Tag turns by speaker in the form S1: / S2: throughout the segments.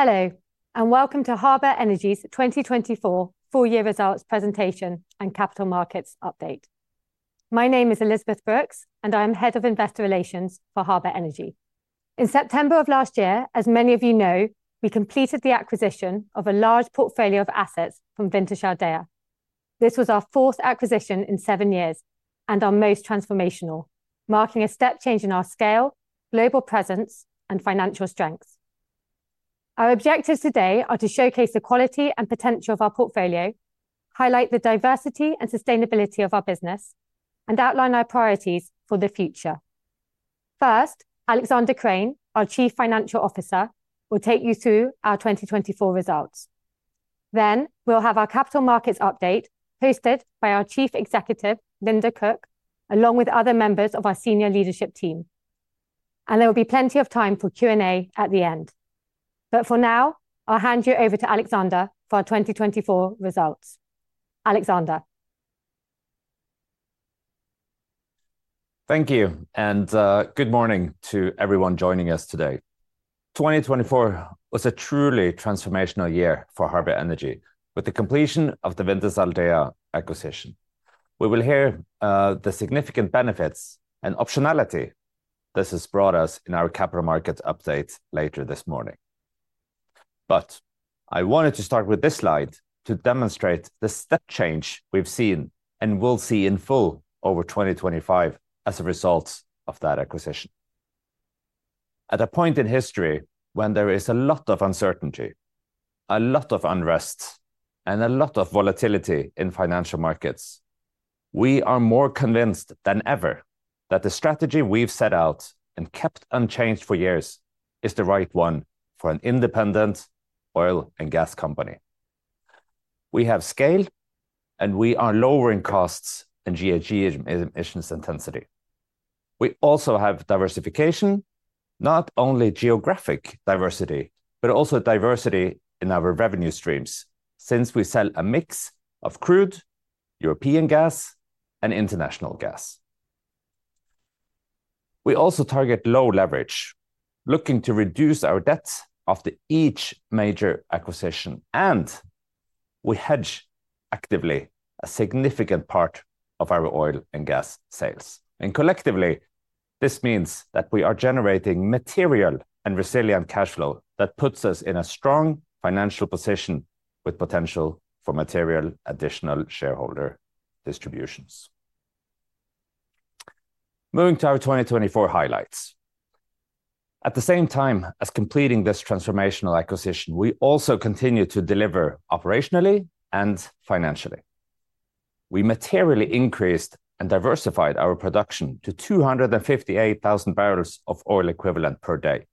S1: Hello, and welcome to Harbour Energy's 2024 full year results presentation and capital markets update. My name is Elizabeth Brooks, and I am Head of Investor Relations for Harbour Energy. In September of last year, as many of you know, we completed the acquisition of a large portfolio of assets from Wintershall Dea. This was our fourth acquisition in seven years and our most transformational, marking a step change in our scale, global presence, and financial strengths. Our objectives today are to showcase the quality and potential of our portfolio, highlight the diversity and sustainability of our business, and outline our priorities for the future. First, Alexander Krane, our Chief Financial Officer, will take you through our 2024 results. Then we'll have our capital markets update hosted by our Chief Executive, Linda Cook, along with other members of our senior leadership team. There will be plenty of time for Q&A at the end. For now, I'll hand you over to Alexander for our 2024 results. Alexander.
S2: Thank you, and good morning to everyone joining us today. 2024 was a truly transformational year for Harbour Energy with the completion of the Wintershall Dea acquisition. We will hear the significant benefits and optionality this has brought us in our capital markets update later this morning. But I wanted to start with this slide to demonstrate the step change we've seen and will see in full over 2025 as a result of that acquisition. At a point in history when there is a lot of uncertainty, a lot of unrest, and a lot of volatility in financial markets, we are more convinced than ever that the strategy we've set out and kept unchanged for years is the right one for an independent oil and gas company. We have scale, and we are lowering costs and GHG emissions intensity. We also have diversification, not only geographic diversity, but also diversity in our revenue streams since we sell a mix of crude, European gas, and international gas. We also target low leverage, looking to reduce our debt after each major acquisition, and we hedge actively a significant part of our oil and gas sales, and collectively, this means that we are generating material and resilient cash flow that puts us in a strong financial position with potential for material additional shareholder distributions. Moving to our 2024 highlights. At the same time as completing this transformational acquisition, we also continue to deliver operationally and financially. We materially increased and diversified our production to 258,000 barrels of oil equivalent per day.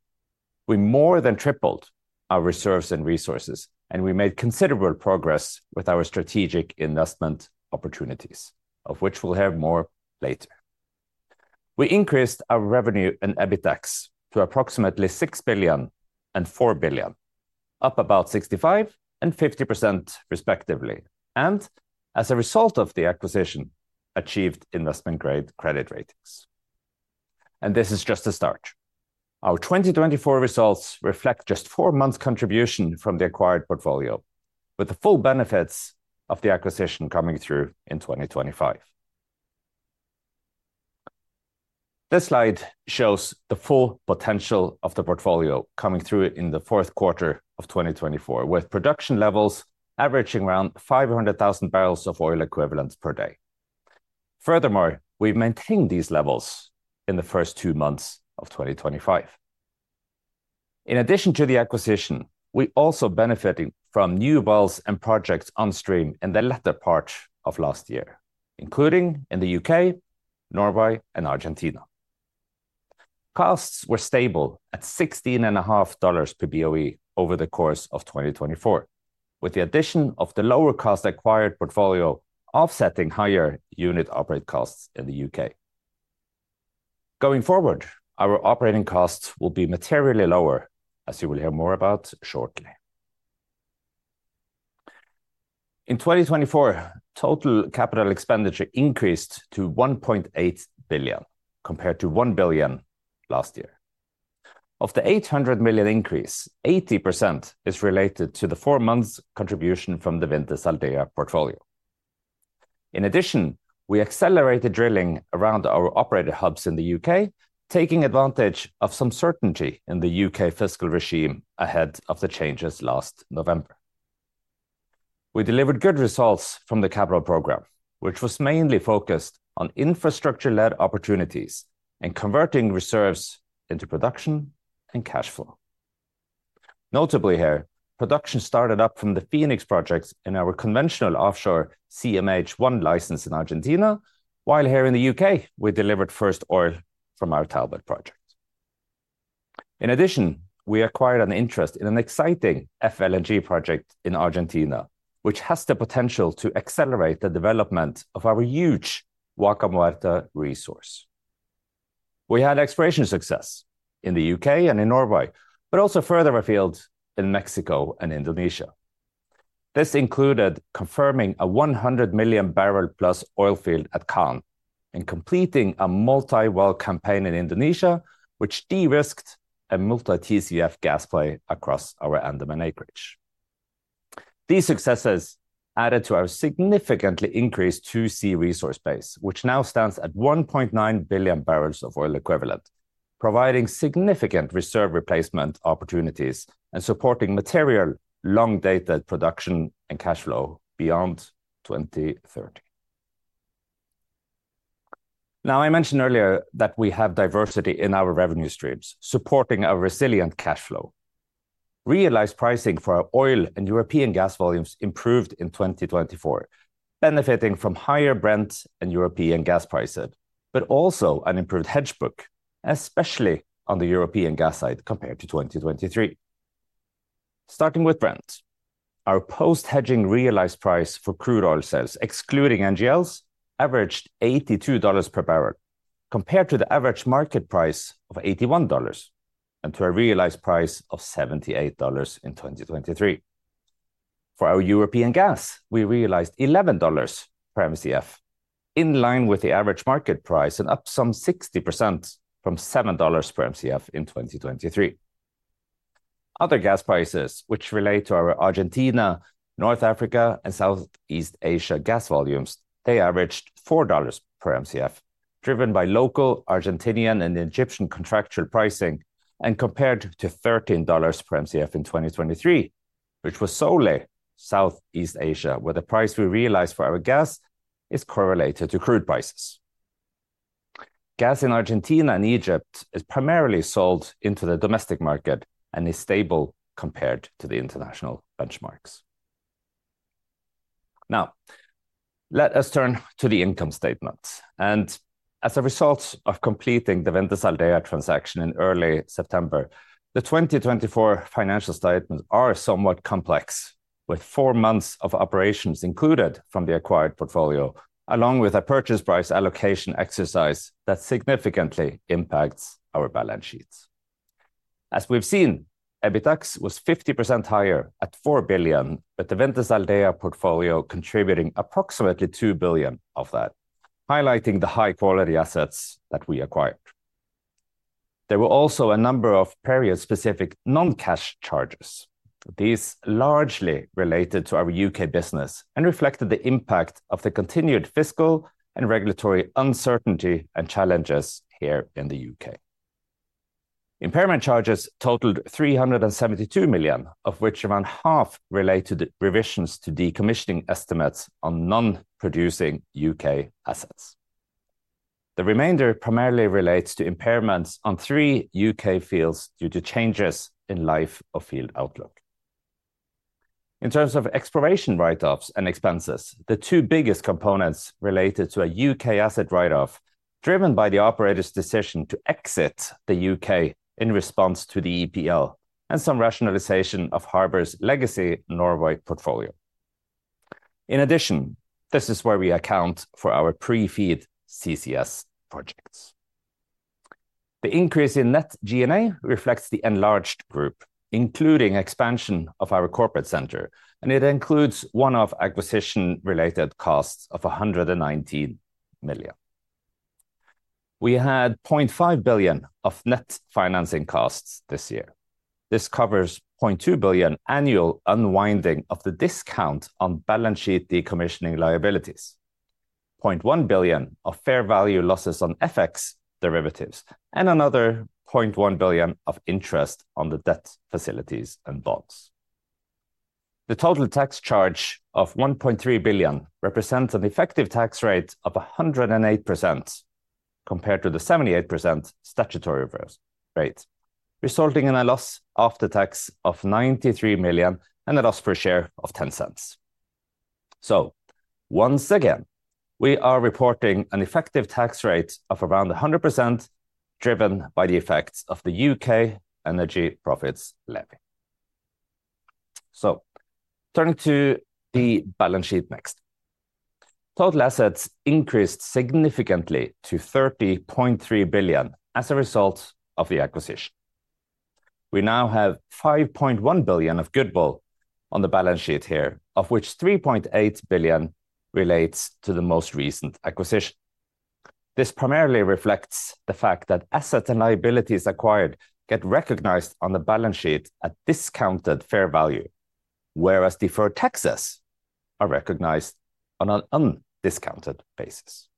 S2: We more than tripled our reserves and resources, and we made considerable progress with our strategic investment opportunities, of which we'll hear more later. We increased our revenue and EBITDA to approximately $6 billion and $4 billion, up about 65% and 50% respectively, and as a result of the acquisition, achieved investment-grade credit ratings. This is just the start. Our 2024 results reflect just four months' contribution from the acquired portfolio, with the full benefits of the acquisition coming through in 2025. This slide shows the full potential of the portfolio coming through in the fourth quarter of 2024, with production levels averaging around 500,000 barrels of oil equivalent per day. Furthermore, we maintained these levels in the first two months of 2025. In addition to the acquisition, we also benefited from new wells and projects on stream in the latter part of last year, including in the UK, Norway, and Argentina. Costs were stable at $16.50 per BOE over the course of 2024, with the addition of the lower-cost acquired portfolio offsetting higher unit operating costs in the UK. Going forward, our operating costs will be materially lower, as you will hear more about shortly. In 2024, total capital expenditure increased to $1.8 billion, compared to $1 billion last year. Of the $800 million increase, 80% is related to the four months' contribution from the Wintershall Dea portfolio. In addition, we accelerated drilling around our operator hubs in the UK, taking advantage of some certainty in the UK fiscal regime ahead of the changes last November. We delivered good results from the capital program, which was mainly focused on infrastructure-led opportunities and converting reserves into production and cash flow. Notably here, production started up from the Fenix project in our conventional offshore CMA-1 license in Argentina, while here in the UK, we delivered first oil from our Talbot project. In addition, we acquired an interest in an exciting FLNG project in Argentina, which has the potential to accelerate the development of our huge Vaca Muerta resource. We had exploration success in the UK and in Norway, but also further afield in Mexico and Indonesia. This included confirming a 100 million barrel plus oil field at Kan and completing a multi-well campaign in Indonesia, which de-risked a multi-TCF gas play across our Andaman acreage. These successes added to our significantly increased 2C resource base, which now stands at 1.9 billion barrels of oil equivalent, providing significant reserve replacement opportunities and supporting material, long-dated production and cash flow beyond 2030. Now, I mentioned earlier that we have diversity in our revenue streams, supporting our resilient cash flow. Realized pricing for our oil and European gas volumes improved in 2024, benefiting from higher Brent and European gas prices, but also an improved hedge book, especially on the European gas side compared to 2023. Starting with Brent, our post-hedging realized price for crude oil sales, excluding NGLs, averaged $82 per barrel, compared to the average market price of $81 and to a realized price of $78 in 2023. For our European gas, we realized $11 per MCF, in line with the average market price and up some 60% from $7 per MCF in 2023. Other gas prices, which relate to our Argentina, North Africa, and Southeast Asia gas volumes, they averaged $4 per MCF, driven by local Argentine and Egyptian contractual pricing and compared to $13 per MCF in 2023, which was solely Southeast Asia, where the price we realized for our gas is correlated to crude prices. Gas in Argentina and Egypt is primarily sold into the domestic market and is stable compared to the international benchmarks. Now, let us turn to the income statements, and as a result of completing the Wintershall Dea transaction in early September, the 2024 financial statements are somewhat complex, with four months of operations included from the acquired portfolio, along with a purchase price allocation exercise that significantly impacts our balance sheets. As we've seen, EBITDA was 50% higher at $4 billion, with the Wintershall Dea portfolio contributing approximately $2 billion of that, highlighting the high-quality assets that we acquired. There were also a number of period-specific non-cash charges. These largely related to our U.K. business and reflected the impact of the continued fiscal and regulatory uncertainty and challenges here in the U.K. Impairment charges totaled $372 million, of which around half related to revisions to decommissioning estimates on non-producing U.K. assets. The remainder primarily relates to impairments on three U.K. fields due to changes in life of field outlook. In terms of exploration write-offs and expenses, the two biggest components related to a U.K. asset write-off, driven by the operator's decision to exit the U.K. in response to the EPL and some rationalization of Harbour's legacy Norway portfolio. In addition, this is where we account for our pre-FEED CCS projects. The increase in net G&A reflects the enlarged group, including expansion of our corporate center, and it includes one-off acquisition-related costs of $119 million. We had $0.5 billion of net financing costs this year. This covers $0.2 billion annual unwinding of the discount on balance sheet decommissioning liabilities, $0.1 billion of fair value losses on FX derivatives, and another $0.1 billion of interest on the debt facilities and bonds. The total tax charge of $1.3 billion represents an effective tax rate of 108% compared to the 78% statutory rate, resulting in a loss after tax of $93 million and a loss per share of $0.10. Once again, we are reporting an effective tax rate of around 100%, driven by the effects of the UK Energy Profits Levy. Turning to the balance sheet next. Total assets increased significantly to $30.3 billion as a result of the acquisition. We now have $5.1 billion of goodwill on the balance sheet here, of which $3.8 billion relates to the most recent acquisition. This primarily reflects the fact that assets and liabilities acquired get recognized on the balance sheet at discounted fair value, whereas deferred taxes are recognized on an undiscounted basis.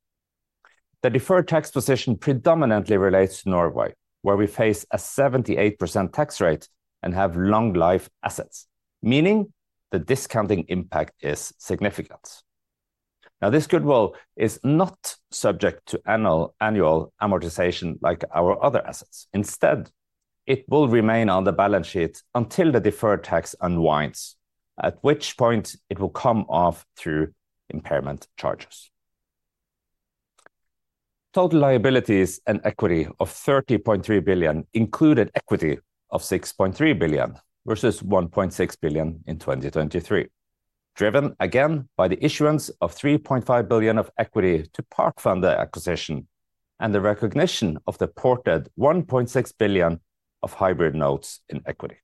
S2: The deferred tax position predominantly relates to Norway, where we face a 78% tax rate and have long-life assets, meaning the discounting impact is significant. Now, this goodwill is not subject to annual amortization like our other assets. Instead, it will remain on the balance sheet until the deferred tax unwinds, at which point it will come off through impairment charges. Total liabilities and equity of $30.3 billion included equity of $6.3 billion versus $1.6 billion in 2023, driven again by the issuance of $3.5 billion of equity to Wintershall Dea acquisition and the recognition of the ported $1.6 billion of hybrid notes in equity.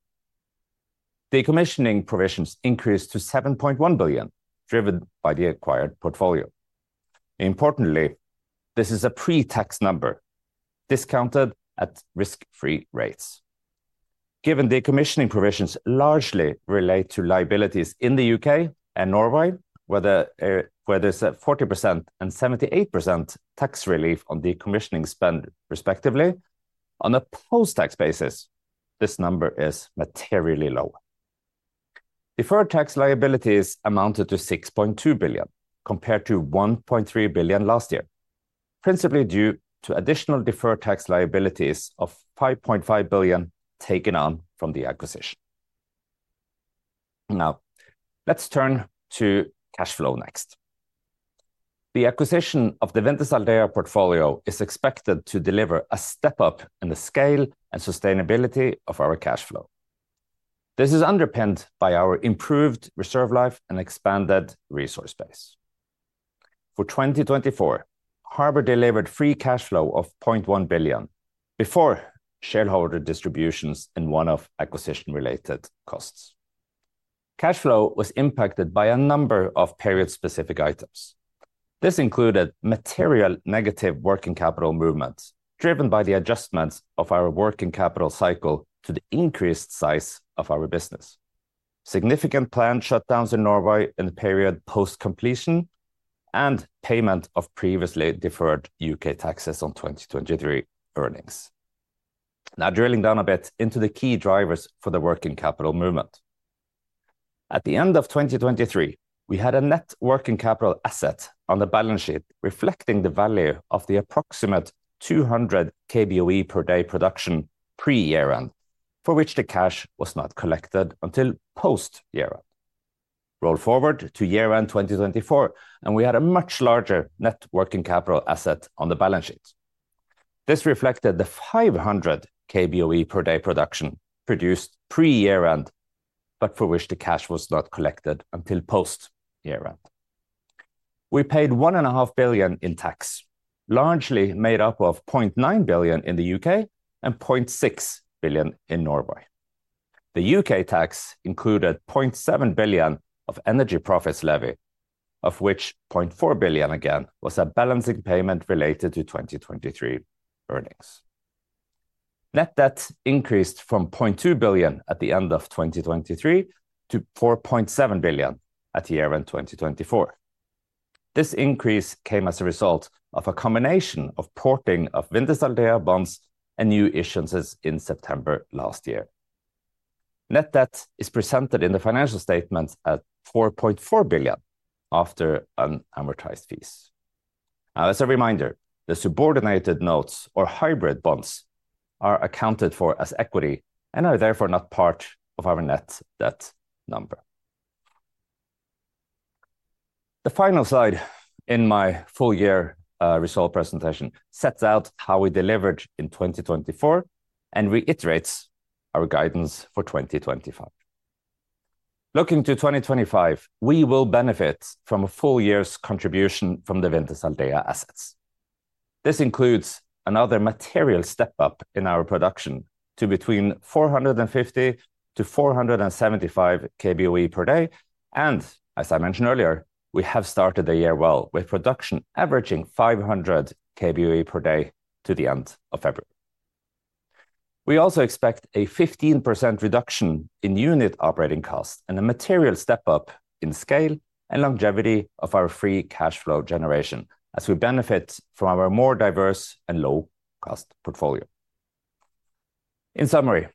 S2: Decommissioning provisions increased to $7.1 billion, driven by the acquired portfolio. Importantly, this is a pre-tax number discounted at risk-free rates. Given decommissioning provisions largely relate to liabilities in the U.K. and Norway, where there's a 40% and 78% tax relief on decommissioning spend respectively, on a post-tax basis, this number is materially lower. Deferred tax liabilities amounted to $6.2 billion, compared to $1.3 billion last year, principally due to additional deferred tax liabilities of $5.5 billion taken on from the acquisition. Now, let's turn to cash flow next. The acquisition of the Wintershall Dea portfolio is expected to deliver a step up in the scale and sustainability of our cash flow. This is underpinned by our improved reserve life and expanded resource base. For 2024, Harbour delivered free cash flow of $0.1 billion before shareholder distributions in one-off acquisition-related costs. Cash flow was impacted by a number of period-specific items. This included material negative working capital movements, driven by the adjustment of our working capital cycle to the increased size of our business, significant planned shutdowns in Norway in the period post-completion, and payment of previously deferred U.K. taxes on 2023 earnings. Now, drilling down a bit into the key drivers for the working capital movement. At the end of 2023, we had a net working capital asset on the balance sheet reflecting the value of the approximate 200 KBOE per day production pre-year-end, for which the cash was not collected until post-year-end. Roll forward to year-end 2024, and we had a much larger net working capital asset on the balance sheet. This reflected the 500 KBOE per day production produced pre-year-end, but for which the cash was not collected until post-year-end. We paid $1.5 billion in tax, largely made up of $0.9 billion in the UK and $0.6 billion in Norway. The UK tax included $0.7 billion of Energy Profits Levy, of which $0.4 billion again was a balancing payment related to 2023 earnings. Net debt increased from $0.2 billion at the end of 2023 to $4.7 billion at year-end 2024. This increase came as a result of a combination of porting of Wintershall Dea bonds and new issuances in September last year. Net debt is presented in the financial statements at $4.4 billion after amortized fees. Now, as a reminder, the subordinated notes, or hybrid bonds, are accounted for as equity and are therefore not part of our net debt number. The final slide in my full-year result presentation sets out how we delivered in 2024 and reiterates our guidance for 2025. Looking to 2025, we will benefit from a full year's contribution from the Wintershall Dea assets. This includes another material step up in our production to between 450 to 475 KBOE per day. As I mentioned earlier, we have started the year well with production averaging 500 KBOE per day to the end of February. We also expect a 15% reduction in unit operating costs and a material step up in scale and longevity of our free cash flow generation as we benefit from our more diverse and low-cost portfolio. In summary,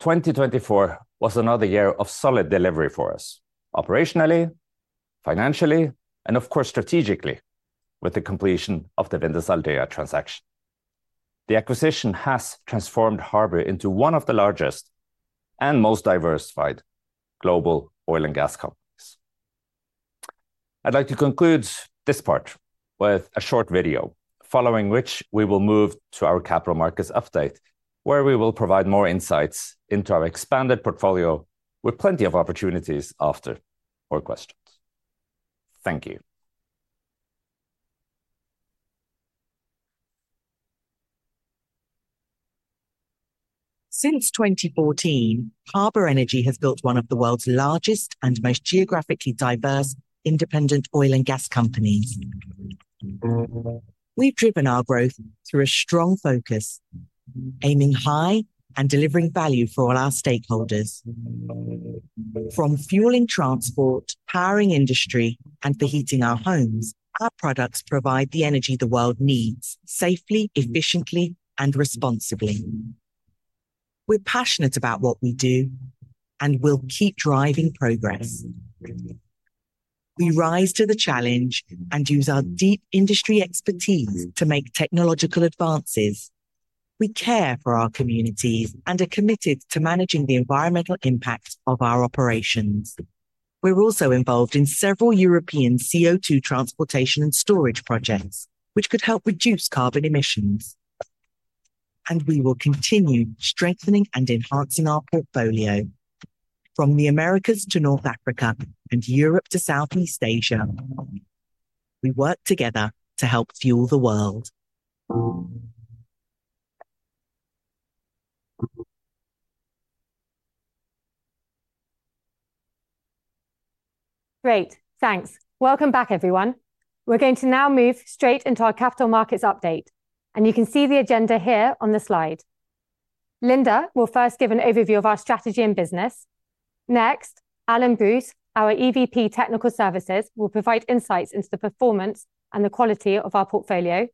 S2: 2024 was another year of solid delivery for us, operationally, financially, and of course, strategically, with the completion of the Wintershall Dea transaction. The acquisition has transformed Harbour into one of the largest and most diversified global oil and gas companies. I'd like to conclude this part with a short video, following which we will move to our capital markets update, where we will provide more insights into our expanded portfolio with plenty of opportunities after or questions. Thank you. Since 2014, Harbour Energy has built one of the world's largest and most geographically diverse independent oil and gas companies. We've driven our growth through a strong focus, aiming high and delivering value for all our stakeholders. From fueling transport, powering industry, and heating our homes, our products provide the energy the world needs safely, efficiently, and responsibly. We're passionate about what we do and will keep driving progress. We rise to the challenge and use our deep industry expertise to make technological advances. We care for our communities and are committed to managing the environmental impact of our operations. We're also involved in several European CO2 transportation and storage projects, which could help reduce carbon emissions, and we will continue strengthening and enhancing our portfolio. From the Americas to North Africa and Europe to Southeast Asia, we work together to help fuel the world.
S1: Great, thanks. Welcome back, everyone. We're going to now move straight into our capital markets update, and you can see the agenda here on the slide. Linda will first give an overview of our strategy and business. Next, Alan Bruce, our EVP Technical Services, will provide insights into the performance and the quality of our portfolio.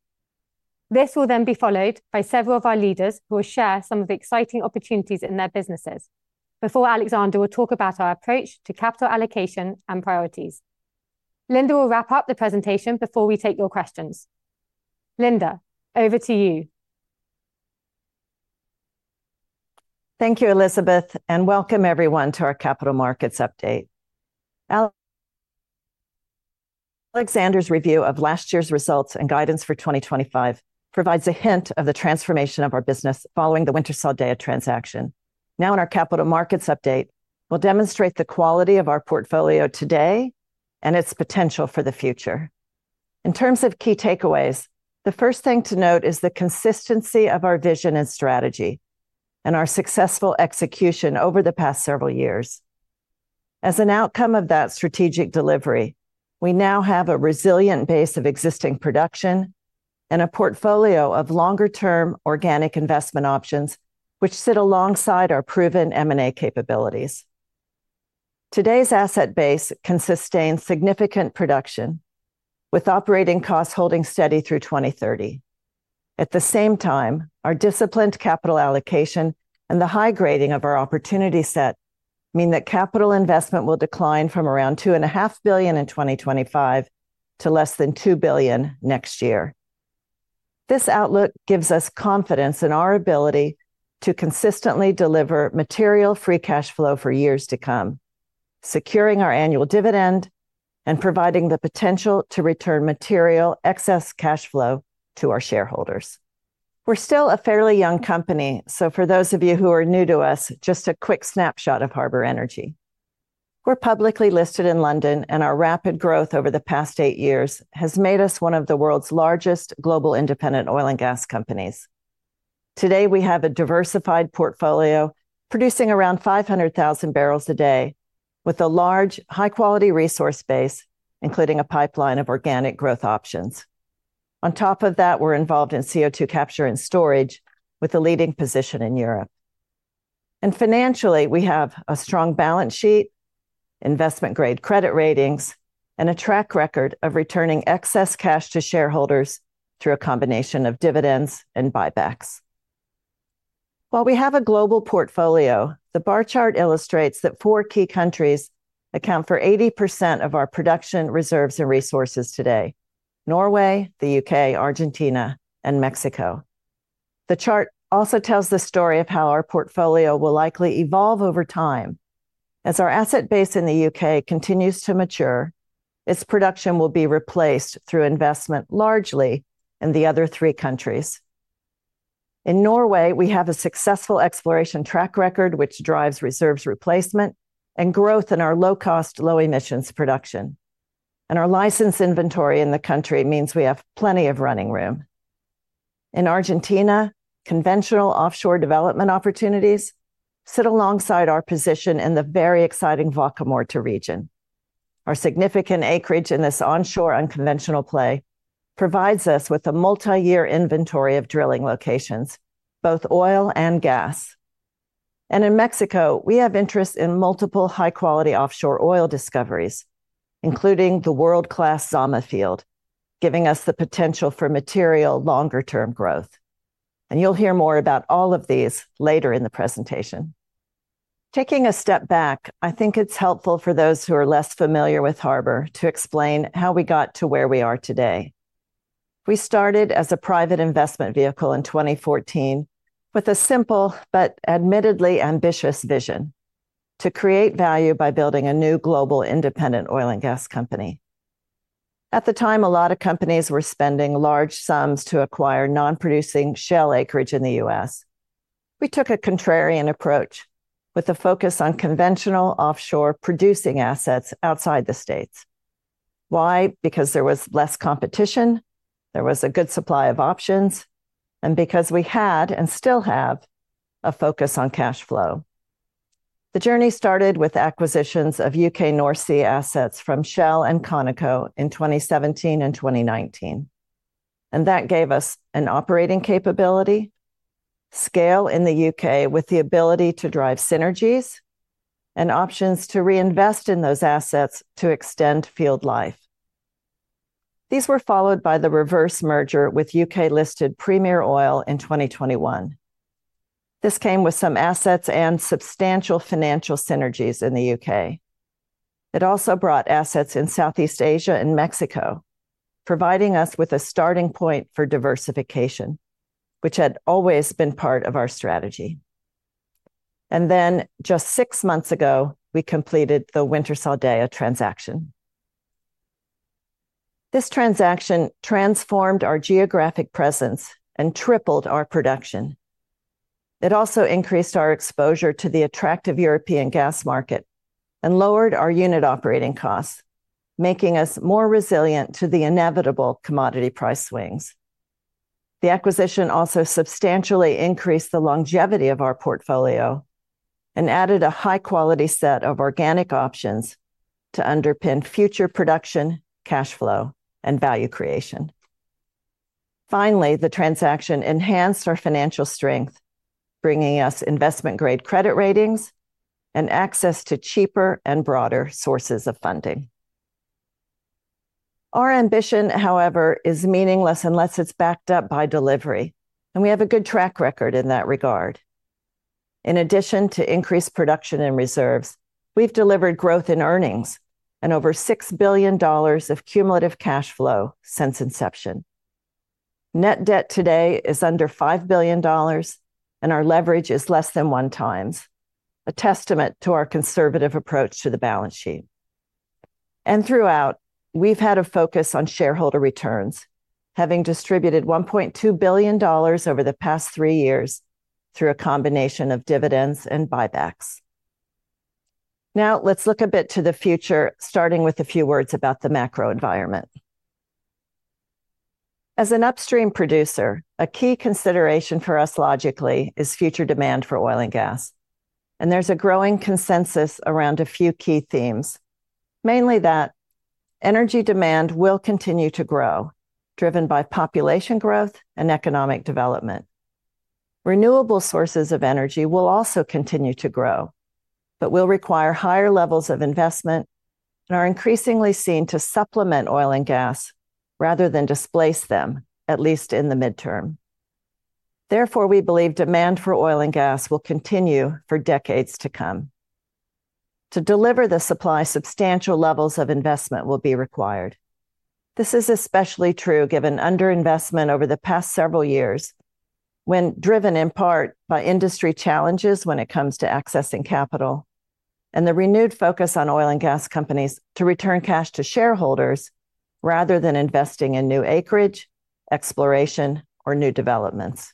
S1: This will then be followed by several of our leaders who will share some of the exciting opportunities in their businesses. Before Alexander will talk about our approach to capital allocation and priorities, Linda will wrap up the presentation before we take your questions. Linda, over to you.
S3: Thank you, Elizabeth, and welcome everyone to our capital markets update. Alexander's review of last year's results and guidance for 2025 provides a hint of the transformation of our business following the Wintershall Dea transaction. Now, in our capital markets update, we'll demonstrate the quality of our portfolio today and its potential for the future. In terms of key takeaways, the first thing to note is the consistency of our vision and strategy and our successful execution over the past several years. As an outcome of that strategic delivery, we now have a resilient base of existing production and a portfolio of longer-term organic investment options, which sit alongside our proven M&A capabilities. Today's asset base can sustain significant production, with operating costs holding steady through 2030. At the same time, our disciplined capital allocation and the high grading of our opportunity set mean that capital investment will decline from around $2.5 billion in 2025 to less than $2 billion next year. This outlook gives us confidence in our ability to consistently deliver material free cash flow for years to come, securing our annual dividend and providing the potential to return material excess cash flow to our shareholders. We're still a fairly young company, so for those of you who are new to us, just a quick snapshot of Harbour Energy. We're publicly listed in London, and our rapid growth over the past eight years has made us one of the world's largest global independent oil and gas companies. Today, we have a diversified portfolio producing around 500,000 barrels a day, with a large, high-quality resource base, including a pipeline of organic growth options. On top of that, we're involved in CO2 capture and storage, with a leading position in Europe. Financially, we have a strong balance sheet, investment-grade credit ratings, and a track record of returning excess cash to shareholders through a combination of dividends and buybacks. While we have a global portfolio, the bar chart illustrates that four key countries account for 80% of our production, reserves, and resources today: Norway, the U.K., Argentina, and Mexico. The chart also tells the story of how our portfolio will likely evolve over time. As our asset base in the U.K. continues to mature, its production will be replaced through investment largely in the other three countries. In Norway, we have a successful exploration track record, which drives reserves replacement and growth in our low-cost, low-emissions production. Our licensed inventory in the country means we have plenty of running room. In Argentina, conventional offshore development opportunities sit alongside our position in the very exciting Vaca Muerta region. Our significant acreage in this onshore unconventional play provides us with a multi-year inventory of drilling locations, both oil and gas. And in Mexico, we have interest in multiple high-quality offshore oil discoveries, including the world-class Zama field, giving us the potential for material longer-term growth. And you'll hear more about all of these later in the presentation. Taking a step back, I think it's helpful for those who are less familiar with Harbour to explain how we got to where we are today. We started as a private investment vehicle in 2014 with a simple, but admittedly ambitious vision: to create value by building a new global independent oil and gas company. At the time, a lot of companies were spending large sums to acquire non-producing shale acreage in the U.S. We took a contrarian approach with a focus on conventional offshore producing assets outside the States. Why? Because there was less competition, there was a good supply of options, and because we had and still have a focus on cash flow. The journey started with acquisitions of UK North Sea assets from Shell and ConocoPhillips in 2017 and 2019, and that gave us an operating capability, scale in the UK with the ability to drive synergies, and options to reinvest in those assets to extend field life. These were followed by the reverse merger with UK-listed Premier Oil in 2021. This came with some assets and substantial financial synergies in the UK. It also brought assets in Southeast Asia and Mexico, providing us with a starting point for diversification, which had always been part of our strategy, and then, just six months ago, we completed the Wintershall Dea transaction. This transaction transformed our geographic presence and tripled our production. It also increased our exposure to the attractive European gas market and lowered our unit operating costs, making us more resilient to the inevitable commodity price swings. The acquisition also substantially increased the longevity of our portfolio and added a high-quality set of organic options to underpin future production, cash flow, and value creation. Finally, the transaction enhanced our financial strength, bringing us investment-grade credit ratings and access to cheaper and broader sources of funding. Our ambition, however, is meaningless unless it's backed up by delivery, and we have a good track record in that regard. In addition to increased production and reserves, we've delivered growth in earnings and over $6 billion of cumulative cash flow since inception. Net debt today is under $5 billion, and our leverage is less than one times, a testament to our conservative approach to the balance sheet. Throughout, we've had a focus on shareholder returns, having distributed $1.2 billion over the past three years through a combination of dividends and buybacks. Now, let's look a bit to the future, starting with a few words about the macro environment. As an upstream producer, a key consideration for us logically is future demand for oil and gas. There's a growing consensus around a few key themes, mainly that energy demand will continue to grow, driven by population growth and economic development. Renewable sources of energy will also continue to grow, but will require higher levels of investment and are increasingly seen to supplement oil and gas rather than displace them, at least in the midterm. Therefore, we believe demand for oil and gas will continue for decades to come. To deliver the supply, substantial levels of investment will be required. This is especially true given underinvestment over the past several years, when driven in part by industry challenges when it comes to accessing capital, and the renewed focus on oil and gas companies to return cash to shareholders rather than investing in new acreage, exploration, or new developments.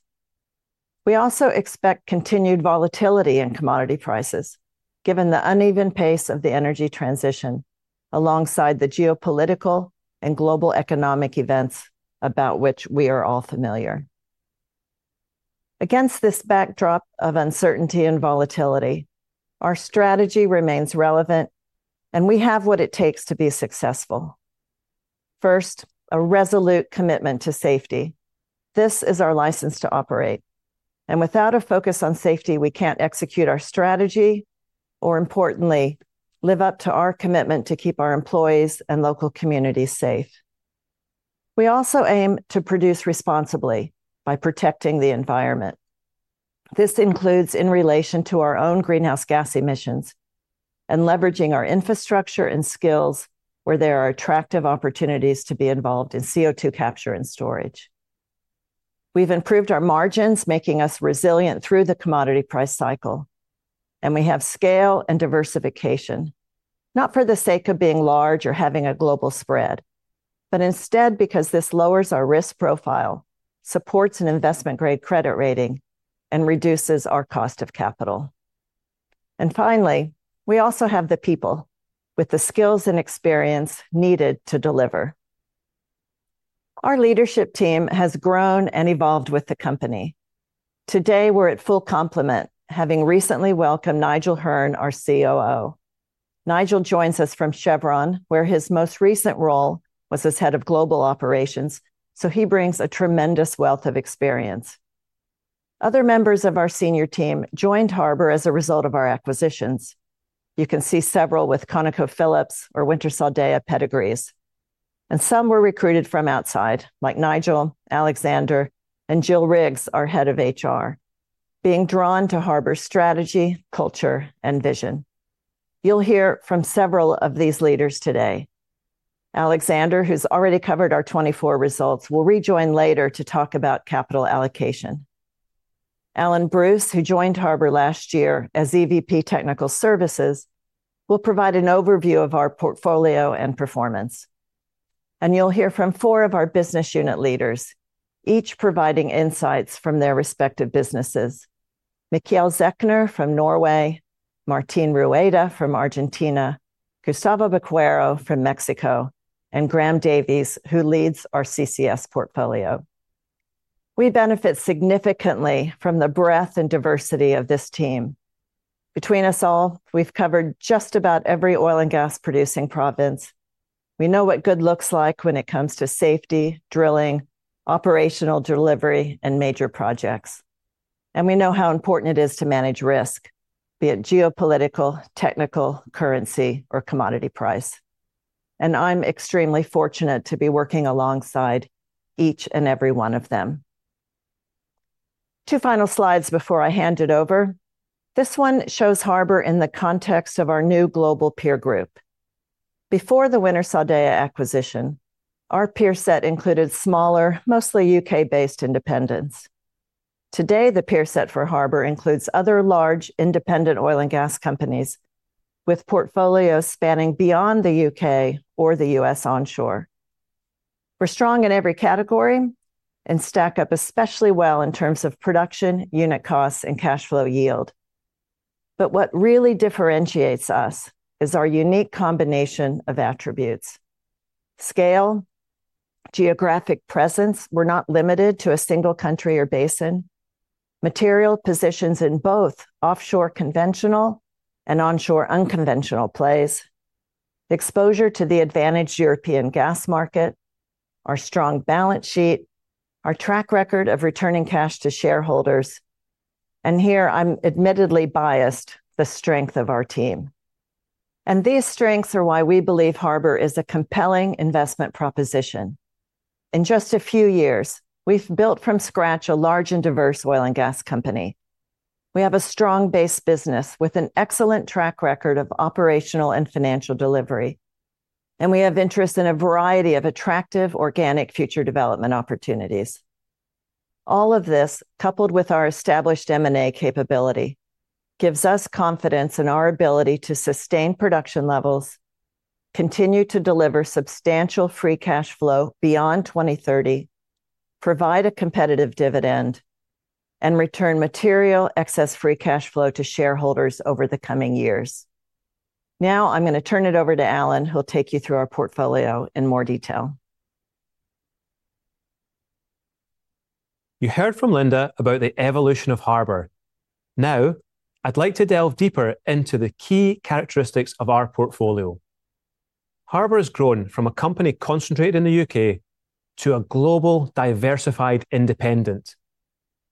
S3: We also expect continued volatility in commodity prices, given the uneven pace of the energy transition alongside the geopolitical and global economic events about which we are all familiar. Against this backdrop of uncertainty and volatility, our strategy remains relevant, and we have what it takes to be successful. First, a resolute commitment to safety. This is our license to operate. And without a focus on safety, we can't execute our strategy or, importantly, live up to our commitment to keep our employees and local communities safe. We also aim to produce responsibly by protecting the environment. This includes in relation to our own greenhouse gas emissions and leveraging our infrastructure and skills where there are attractive opportunities to be involved in CO2 capture and storage. We've improved our margins, making us resilient through the commodity price cycle, and we have scale and diversification, not for the sake of being large or having a global spread, but instead because this lowers our risk profile, supports an investment-grade credit rating, and reduces our cost of capital. And finally, we also have the people with the skills and experience needed to deliver. Our leadership team has grown and evolved with the company. Today, we're at full complement, having recently welcomed Nigel Hearne, our COO. Nigel joins us from Chevron, where his most recent role was as head of global operations, so he brings a tremendous wealth of experience. Other members of our senior team joined Harbour as a result of our acquisitions. You can see several with ConocoPhillips or Wintershall Dea pedigrees, and some were recruited from outside, like Nigel, Alexander, and Gill Riggs, our head of HR, being drawn to Harbour's strategy, culture, and vision. You'll hear from several of these leaders today. Alexander, who's already covered our 2024 results, will rejoin later to talk about capital allocation. Alan Bruce, who joined Harbour last year as EVP Technical Services, will provide an overview of our portfolio and performance, and you'll hear from four of our business unit leaders, each providing insights from their respective businesses: Michael Zechner from Norway, Martin Rueda from Argentina, Gustavo Baquero from Mexico, and Graeme Davies, who leads our CCS portfolio. We benefit significantly from the breadth and diversity of this team. Between us all, we've covered just about every oil and gas producing province. We know what good looks like when it comes to safety, drilling, operational delivery, and major projects. And we know how important it is to manage risk, be it geopolitical, technical, currency, or commodity price. And I'm extremely fortunate to be working alongside each and every one of them. Two final slides before I hand it over. This one shows Harbour in the context of our new global peer group. Before the Wintershall Dea acquisition, our peer set included smaller, mostly UK-based independents. Today, the peer set for Harbour includes other large independent oil and gas companies with portfolios spanning beyond the UK or the U.S. onshore. We're strong in every category and stack up especially well in terms of production, unit costs, and cash flow yield. But what really differentiates us is our unique combination of attributes: scale, geographic presence. We're not limited to a single country or basin. Material positions in both offshore conventional and onshore unconventional plays. Exposure to the advantaged European gas market, our strong balance sheet, our track record of returning cash to shareholders. And here, I'm admittedly biased: the strength of our team. And these strengths are why we believe Harbour is a compelling investment proposition. In just a few years, we've built from scratch a large and diverse oil and gas company. We have a strong base business with an excellent track record of operational and financial delivery, and we have interest in a variety of attractive organic future development opportunities. All of this, coupled with our established M&A capability, gives us confidence in our ability to sustain production levels, continue to deliver substantial free cash flow beyond 2030, provide a competitive dividend, and return material excess free cash flow to shareholders over the coming years. Now, I'm going to turn it over to Alan, who'll take you through our portfolio in more detail.
S4: You heard from Linda about the evolution of Harbour. Now, I'd like to delve deeper into the key characteristics of our portfolio. Harbour has grown from a company concentrated in the U.K. to a global, diversified independent.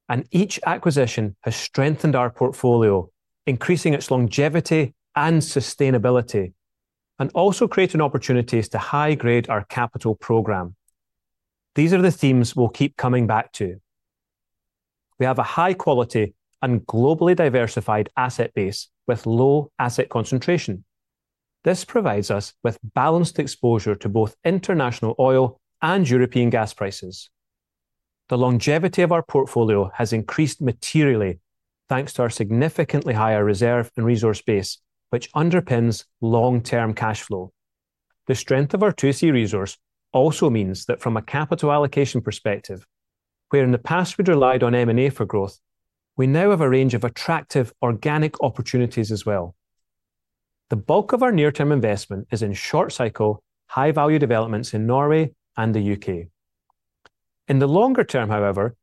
S4: And each acquisition has strengthened our portfolio, increasing its longevity and sustainability, and also creating opportunities to high-grade our capital program. These are the themes we'll keep coming back to. We have a high-quality and globally diversified asset base with low asset concentration. This provides us with balanced exposure to both international oil and European gas prices. The longevity of our portfolio has increased materially thanks to our significantly higher reserve and resource base, which underpins long-term cash flow. The strength of our 2C resource also means that from a capital allocation perspective, where in the past we relied on M&A for growth, we now have a range of attractive organic opportunities as well. The bulk of our near-term investment is in short-cycle, high-value developments in Norway and the UK. In the longer term, however,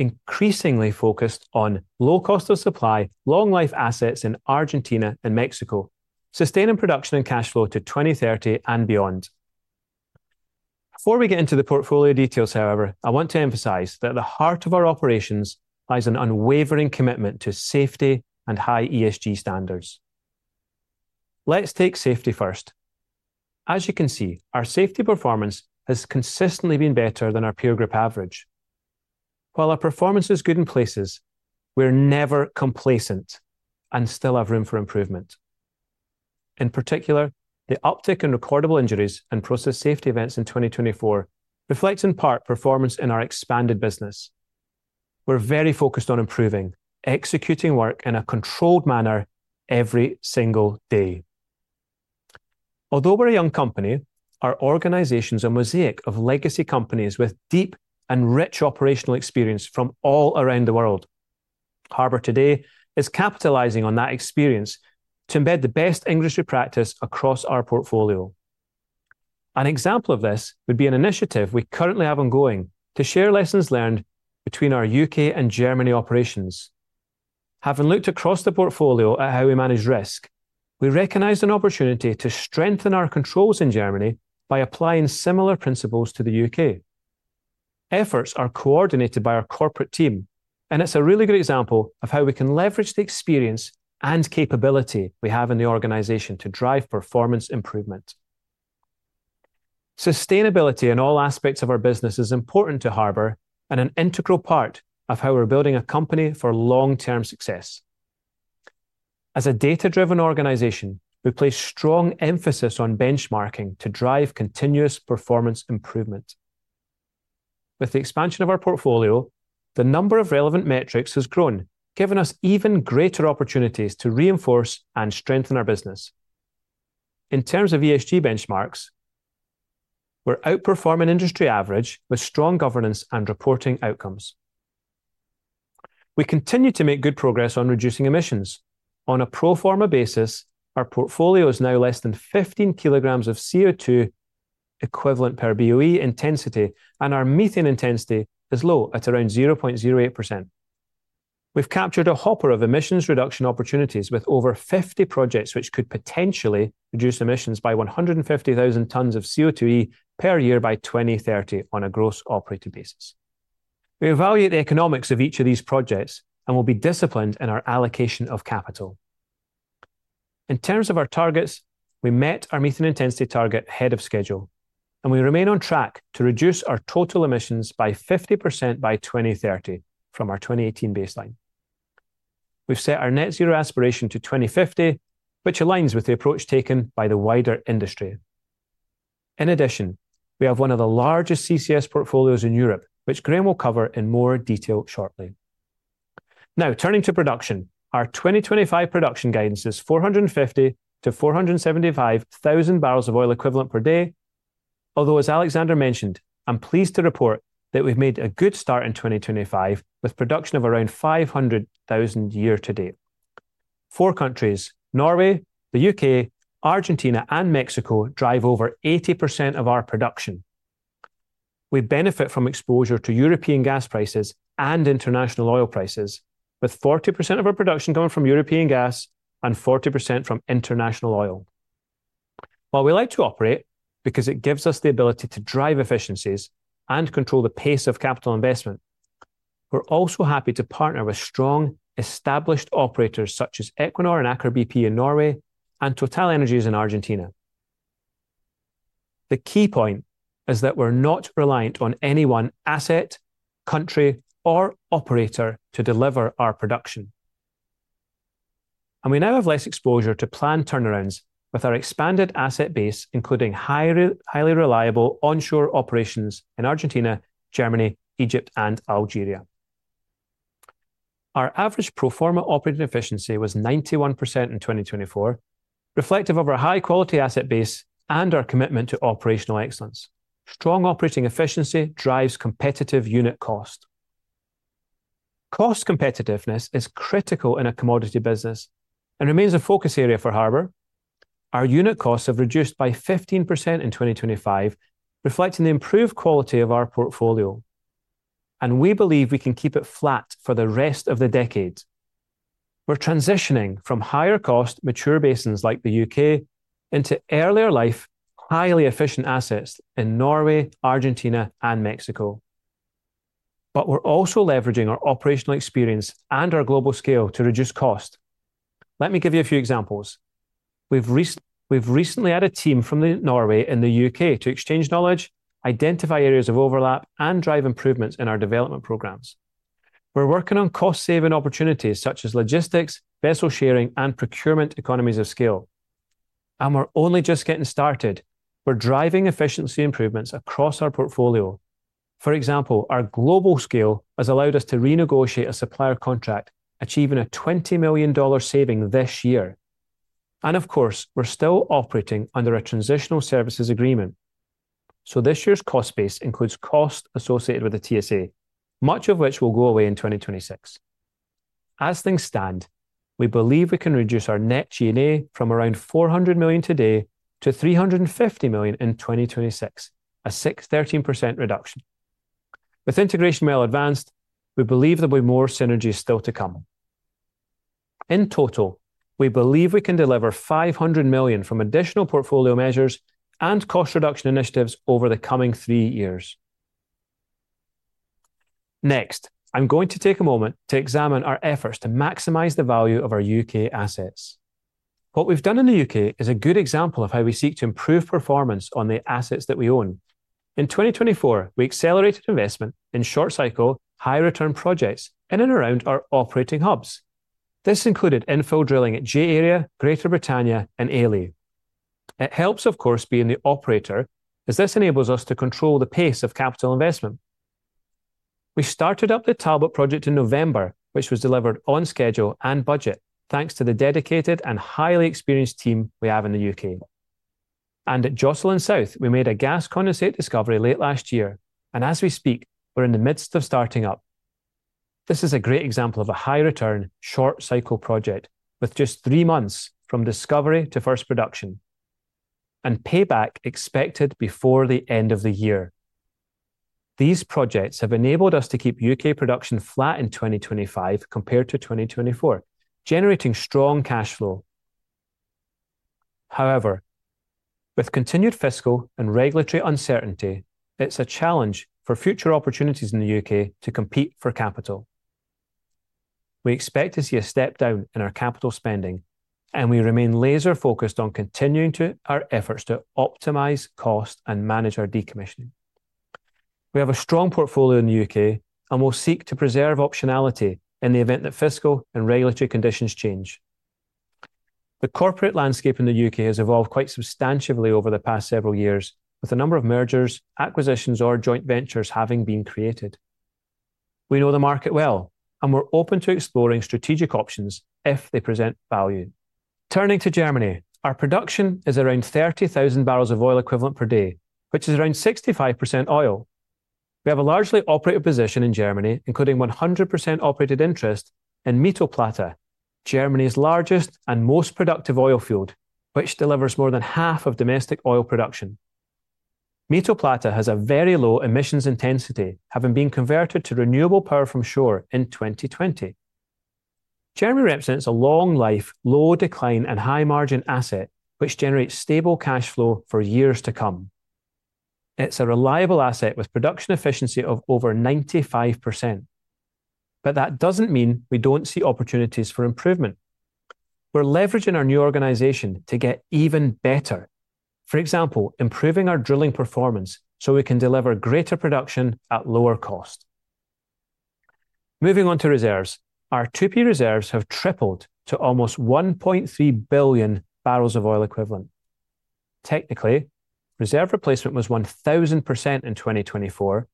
S4: increasingly focused on low-cost-of-supply, long-life assets in Argentina and Mexico, sustaining production and cash flow to 2030 and beyond. Before we get into the portfolio details, however, I want to emphasize that at the heart of our operations lies an unwavering commitment to safety and high ESG standards. Let's take safety first. As you can see, our safety performance has consistently been better than our peer group average. While our performance is good in places, we're never complacent and still have room for improvement. In particular, the uptick in recordable injuries and process safety events in 2024 reflects in part performance in our expanded business. We're very focused on improving, executing work in a controlled manner every single day. Although we're a young company, our organization is a mosaic of legacy companies with deep and rich operational experience from all around the world. Harbour today is capitalizing on that experience to embed the best industry practice across our portfolio. An example of this would be an initiative we currently have ongoing to share lessons learned between our UK and Germany operations. Having looked across the portfolio at how we manage risk, we recognized an opportunity to strengthen our controls in Germany by applying similar principles to the UK. Efforts are coordinated by our corporate team, and it's a really good example of how we can leverage the experience and capability we have in the organization to drive performance improvement. Sustainability in all aspects of our business is important to Harbour and an integral part of how we're building a company for long-term success. As a data-driven organization, we place strong emphasis on benchmarking to drive continuous performance improvement. With the expansion of our portfolio, the number of relevant metrics has grown, giving us even greater opportunities to reinforce and strengthen our business. In terms of ESG benchmarks, we're outperforming industry average with strong governance and reporting outcomes. We continue to make good progress on reducing emissions. On a pro forma basis, our portfolio is now less than 15 kilograms of CO2 equivalent per BOE intensity, and our methane intensity is low at around 0.08%. We've captured a host of emissions reduction opportunities with over 50 projects which could potentially reduce emissions by 150,000 tons of CO2e per year by 2030 on a gross operating basis. We evaluate the economics of each of these projects and will be disciplined in our allocation of capital. In terms of our targets, we met our methane intensity target ahead of schedule, and we remain on track to reduce our total emissions by 50% by 2030 from our 2018 baseline. We've set our net zero aspiration to 2050, which aligns with the approach taken by the wider industry. In addition, we have one of the largest CCS portfolios in Europe, which Graeme will cover in more detail shortly. Now, turning to production, our 2025 production guidance is 450,000-475,000 barrels of oil equivalent per day. Although, as Alexander mentioned, I'm pleased to report that we've made a good start in 2025 with production of around 500,000 year to date. Four countries, Norway, the UK, Argentina, and Mexico, drive over 80% of our production. We benefit from exposure to European gas prices and international oil prices, with 40% of our production coming from European gas and 40% from international oil. While we like to operate because it gives us the ability to drive efficiencies and control the pace of capital investment, we're also happy to partner with strong, established operators such as Equinor and Aker BP in Norway and TotalEnergies in Argentina. The key point is that we're not reliant on any one asset, country, or operator to deliver our production. We now have less exposure to planned turnarounds with our expanded asset base, including highly reliable onshore operations in Argentina, Germany, Egypt, and Algeria. Our average pro forma operating efficiency was 91% in 2024, reflective of our high-quality asset base and our commitment to operational excellence. Strong operating efficiency drives competitive unit cost. Cost competitiveness is critical in a commodity business and remains a focus area for Harbour. Our unit costs have reduced by 15% in 2025, reflecting the improved quality of our portfolio. We believe we can keep it flat for the rest of the decade. We're transitioning from higher-cost mature basins like the UK into earlier-life, highly efficient assets in Norway, Argentina, and Mexico. We're also leveraging our operational experience and our global scale to reduce cost. Let me give you a few examples. We've recently had a team from Norway and the UK to exchange knowledge, identify areas of overlap, and drive improvements in our development programs. We're working on cost-saving opportunities such as logistics, vessel sharing, and procurement economies of scale. And we're only just getting started. We're driving efficiency improvements across our portfolio. For example, our global scale has allowed us to renegotiate a supplier contract, achieving a $20 million saving this year. And of course, we're still operating under a transitional services agreement. So this year's cost base includes costs associated with the TSA, much of which will go away in 2026. As things stand, we believe we can reduce our net G&A from around $400 million today to $350 million in 2026, a 13% reduction. With integration well advanced, we believe there will be more synergies still to come. In total, we believe we can deliver $500 million from additional portfolio measures and cost reduction initiatives over the coming three years. Next, I'm going to take a moment to examine our efforts to maximize the value of our UK assets. What we've done in the UK is a good example of how we seek to improve performance on the assets that we own. In 2024, we accelerated investment in short-cycle, high-return projects in and around our operating hubs. This included infill drilling at J-Area, Greater Britannia, and AELE. It helps, of course, being the operator, as this enables us to control the pace of capital investment. We started up the Talbot project in November, which was delivered on schedule and budget, thanks to the dedicated and highly experienced team we have in the UK. And at Jasmine South, we made a gas condensate discovery late last year. As we speak, we're in the midst of starting up. This is a great example of a high-return, short-cycle project, with just three months from discovery to first production, and payback expected before the end of the year. These projects have enabled us to keep UK production flat in 2025 compared to 2024, generating strong cash flow. However, with continued fiscal and regulatory uncertainty, it's a challenge for future opportunities in the UK to compete for capital. We expect to see a step down in our capital spending, and we remain laser-focused on continuing our efforts to optimize cost and manage our decommissioning. We have a strong portfolio in the UK, and we'll seek to preserve optionality in the event that fiscal and regulatory conditions change. The corporate landscape in the UK has evolved quite substantially over the past several years, with a number of mergers, acquisitions, or joint ventures having been created. We know the market well, and we're open to exploring strategic options if they present value. Turning to Germany, our production is around 30,000 barrels of oil equivalent per day, which is around 65% oil. We have a largely operated position in Germany, including 100% operated interest in Mittelplate, Germany's largest and most productive oil field, which delivers more than half of domestic oil production. Mittelplate has a very low emissions intensity, having been converted to renewable power from shore in 2020. Germany represents a long-life, low-decline, and high-margin asset, which generates stable cash flow for years to come. It's a reliable asset with production efficiency of over 95%. But that doesn't mean we don't see opportunities for improvement. We're leveraging our new organization to get even better. For example, improving our drilling performance so we can deliver greater production at lower cost. Moving on to reserves, our 2P reserves have tripled to almost 1.3 billion barrels of oil equivalent. Technically, reserve replacement was 1,000% in 2024,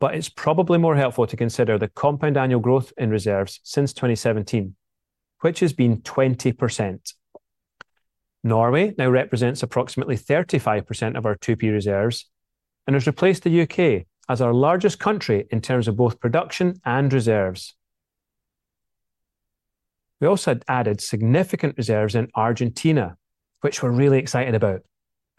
S4: but it's probably more helpful to consider the compound annual growth in reserves since 2017, which has been 20%. Norway now represents approximately 35% of our 2P reserves and has replaced the UK as our largest country in terms of both production and reserves. We also had added significant reserves in Argentina, which we're really excited about,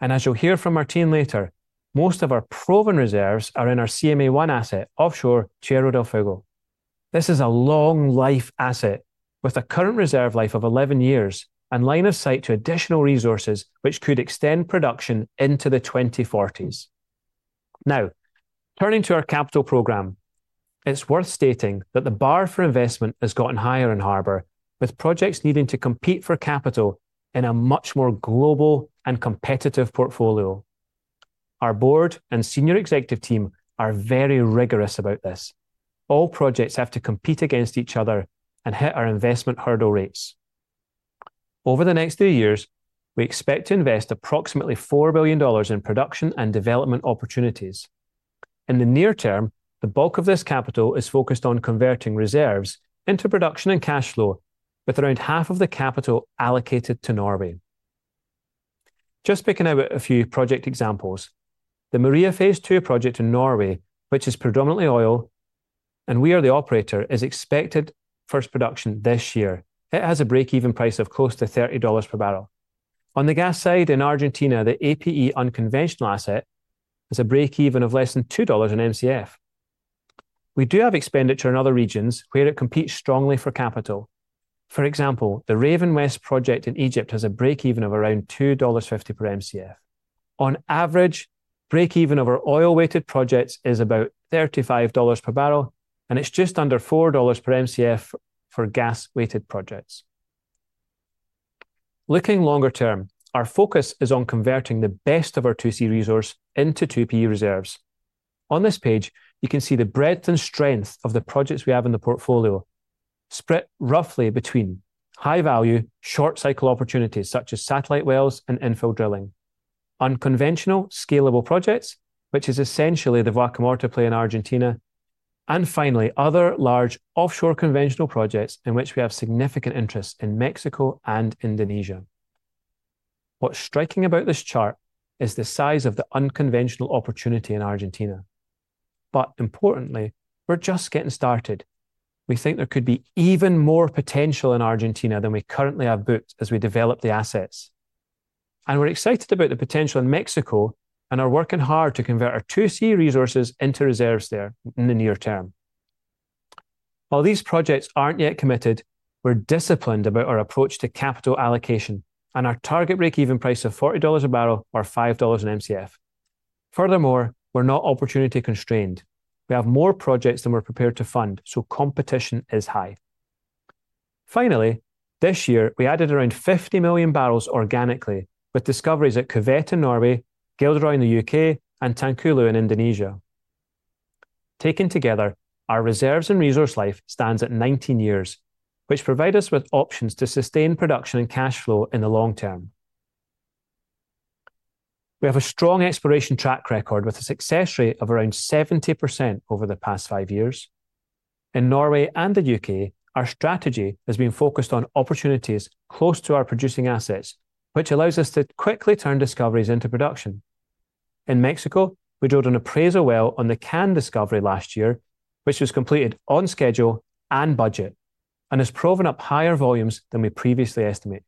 S4: and as you'll hear from our team later, most of our proven reserves are in our CMA-1 asset offshore Tierra del Fuego. This is a long-life asset with a current reserve life of 11 years and line of sight to additional resources which could extend production into the 2040s. Now, turning to our capital program, it's worth stating that the bar for investment has gotten higher in Harbour, with projects needing to compete for capital in a much more global and competitive portfolio. Our board and senior executive team are very rigorous about this. All projects have to compete against each other and hit our investment hurdle rates. Over the next three years, we expect to invest approximately $4 billion in production and development opportunities. In the near term, the bulk of this capital is focused on converting reserves into production and cash flow, with around half of the capital allocated to Norway. Just picking out a few project examples, the Maria Phase 2 project in Norway, which is predominantly oil, and we are the operator, is expected first production this year. It has a break-even price of close to $30 per barrel. On the gas side in Argentina, the APE unconventional asset has a break-even of less than $2 an MCF. We do have expenditure in other regions where it competes strongly for capital. For example, the Raven project in Egypt has a break-even of around $2.50 per MCF. On average, break-even of our oil-weighted projects is about $35 per barrel, and it's just under $4 per MCF for gas-weighted projects. Looking longer term, our focus is on converting the best of our 2C resource into 2P reserves. On this page, you can see the breadth and strength of the projects we have in the portfolio, split roughly between high-value, short-cycle opportunities such as satellite wells and infill drilling, unconventional scalable projects, which is essentially the Vaca Muerta play in Argentina, and finally, other large offshore conventional projects in which we have significant interest in Mexico and Indonesia. What's striking about this chart is the size of the unconventional opportunity in Argentina, but importantly, we're just getting started. We think there could be even more potential in Argentina than we currently have booked as we develop the assets, and we're excited about the potential in Mexico and are working hard to convert our 2C resources into reserves there in the near term. While these projects aren't yet committed, we're disciplined about our approach to capital allocation and our target break-even price of $40 a barrel or $5 an MCF. Furthermore, we're not opportunity constrained. We have more projects than we're prepared to fund, so competition is high. Finally, this year, we added around 50 million barrels organically, with discoveries at Kveikje in Norway, Gilderoy in the U.K., and Tangkulo in Indonesia. Taken together, our reserves and resource life stands at 19 years, which provide us with options to sustain production and cash flow in the long term. We have a strong exploration track record with a success rate of around 70% over the past five years. In Norway and the U.K., our strategy has been focused on opportunities close to our producing assets, which allows us to quickly turn discoveries into production. In Mexico, we drilled an appraisal well on the Kan discovery last year, which was completed on schedule and budget and has proven up higher volumes than we previously estimated.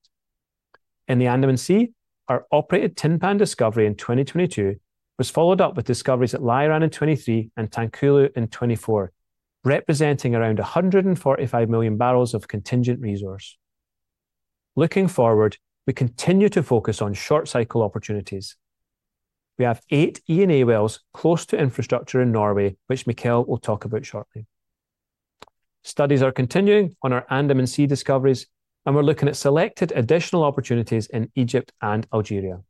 S4: In the Andaman Sea, our operated Timpan discovery in 2022 was followed up with discoveries at Layaran in 2023 and Tangkulo in 2024, representing around 145 million barrels of contingent resource. Looking forward, we continue to focus on short-cycle opportunities. We have eight E&A wells close to infrastructure in Norway, which Michael will talk about shortly. Studies are continuing on our Andaman Sea discoveries, and we're looking at selected additional opportunities in Egypt and Algeria.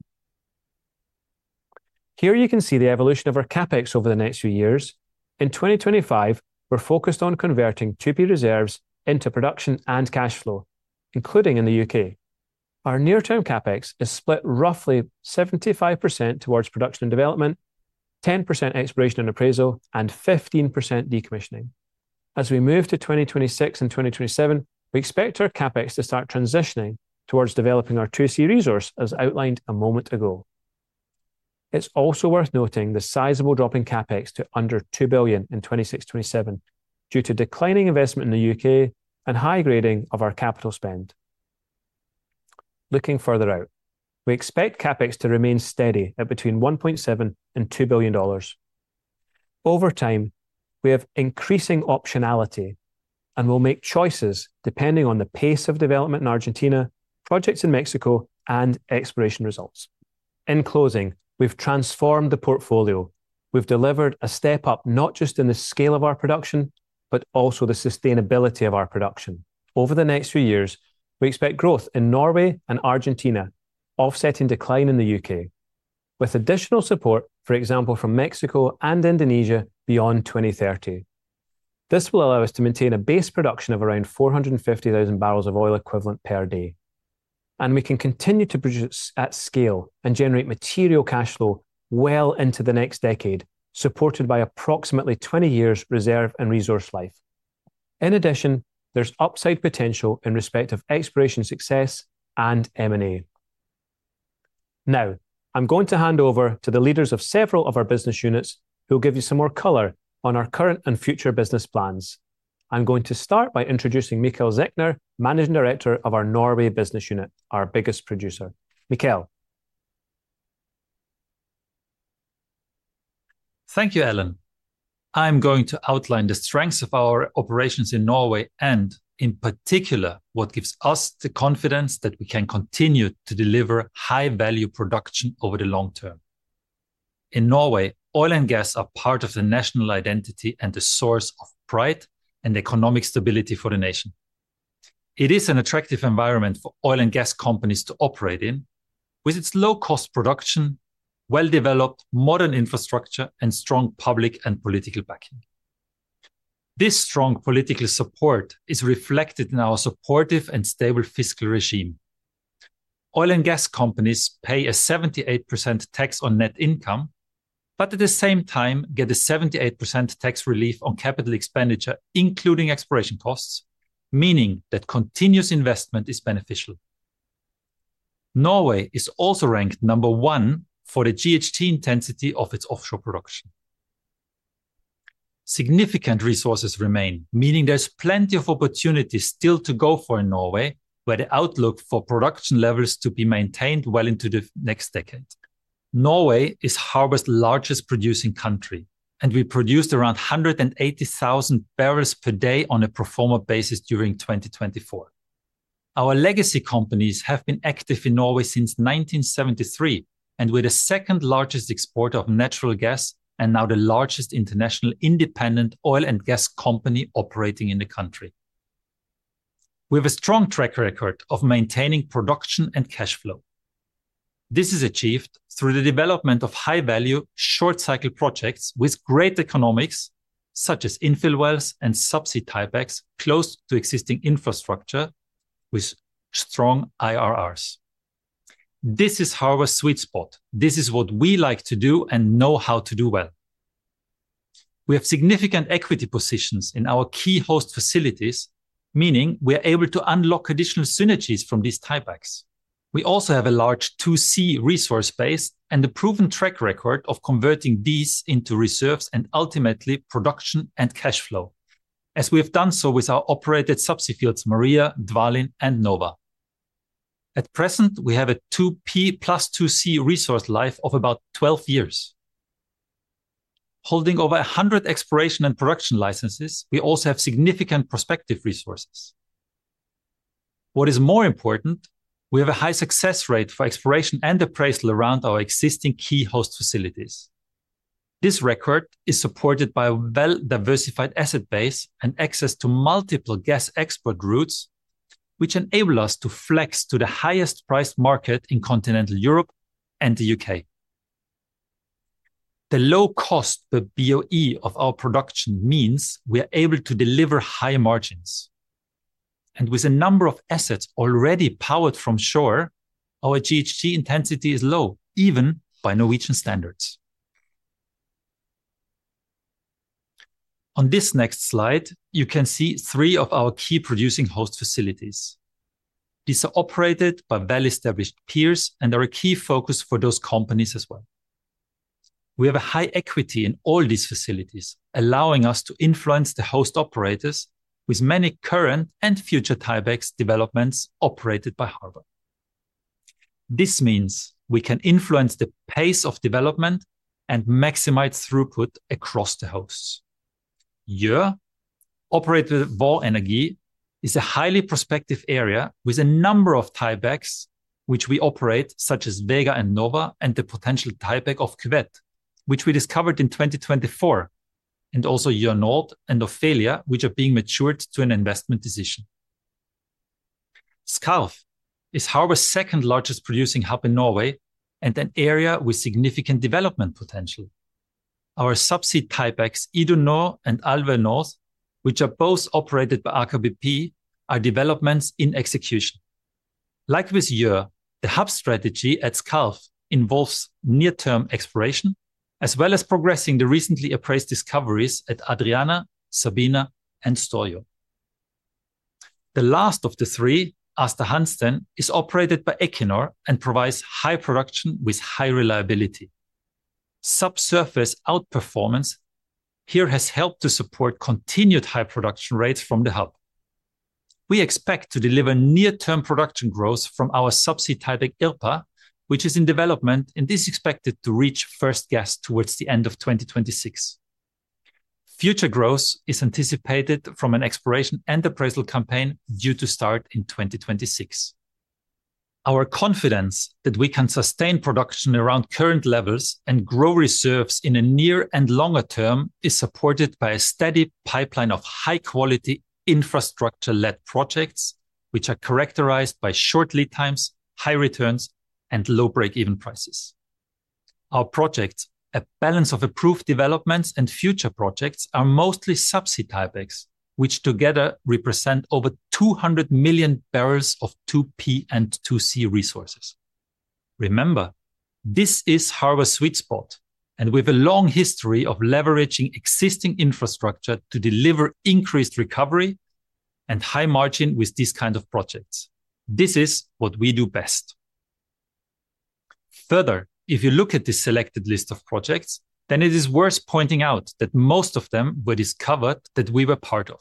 S4: Here you can see the evolution of our CapEx over the next few years. In 2025, we're focused on converting 2P reserves into production and cash flow, including in the UK. Our near-term CapEx is split roughly 75% towards production and development, 10% exploration and appraisal, and 15% decommissioning. As we move to 2026 and 2027, we expect our CapEx to start transitioning towards developing our 2C resource, as outlined a moment ago. It's also worth noting the sizable drop in CapEx to under $2 billion in 2026-2027 due to declining investment in the UK and high grading of our capital spend. Looking further out, we expect CapEx to remain steady at between $1.7 billion and $2 billion. Over time, we have increasing optionality, and we'll make choices depending on the pace of development in Argentina, projects in Mexico, and exploration results. In closing, we've transformed the portfolio. We've delivered a step up not just in the scale of our production, but also the sustainability of our production. Over the next few years, we expect growth in Norway and Argentina, offsetting decline in the UK, with additional support, for example, from Mexico and Indonesia beyond 2030. This will allow us to maintain a base production of around 450,000 barrels of oil equivalent per day, and we can continue to produce at scale and generate material cash flow well into the next decade, supported by approximately 20 years' reserve and resource life. In addition, there's upside potential in respect of exploration success and M&A. Now, I'm going to hand over to the leaders of several of our business units who will give you some more color on our current and future business plans. I'm going to start by introducing Michael Zechner, Managing Director of our Norway business unit, our biggest producer. Michael.
S5: Thank you, Alan. I'm going to outline the strengths of our operations in Norway and, in particular, what gives us the confidence that we can continue to deliver high-value production over the long term. In Norway, oil and gas are part of the national identity and a source of pride and economic stability for the nation. It is an attractive environment for oil and gas companies to operate in, with its low-cost production, well-developed modern infrastructure, and strong public and political backing. This strong political support is reflected in our supportive and stable fiscal regime. Oil and gas companies pay a 78% tax on net income, but at the same time, get a 78% tax relief on capital expenditure, including exploration costs, meaning that continuous investment is beneficial. Norway is also ranked number one for the GHG intensity of its offshore production. Significant resources remain, meaning there's plenty of opportunities still to go for in Norway, with the outlook for production levels to be maintained well into the next decade. Norway is Harbour's largest producing country, and we produced around 180,000 barrels per day on a pro forma basis during 2024. Our legacy companies have been active in Norway since 1973 and were the second largest exporter of natural gas and now the largest international independent oil and gas company operating in the country. We have a strong track record of maintaining production and cash flow. This is achieved through the development of high-value, short-cycle projects with great economics, such as infill wells and subsea tie-backs close to existing infrastructure with strong IRRs. This is Harbour's sweet spot. This is what we like to do and know how to do well. We have significant equity positions in our key host facilities, meaning we are able to unlock additional synergies from these tie-backs. We also have a large 2C resource base and a proven track record of converting these into reserves and ultimately production and cash flow, as we have done so with our operated subsea fields, Maria, Dvalin, and Nova. At present, we have a 2P plus 2C resource life of about 12 years. Holding over 100 exploration and production licenses, we also have significant prospective resources. What is more important, we have a high success rate for exploration and appraisal around our existing key host facilities. This record is supported by a well-diversified asset base and access to multiple gas export routes, which enable us to flex to the highest priced market in continental Europe and the UK. The low cost per BOE of our production means we are able to deliver high margins. With a number of assets already powered from shore, our GHG intensity is low, even by Norwegian standards. On this next slide, you can see three of our key producing host facilities. These are operated by well-established peers and are a key focus for those companies as well. We have a high equity in all these facilities, allowing us to influence the host operators with many current and future tie-back developments operated by Harbour. This means we can influence the pace of development and maximize throughput across the hosts. Gjøa, operated by Vår Energi, is a highly prospective area with a number of tie-backs, which we operate, such as Vega and Nova and the potential tie-back of Kveikje, which we discovered in 2024, and also Gjøa Nord and Ofelia, which are being matured to an investment decision. Skarv is Harbour's second largest producing hub in Norway and an area with significant development potential. Our subsea tie-backs, Idun Nord and Alve Nord, which are both operated by Aker BP, are developments in execution. Like with Gjøa, the hub strategy at Skarv involves near-term exploration, as well as progressing the recently appraised discoveries at Adriana, Sabina, and Storjo. The last of the three, Aasta Hansteen, is operated by Equinor and provides high production with high reliability. Subsurface outperformance here has helped to support continued high production rates from the hub. We expect to deliver near-term production growth from our subsea tie-backs to Irpa, which is in development and is expected to reach first gas towards the end of 2026. Future growth is anticipated from an exploration and appraisal campaign due to start in 2026. Our confidence that we can sustain production around current levels and grow reserves in the near and longer term is supported by a steady pipeline of high-quality infrastructure-led projects, which are characterized by short lead times, high returns, and low break-even prices. Our projects, a balance of approved developments and future projects, are mostly subsea tie-backs, which together represent over 200 million barrels of 2P and 2C resources. Remember, this is Harbour's sweet spot, and we have a long history of leveraging existing infrastructure to deliver increased recovery and high margin with these kinds of projects. This is what we do best. Further, if you look at the selected list of projects, then it is worth pointing out that most of them were discovered that we were part of.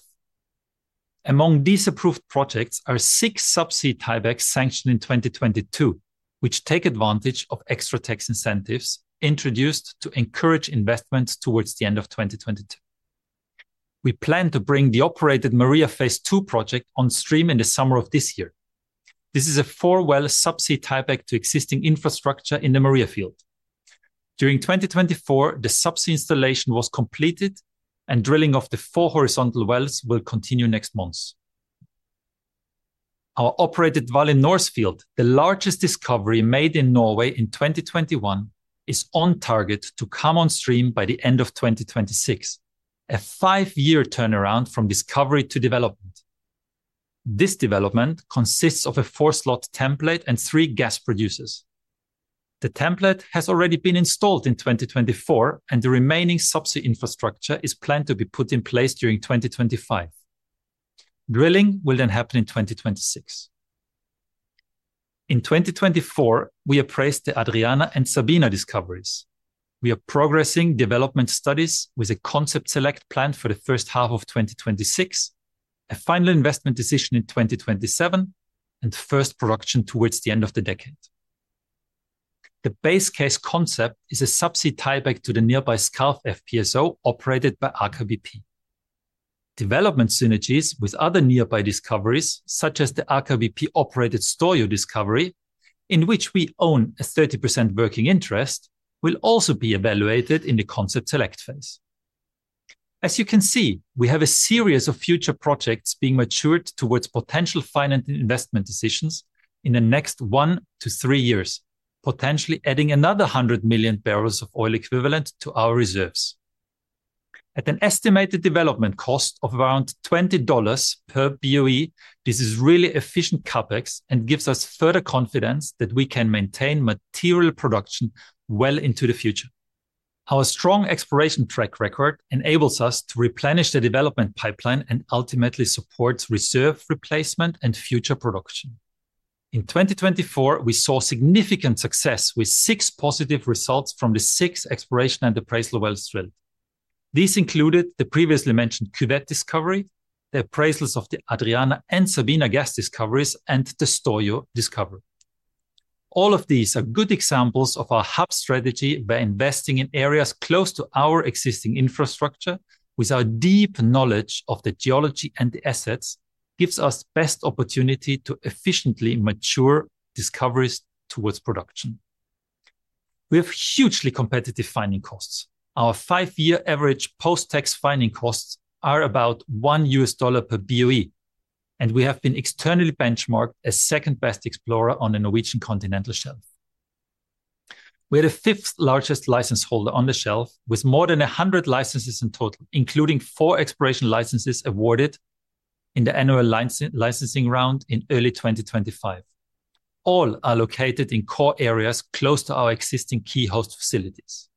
S5: Among these approved projects are six subsea tie-backs sanctioned in 2022, which take advantage of extra tax incentives introduced to encourage investment towards the end of 2022. We plan to bring the operated Maria Phase 2 project on stream in the summer of this year. This is a four-well subsea tie-backs to existing infrastructure in the Maria field. During 2024, the subsea installation was completed, and drilling of the four horizontal wells will continue next month. Our operated Dvalin North field, the largest discovery made in Norway in 2021, is on target to come on stream by the end of 2026, a five-year turnaround from discovery to development. This development consists of a four-slot template and three gas producers. The template has already been installed in 2024, and the remaining subsea infrastructure is planned to be put in place during 2025. Drilling will then happen in 2026. In 2024, we appraised the Adriana and Sabina discoveries. We are progressing development studies with a concept select planned for the first half of 2026, a final investment decision in 2027, and first production towards the end of the decade. The base case concept is a subsea tie-backs to the nearby Skarv FPSO operated by Aker BP. Development synergies with other nearby discoveries, such as the Aker BP operated Storjo discovery, in which we own a 30% working interest, will also be evaluated in the concept selection. As you can see, we have a series of future projects being matured towards potential finance and investment decisions in the next one to three years, potentially adding another 100 million barrels of oil equivalent to our reserves. At an estimated development cost of around $20 per BOE, this is really efficient CapEx and gives us further confidence that we can maintain material production well into the future. Our strong exploration track record enables us to replenish the development pipeline and ultimately supports reserve replacement and future production. In 2024, we saw significant success with six positive results from the six exploration and appraisal wells drilled. These included the previously mentioned Kveikje discovery, the appraisals of the Adriana and Sabina gas discoveries, and the Storjo discovery. All of these are good examples of our hub strategy by investing in areas close to our existing infrastructure, with our deep knowledge of the geology and the assets, which gives us the best opportunity to efficiently mature discoveries towards production. We have hugely competitive finding costs. Our five-year average post-tax finding costs are about $1 per BOE, and we have been externally benchmarked as second-best explorer on the Norwegian continental shelf. We are the fifth largest license holder on the shelf, with more than 100 licenses in total, including four exploration licenses awarded in the annual licensing round in early 2025. All are located in core areas close to our existing key host facilities.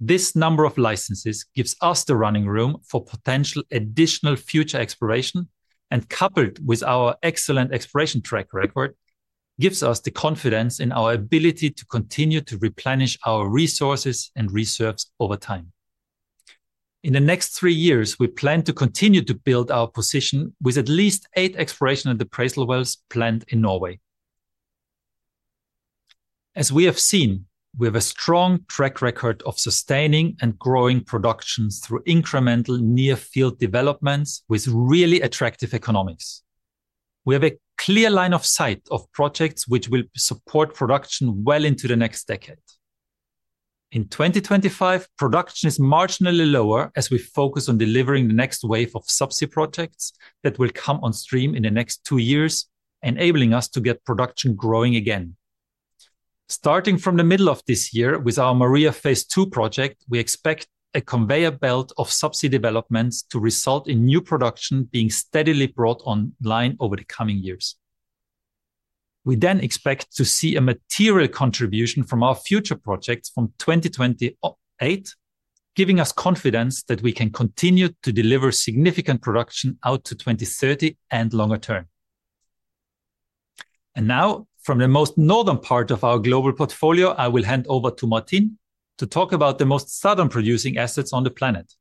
S5: This number of licenses gives us the running room for potential additional future exploration, and coupled with our excellent exploration track record, gives us the confidence in our ability to continue to replenish our resources and reserves over time. In the next three years, we plan to continue to build our position with at least eight exploration and appraisal wells planned in Norway. As we have seen, we have a strong track record of sustaining and growing production through incremental near-field developments with really attractive economics. We have a clear line of sight of projects which will support production well into the next decade. In 2025, production is marginally lower as we focus on delivering the next wave of subsea projects that will come on stream in the next two years, enabling us to get production growing again. Starting from the middle of this year with our Maria phase II project, we expect a conveyor belt of subsea developments to result in new production being steadily brought online over the coming years. We then expect to see a material contribution from our future projects from 2028, giving us confidence that we can continue to deliver significant production out to 2030 and longer term. Now, from the most northern part of our global portfolio, I will hand over to Martin to talk about the most southern producing assets on the planet.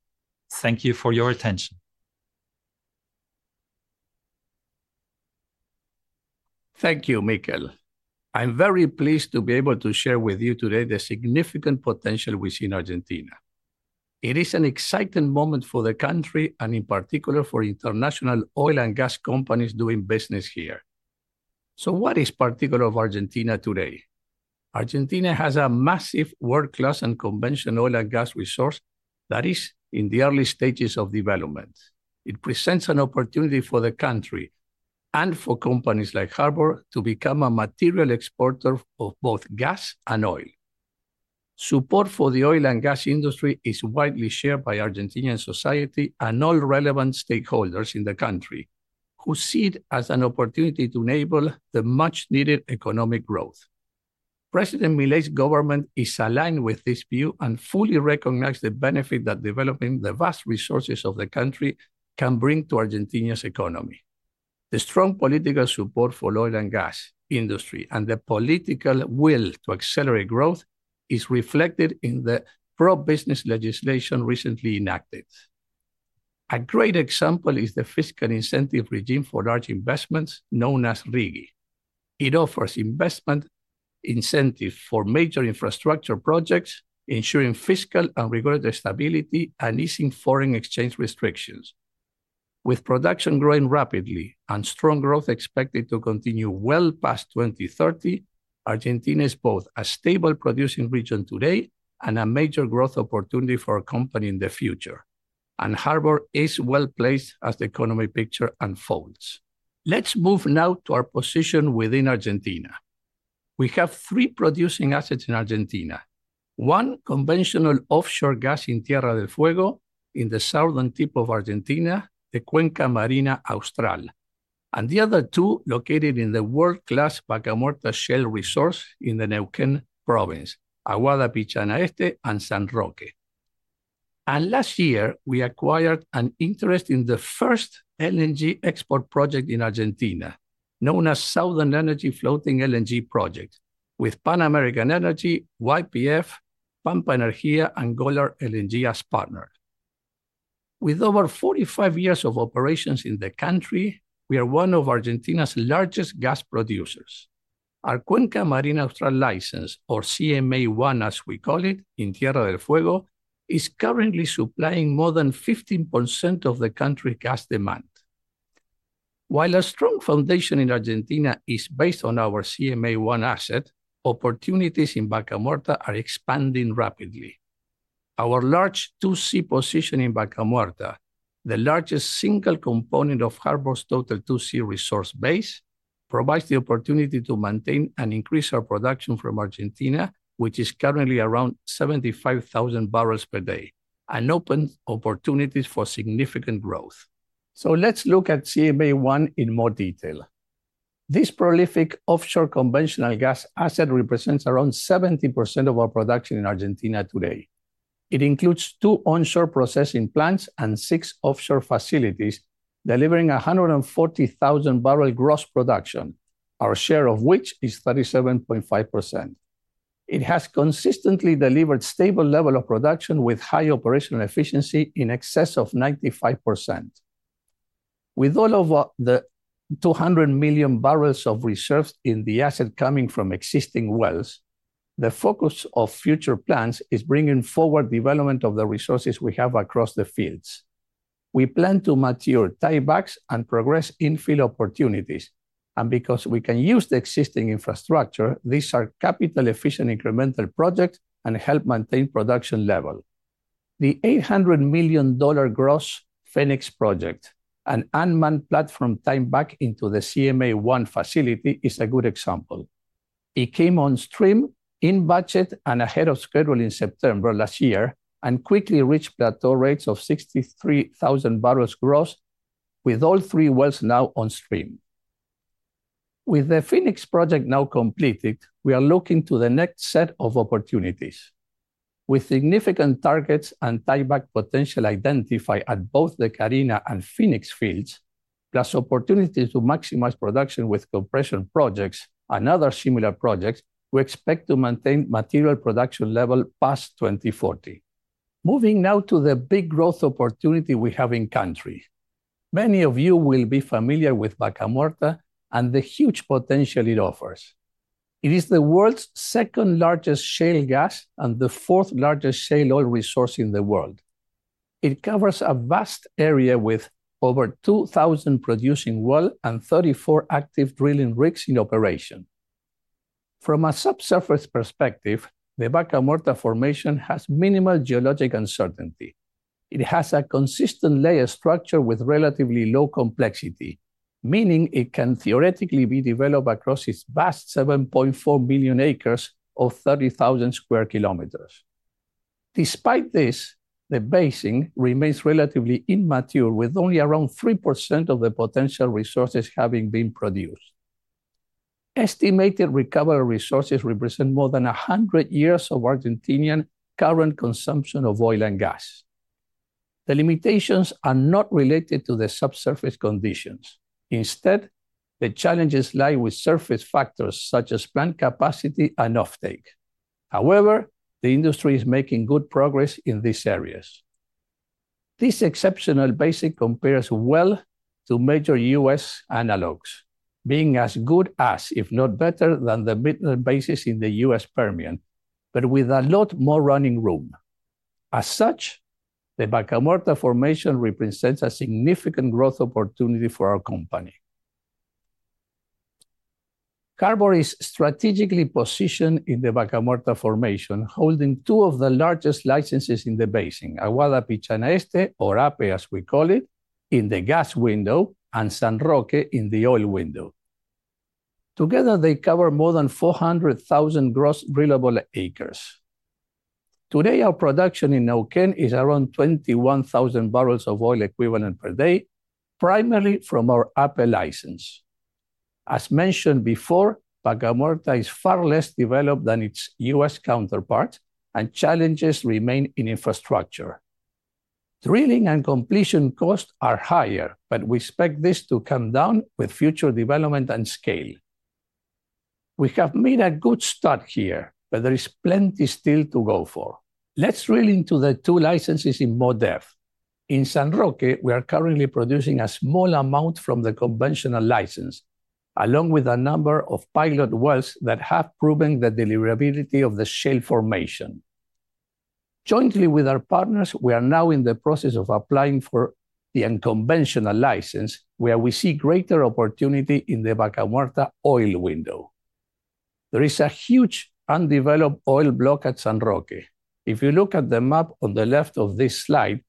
S5: Thank you for your attention.
S6: Thank you, Michael. I'm very pleased to be able to share with you today the significant potential we see in Argentina. It is an exciting moment for the country and, in particular, for international oil and gas companies doing business here. What is particular of Argentina today? Argentina has a massive world-class and conventional oil and gas resource that is in the early stages of development. It presents an opportunity for the country and for companies like Harbour to become a material exporter of both gas and oil. Support for the oil and gas industry is widely shared by Argentine society and all relevant stakeholders in the country, who see it as an opportunity to enable the much-needed economic growth. President Milei's government is aligned with this view and fully recognizes the benefit that developing the vast resources of the country can bring to Argentina's economy. The strong political support for oil and gas industry and the political will to accelerate growth is reflected in the pro-business legislation recently enacted. A great example is the fiscal incentive regime for large investments known as RIGI. It offers investment incentives for major infrastructure projects, ensuring fiscal and regulatory stability and easing foreign exchange restrictions. With production growing rapidly and strong growth expected to continue well past 2030, Argentina is both a stable producing region today and a major growth opportunity for a company in the future, and Harbour is well placed as the economy picture unfolds. Let's move now to our position within Argentina. We have three producing assets in Argentina. One, conventional offshore gas in Tierra del Fuego, in the southern tip of Argentina, the Cuenca Marina Austral, and the other two located in the world-class Vaca Muerta shale resource in the Neuquén province, Aguada Pichana Este and San Roque, and last year, we acquired an interest in the first LNG export project in Argentina, known as Southern Energy Floating LNG Project, with Pan American Energy, YPF, Pampa Energía, and Golar LNG as partners. With over 45 years of operations in the country, we are one of Argentina's largest gas producers. Our Cuenca Marina Austral license, or CMA One, as we call it in Tierra del Fuego, is currently supplying more than 15% of the country's gas demand. While a strong foundation in Argentina is based on our CMA One asset, opportunities in Vaca Muerta are expanding rapidly. Our large 2C position in Vaca Muerta, the largest single component of Harbour's total 2C resource base, provides the opportunity to maintain and increase our production from Argentina, which is currently around 75,000 barrels per day, and opens opportunities for significant growth. So let's look at CMA One in more detail. This prolific offshore conventional gas asset represents around 70% of our production in Argentina today. It includes two onshore processing plants and six offshore facilities, delivering 140,000 barrels gross production, our share of which is 37.5%. It has consistently delivered a stable level of production with high operational efficiency in excess of 95%. With all of the 200 million barrels of reserves in the asset coming from existing wells, the focus of future plans is bringing forward development of the resources we have across the fields. We plan to mature tie-backs and progress infill opportunities, and because we can use the existing infrastructure, these are capital-efficient incremental projects and help maintain production level. The $800 million gross Fenix project, an unmanned platform tying back into the CMA-1 facility, is a good example. It came on stream in budget and ahead of schedule in September last year and quickly reached plateau rates of 63,000 barrels gross, with all three wells now on stream. With the Fenix project now completed, we are looking to the next set of opportunities. With significant targets and tie-backs potential identified at both the Carina and Fenix fields, plus opportunities to maximize production with compression projects and other similar projects, we expect to maintain material production level past 2040. Moving now to the big growth opportunity we have in country. Many of you will be familiar with Vaca Muerta and the huge potential it offers. It is the world's second largest shale gas and the fourth largest shale oil resource in the world. It covers a vast area with over 2,000 producing wells and 34 active drilling rigs in operation. From a subsurface perspective, the Vaca Muerta formation has minimal geologic uncertainty. It has a consistent layer structure with relatively low complexity, meaning it can theoretically be developed across its vast 7.4 million acres of 30,000 sq km. Despite this, the basin remains relatively immature, with only around 3% of the potential resources having been produced. Estimated recovered resources represent more than 100 years of Argentinian current consumption of oil and gas. The limitations are not related to the subsurface conditions. Instead, the challenges lie with surface factors such as plant capacity and offtake. However, the industry is making good progress in these areas. This exceptional basin compares well to major U.S. analogs, being as good as, if not better, than the middle basins in the U.S. Permian, but with a lot more running room. As such, the Vaca Muerta formation represents a significant growth opportunity for our company. Harbour is strategically positioned in the Vaca Muerta formation, holding two of the largest licenses in the basin, Aguada Pichana Este, or APE as we call it, in the gas window, and San Roque in the oil window. Together, they cover more than 400,000 gross drillable acres. Today, our production in Neuquén is around 21,000 barrels of oil equivalent per day, primarily from our APE license. As mentioned before, Vaca Muerta is far less developed than its U.S. counterpart, and challenges remain in infrastructure. Drilling and completion costs are higher, but we expect this to come down with future development and scale. We have made a good start here, but there is plenty still to go for. Let's drill into the two licenses in more depth. In San Roque, we are currently producing a small amount from the conventional license, along with a number of pilot wells that have proven the deliverability of the shale formation. Jointly with our partners, we are now in the process of applying for the unconventional license, where we see greater opportunity in the Vaca Muerta oil window. There is a huge undeveloped oil block at San Roque. If you look at the map on the left of this slide,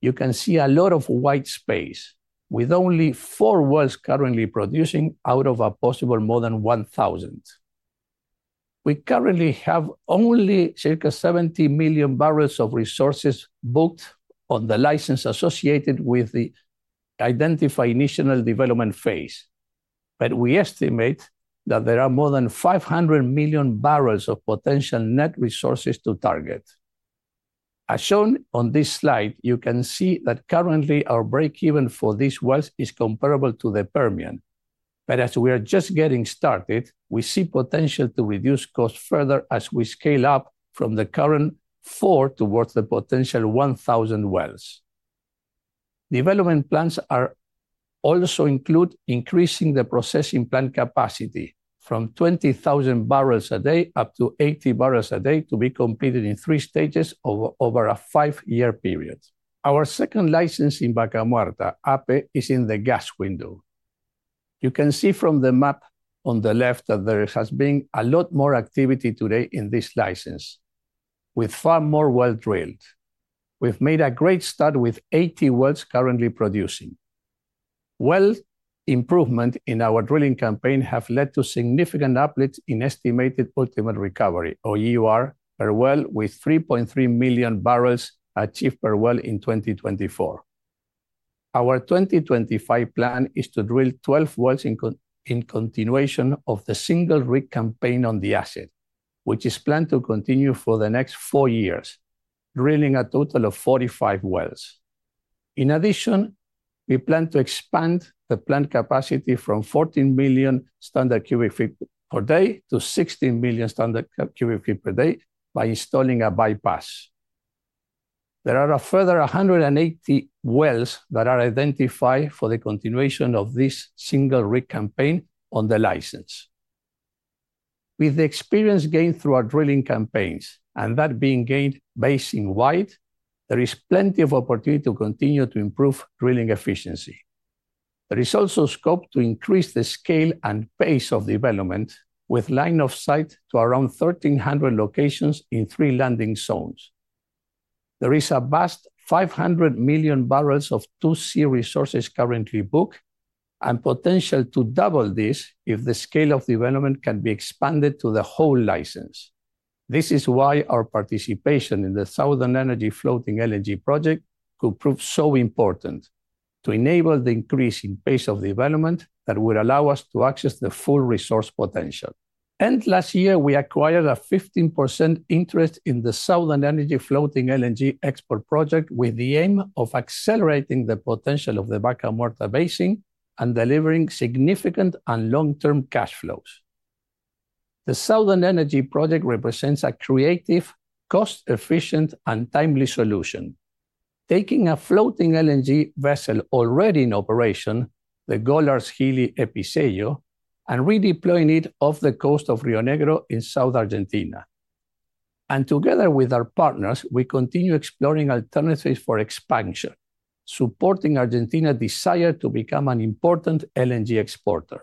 S6: you can see a lot of white space, with only four wells currently producing out of a possible more than 1,000. We currently have only circa 70 million barrels of resources booked on the license associated with the identified initial development phase, but we estimate that there are more than 500 million barrels of potential net resources to target. As shown on this slide, you can see that currently our breakeven for these wells is comparable to the Permian. But as we are just getting started, we see potential to reduce costs further as we scale up from the current four towards the potential 1,000 wells. Development plans also include increasing the processing plant capacity from 20,000 barrels a day up to 80 barrels a day to be completed in three stages over a five-year period. Our second license in Vaca Muerta, APE, is in the gas window. You can see from the map on the left that there has been a lot more activity today in this license, with far more well drilled. We've made a great start with 80 wells currently producing. Well improvements in our drilling campaign have led to significant uplift in estimated ultimate recovery, or EUR, per well with 3.3 million barrels achieved per well in 2024. Our 2025 plan is to drill 12 wells in continuation of the single rig campaign on the asset, which is planned to continue for the next four years, drilling a total of 45 wells. In addition, we plan to expand the plant capacity from 14 million standard cubic feet per day to 16 million standard cubic feet per day by installing a bypass. There are a further 180 wells that are identified for the continuation of this single rig campaign on the license. With the experience gained through our drilling campaigns, and that being gained basin-wide, there is plenty of opportunity to continue to improve drilling efficiency. There is also scope to increase the scale and pace of development, with line of sight to around 1,300 locations in three landing zones. There is a vast 500 million barrels of 2C resources currently booked, and potential to double this if the scale of development can be expanded to the whole license. This is why our participation in the Southern Energy Floating LNG Project could prove so important, to enable the increase in pace of development that would allow us to access the full resource potential. Last year, we acquired a 15% interest in the Southern Energy Floating LNG Export Project with the aim of accelerating the potential of the Vaca Muerta basin and delivering significant and long-term cash flows. The Southern Energy Project represents a creative, cost-efficient, and timely solution, taking a floating LNG vessel already in operation, Golar's Hilli Episeyo, and redeploying it off the coast of Rio Negro in southern Argentina. Together with our partners, we continue exploring alternatives for expansion, supporting Argentina's desire to become an important LNG exporter.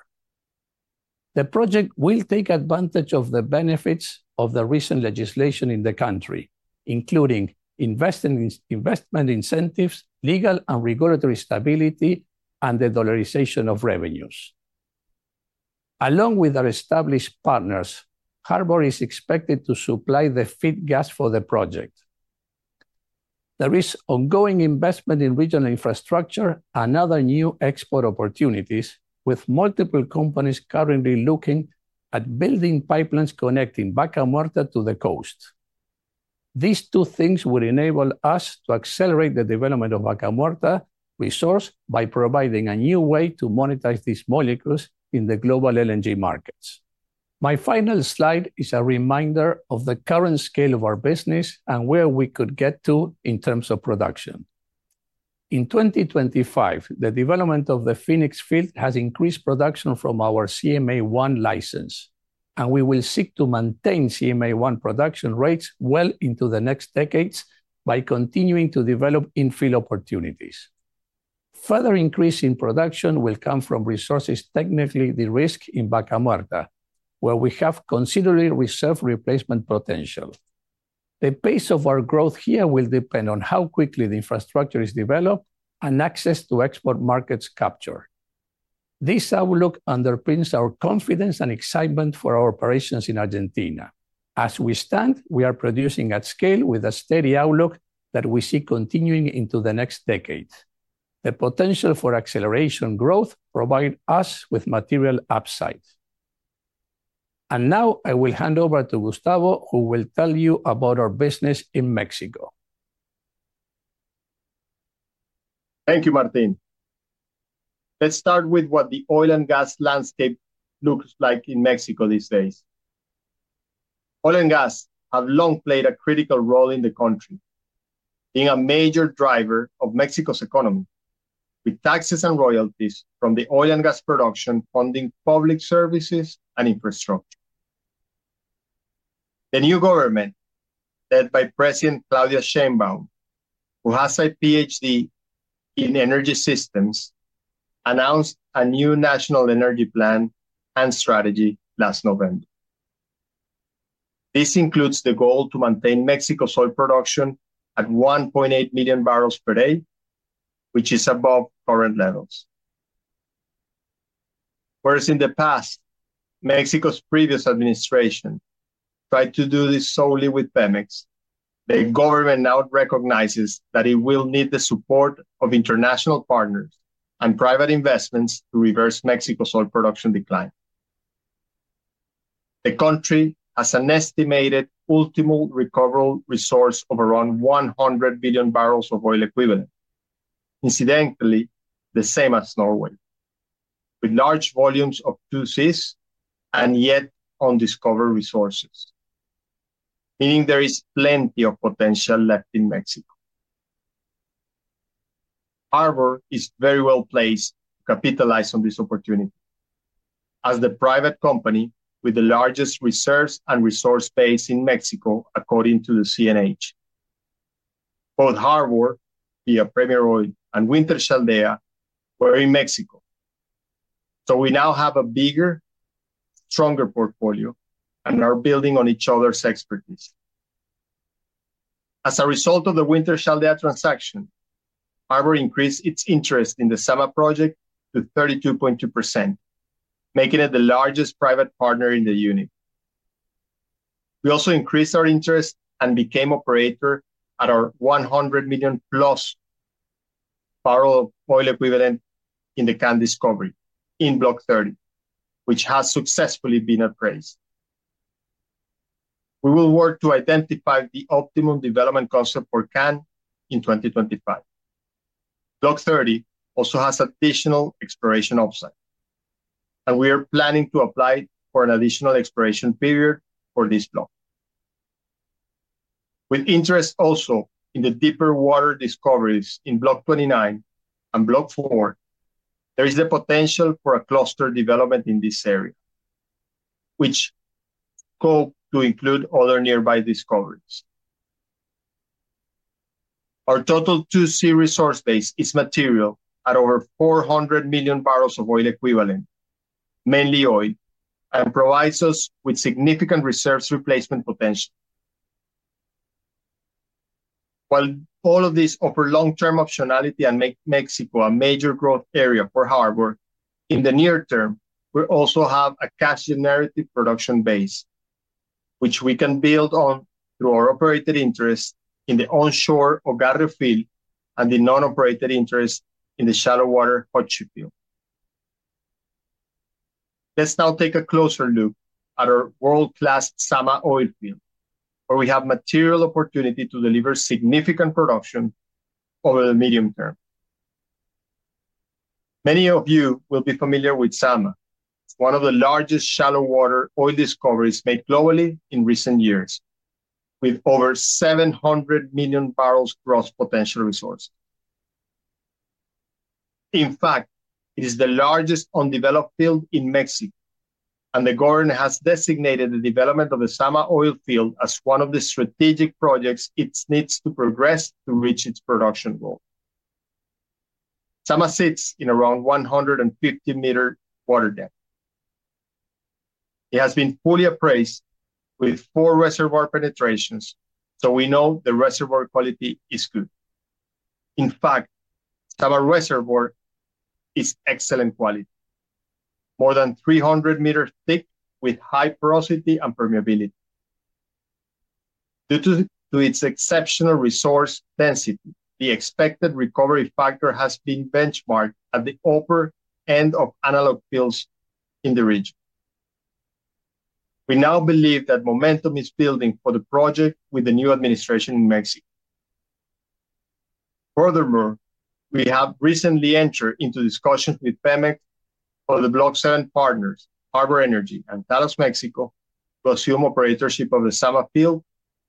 S6: The project will take advantage of the benefits of the recent legislation in the country, including investment incentives, legal and regulatory stability, and the dollarization of revenues. Along with our established partners, Harbour is expected to supply the FEED gas for the project. There is ongoing investment in regional infrastructure and other new export opportunities, with multiple companies currently looking at building pipelines connecting Vaca Muerta to the coast. These two things would enable us to accelerate the development of Vaca Muerta resource by providing a new way to monetize these molecules in the global LNG markets. My final slide is a reminder of the current scale of our business and where we could get to in terms of production. In 2025, the development of the Fenix field has increased production from our CMA-1 license, and we will seek to maintain CMA-1 production rates well into the next decades by continuing to develop infill opportunities. Further increase in production will come from resources technically de-risked in Vaca Muerta, where we have considerable reserves replacement potential. The pace of our growth here will depend on how quickly the infrastructure is developed and access to export markets captured. This outlook underpins our confidence and excitement for our operations in Argentina. As we stand, we are producing at scale with a steady outlook that we see continuing into the next decade. The potential for accelerated growth provides us with material upside. And now I will hand over to Gustavo, who will tell you about our business in Mexico.
S7: Thank you, Martin. Let's start with what the oil and gas landscape looks like in Mexico these days. Oil and gas have long played a critical role in the country, being a major driver of Mexico's economy, with taxes and royalties from the oil and gas production funding public services and infrastructure. The new government, led by President Claudia Sheinbaum, who has a PhD in energy systems, announced a new national energy plan and strategy last November. This includes the goal to maintain Mexico's oil production at 1.8 million barrels per day, which is above current levels. Whereas in the past, Mexico's previous administration tried to do this solely with PEMEX, the government now recognizes that it will need the support of international partners and private investments to reverse Mexico's oil production decline. The country has an estimated ultimate recoverable resource of around 100 million barrels of oil equivalent, incidentally the same as Norway, with large volumes of 2Cs and yet undiscovered resources, meaning there is plenty of potential left in Mexico. Harbour is very well placed to capitalize on this opportunity as the private company with the largest reserves and resource base in Mexico, according to the CNH. Both Harbour, via Premier Oil, and Wintershall Dea were in Mexico, so we now have a bigger, stronger portfolio and are building on each other's expertise. As a result of the Wintershall Dea transaction, Harbour increased its interest in the Zama project to 32.2%, making it the largest private partner in the unit. We also increased our interest and became operator at our 100 million plus barrel of oil equivalent in the Kan discovery in Block 30, which has successfully been appraised.
S2: We will work to identify the optimum development concept for Kan in 2025. Block 30 also has additional exploration upside, and we are planning to apply for an additional exploration period for this block. With interest also in the deeper water discoveries in Block 29 and Block 4, there is the potential for a cluster development in this area, which could include other nearby discoveries. Our total 2C resource base is material at over 400 million barrels of oil equivalent, mainly oil, and provides us with significant reserves replacement potential. While all of these offer long-term optionality and make Mexico a major growth area for Harbour, in the near term, we also have a cash-generative production base, which we can build on through our operated interest in the onshore Ogarrio field and the non-operated interest in the shallow water Hokchi fields. Let's now take a closer look at our world-class Zama oil field, where we have material opportunity to deliver significant production over the medium term. Many of you will be familiar with Zama. It's one of the largest shallow water oil discoveries made globally in recent years, with over 700 million barrels gross potential resource. In fact, it is the largest undeveloped field in Mexico, and the government has designated the development of the Zama oil field as one of the strategic projects it needs to progress to reach its production goal. Zama sits in around 150-meter water depth. It has been fully appraised with four reservoir penetrations, so we know the reservoir quality is good. In fact, Zama reservoir is excellent quality, more than 300 meters thick, with high porosity and permeability. Due to its exceptional resource density, the expected recovery factor has been benchmarked at the upper end of analog fields in the region. We now believe that momentum is building for the project with the new administration in Mexico. Furthermore, we have recently entered into discussions with PEMEX and the Block 7 partners, Harbour Energy and Talos Energy, to assume operatorship of the Zama field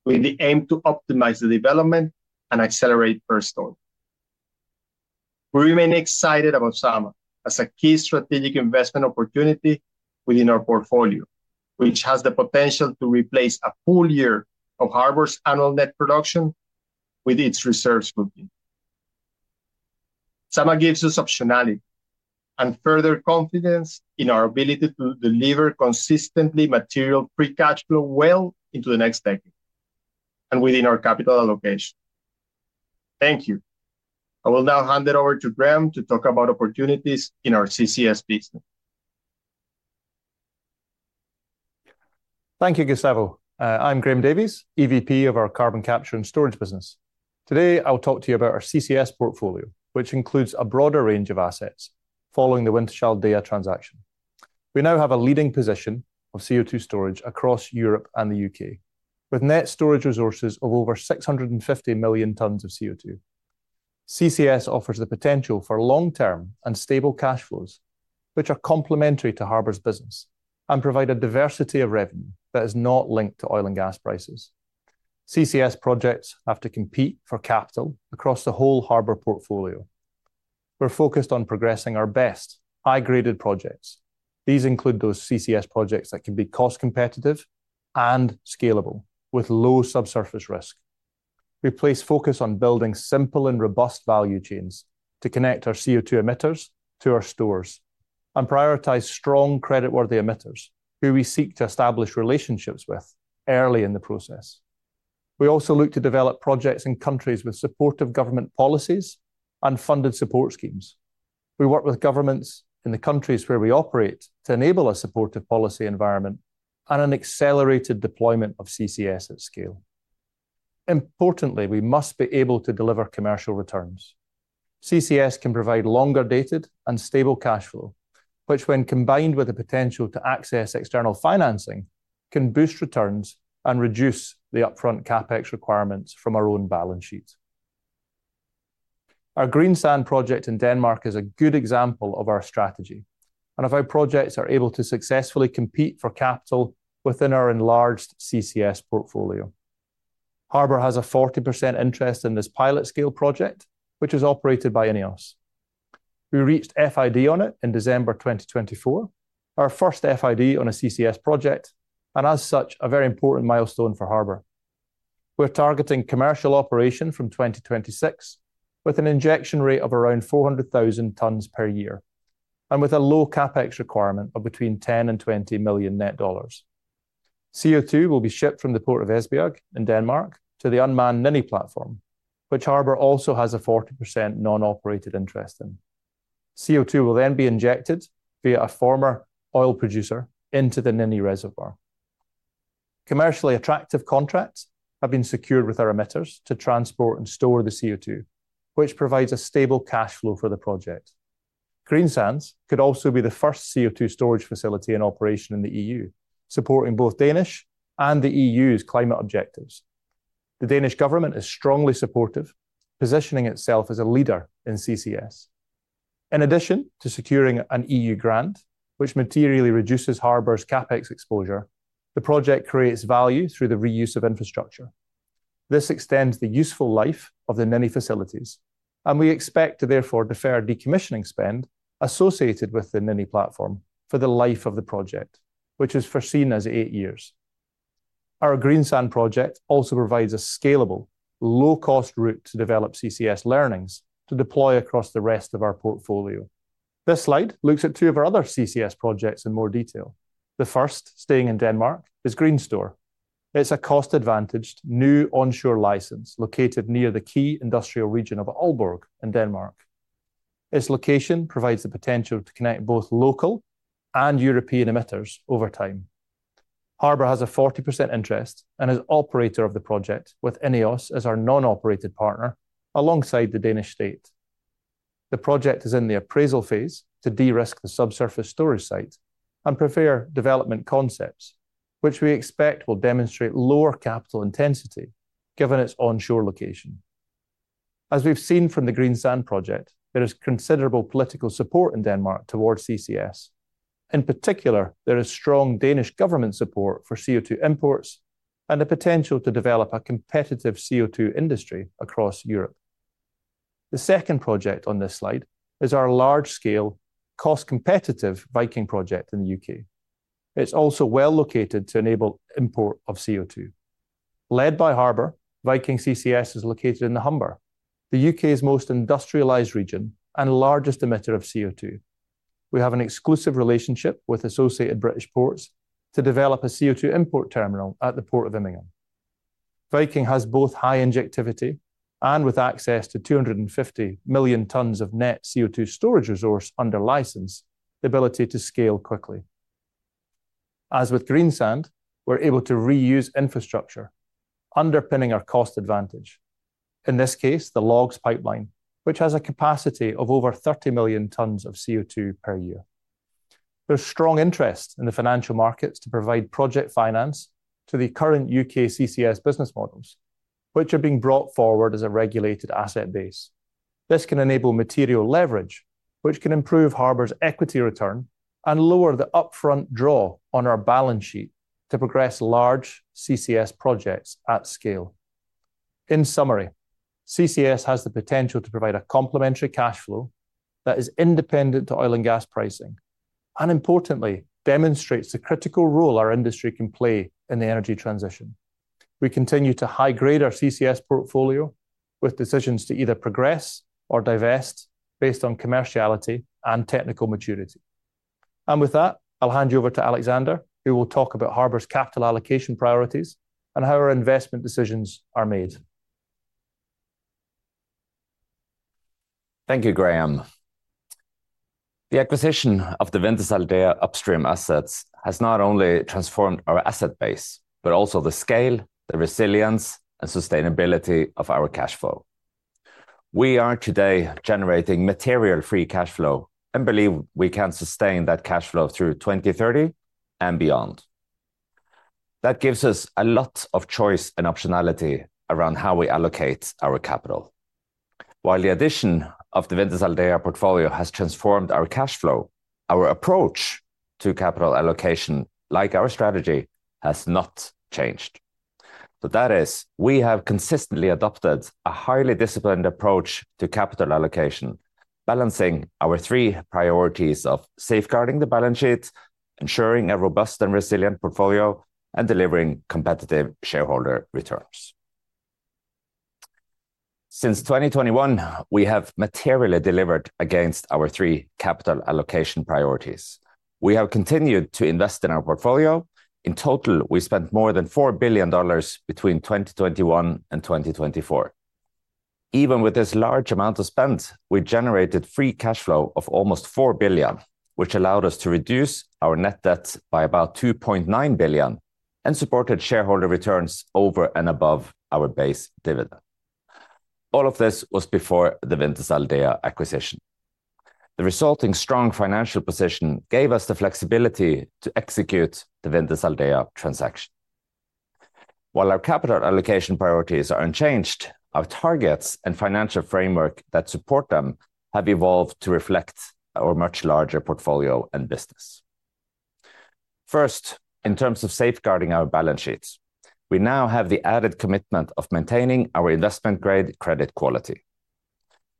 S2: with the aim to optimize the development and accelerate first oil. We remain excited about Zama as a key strategic investment opportunity within our portfolio, which has the potential to replace a full year of Harbour's annual net production with its reserves booking. Zama gives us optionality and further confidence in our ability to deliver consistently material free cash flow well into the next decade and within our capital allocation. Thank you. I will now hand it over to Graeme to talk about opportunities in our CCS business.
S8: Thank you, Gustavo. I'm Graeme Davies, EVP of our carbon capture and storage business. Today, I'll talk to you about our CCS portfolio, which includes a broader range of assets following the Wintershall Dea transaction. We now have a leading position of CO2 storage across Europe and the UK, with net storage resources of over 650 million tons of CO2. CCS offers the potential for long-term and stable cash flows, which are complementary to Harbour's business and provide a diversity of revenue that is not linked to oil and gas prices. CCS projects have to compete for capital across the whole Harbour portfolio. We're focused on progressing our best high-graded projects. These include those CCS projects that can be cost competitive and scalable with low subsurface risk. We place focus on building simple and robust value chains to connect our CO2 emitters to our stores and prioritize strong creditworthy emitters who we seek to establish relationships with early in the process. We also look to develop projects in countries with supportive government policies and funded support schemes. We work with governments in the countries where we operate to enable a supportive policy environment and an accelerated deployment of CCS at scale. Importantly, we must be able to deliver commercial returns. CCS can provide longer dated and stable cash flow, which when combined with the potential to access external financing can boost returns and reduce the upfront CAPEX requirements from our own balance sheets. Our Greensand project in Denmark is a good example of our strategy and of how projects are able to successfully compete for capital within our enlarged CCS portfolio. Harbour has a 40% interest in this pilot scale project, which is operated by INEOS. We reached FID on it in December 2024, our first FID on a CCS project, and as such, a very important milestone for Harbour. We're targeting commercial operation from 2026 with an injection rate of around 400,000 tons per year and with a low CapEx requirement of between $10-$20 million net. CO2 will be shipped from the Port of Esbjerg in Denmark to the unmanned Nini platform, which Harbour also has a 40% non-operated interest in. CO2 will then be injected via a former oil producer into the Nini reservoir. Commercially attractive contracts have been secured with our emitters to transport and store the CO2, which provides a stable cash flow for the project. Greensand could also be the first CO2 storage facility in operation in the EU, supporting both Danish and the EU's climate objectives. The Danish government is strongly supportive, positioning itself as a leader in CCS. In addition to securing an EU grant, which materially reduces Harbour's CapEx exposure, the project creates value through the reuse of infrastructure. This extends the useful life of the Nini facilities, and we expect to therefore defer decommissioning spend associated with the Nini platform for the life of the project, which is foreseen as eight years. Our Greensand project also provides a scalable, low-cost route to develop CCS learnings to deploy across the rest of our portfolio. This slide looks at two of our other CCS projects in more detail. The first, staying in Denmark, is Greenstore. It's a cost-advantaged new onshore license located near the key industrial region of Aalborg in Denmark. Its location provides the potential to connect both local and European emitters over time. Harbour has a 40% interest and is operator of the project with INEOS as our non-operated partner alongside the Danish state. The project is in the appraisal phase to de-risk the subsurface storage site and preferred development concepts, which we expect will demonstrate lower capital intensity given its onshore location. As we've seen from the Greensand project, there is considerable political support in Denmark towards CCS. In particular, there is strong Danish government support for CO2 imports and the potential to develop a competitive CO2 industry across Europe. The second project on this slide is our large-scale, cost-competitive Viking project in the UK. It's also well located to enable import of CO2. Led by Harbour, Viking CCS is located in the Humber, the U.K.'s most industrialized region and largest emitter of CO2. We have an exclusive relationship with Associated British Ports to develop a CO2 import terminal at the Port of Immingham. Viking has both high injectivity and, with access to 250 million tons of net CO2 storage resource under license, the ability to scale quickly. As with Greensand, we're able to reuse infrastructure, underpinning our cost advantage. In this case, the LOGGS pipeline, which has a capacity of over 30 million tons of CO2 per year. There's strong interest in the financial markets to provide project finance to the current U.K. CCS business models, which are being brought forward as a regulated asset base. This can enable material leverage, which can improve Harbour's equity return and lower the upfront draw on our balance sheet to progress large CCS projects at scale. In summary, CCS has the potential to provide a complementary cash flow that is independent to oil and gas pricing and, importantly, demonstrates the critical role our industry can play in the energy transition. We continue to high-grade our CCS portfolio with decisions to either progress or divest based on commerciality and technical maturity. And with that, I'll hand you over to Alexander, who will talk about Harbour's capital allocation priorities and how our investment decisions are made.
S2: Thank you, Graeme. The acquisition of the Wintershall Dea upstream assets has not only transformed our asset base, but also the scale, the resilience, and sustainability of our cash flow. We are today generating material free cash flow and believe we can sustain that cash flow through 2030 and beyond. That gives us a lot of choice and optionality around how we allocate our capital. While the addition of the Wintershall Dea portfolio has transformed our cash flow, our approach to capital allocation, like our strategy, has not changed. So that is, we have consistently adopted a highly disciplined approach to capital allocation, balancing our three priorities of safeguarding the balance sheet, ensuring a robust and resilient portfolio, and delivering competitive shareholder returns. Since 2021, we have materially delivered against our three capital allocation priorities. We have continued to invest in our portfolio. In total, we spent more than $4 billion between 2021 and 2024. Even with this large amount spent, we generated free cash flow of almost $4 billion, which allowed us to reduce our net debt by about $2.9 billion and supported shareholder returns over and above our base dividend. All of this was before the Wintershall Dea acquisition. The resulting strong financial position gave us the flexibility to execute the Wintershall Dea transaction. While our capital allocation priorities are unchanged, our targets and financial framework that support them have evolved to reflect our much larger portfolio and business. First, in terms of safeguarding our balance sheets, we now have the added commitment of maintaining our investment-grade credit quality.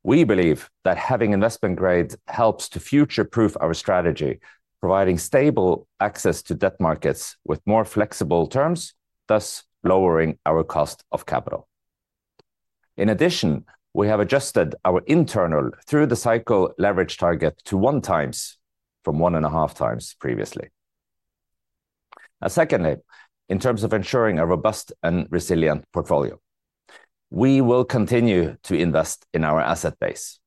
S2: We believe that having investment grade helps to future-proof our strategy, providing stable access to debt markets with more flexible terms, thus lowering our cost of capital. In addition, we have adjusted our internal through-the-cycle leverage target to one times from one and a half times previously. Secondly, in terms of ensuring a robust and resilient portfolio, we will continue to invest in our asset base,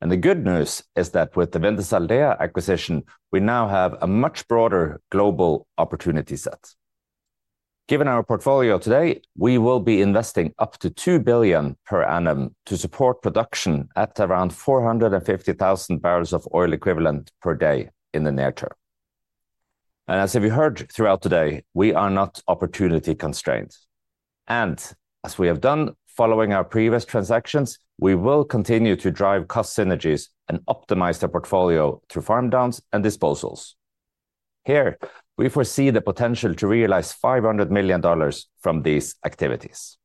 S2: and the good news is that with the Wintershall Dea acquisition, we now have a much broader global opportunity set. Given our portfolio today, we will be investing up to $2 billion per annum to support production at around 450,000 barrels of oil equivalent per day in the near term, and as you've heard throughout today, we are not opportunity constrained, and as we have done following our previous transactions, we will continue to drive cost synergies and optimize the portfolio through farm downs and disposals. Here, we foresee the potential to realize $500 million from these activities.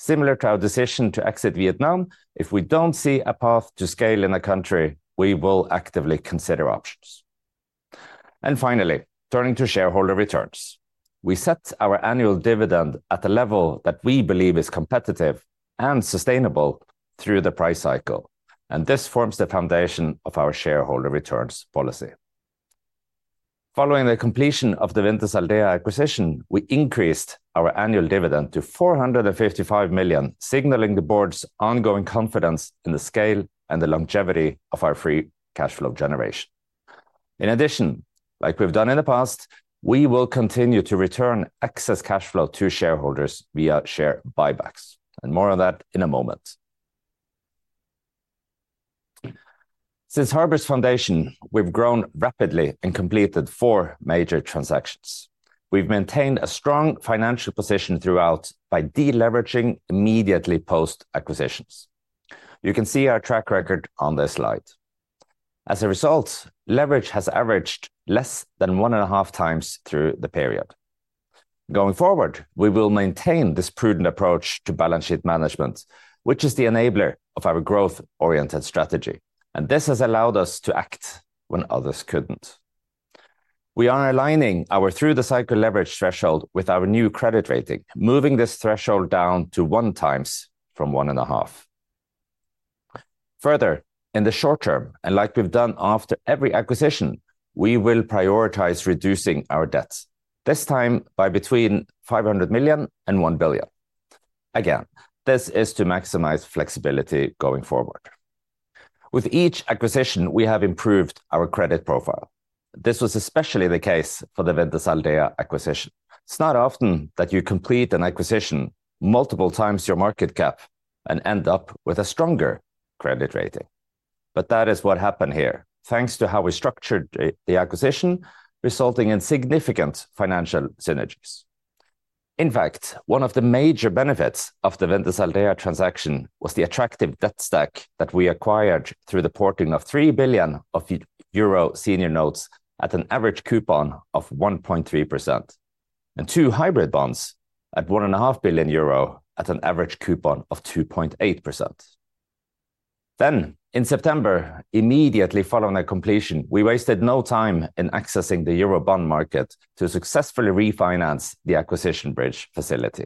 S2: Similar to our decision to exit Vietnam, if we don't see a path to scale in the country, we will actively consider options. Finally, turning to shareholder returns, we set our annual dividend at a level that we believe is competitive and sustainable through the price cycle. This forms the foundation of our shareholder returns policy. Following the completion of the Wintershall Dea acquisition, we increased our annual dividend to $455 million, signaling the board's ongoing confidence in the scale and the longevity of our free cash flow generation. In addition, like we've done in the past, we will continue to return excess cash flow to shareholders via share buybacks. More on that in a moment. Since Harbour's foundation, we've grown rapidly and completed four major transactions. We've maintained a strong financial position throughout by deleveraging immediately post-acquisitions. You can see our track record on this slide. As a result, leverage has averaged less than one and a half times through the period. Going forward, we will maintain this prudent approach to balance sheet management, which is the enabler of our growth-oriented strategy. And this has allowed us to act when others couldn't. We are aligning our through-the-cycle leverage threshold with our new credit rating, moving this threshold down to one times from one and a half. Further, in the short term, and like we've done after every acquisition, we will prioritize reducing our debt, this time by between $500 million and $1 billion. Again, this is to maximize flexibility going forward. With each acquisition, we have improved our credit profile. This was especially the case for the Wintershall Dea acquisition. It's not often that you complete an acquisition multiple times your market cap and end up with a stronger credit rating. But that is what happened here, thanks to how we structured the acquisition, resulting in significant financial synergies. In fact, one of the major benefits of the Wintershall Dea transaction was the attractive debt stack that we acquired through the porting of $3 billion of Euro senior notes at an average coupon of 1.3%, and two hybrid bonds at 1.5 billion euro at an average coupon of 2.8%. Then, in September, immediately following our completion, we wasted no time in accessing the Euro bond market to successfully refinance the acquisition bridge facility.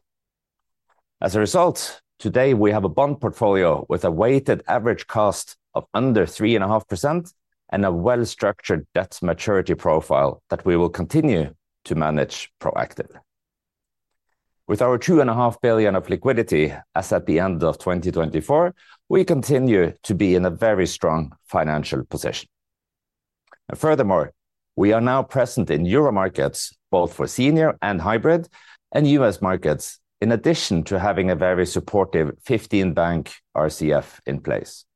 S2: As a result, today we have a bond portfolio with a weighted average cost of under 3.5% and a well-structured debt maturity profile that we will continue to manage proactively. With our $2.5 billion of liquidity as at the end of 2024, we continue to be in a very strong financial position, and furthermore, we are now present in euro markets, both for senior and hybrid, and US markets, in addition to having a very supportive 15-bank RCF in place.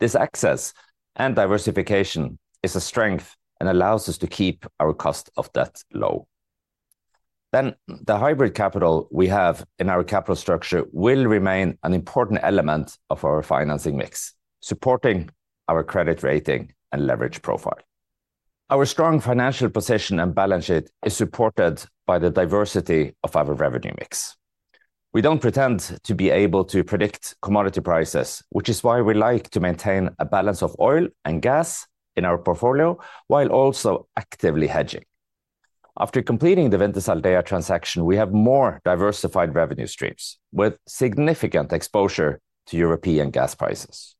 S2: This access and diversification is a strength and allows us to keep our cost of debt low, then the hybrid capital we have in our capital structure will remain an important element of our financing mix, supporting our credit rating and leverage profile. Our strong financial position and balance sheet is supported by the diversity of our revenue mix. We don't pretend to be able to predict commodity prices, which is why we like to maintain a balance of oil and gas in our portfolio while also actively hedging. After completing the Wintershall Dea transaction, we have more diversified revenue streams with significant exposure to European gas prices.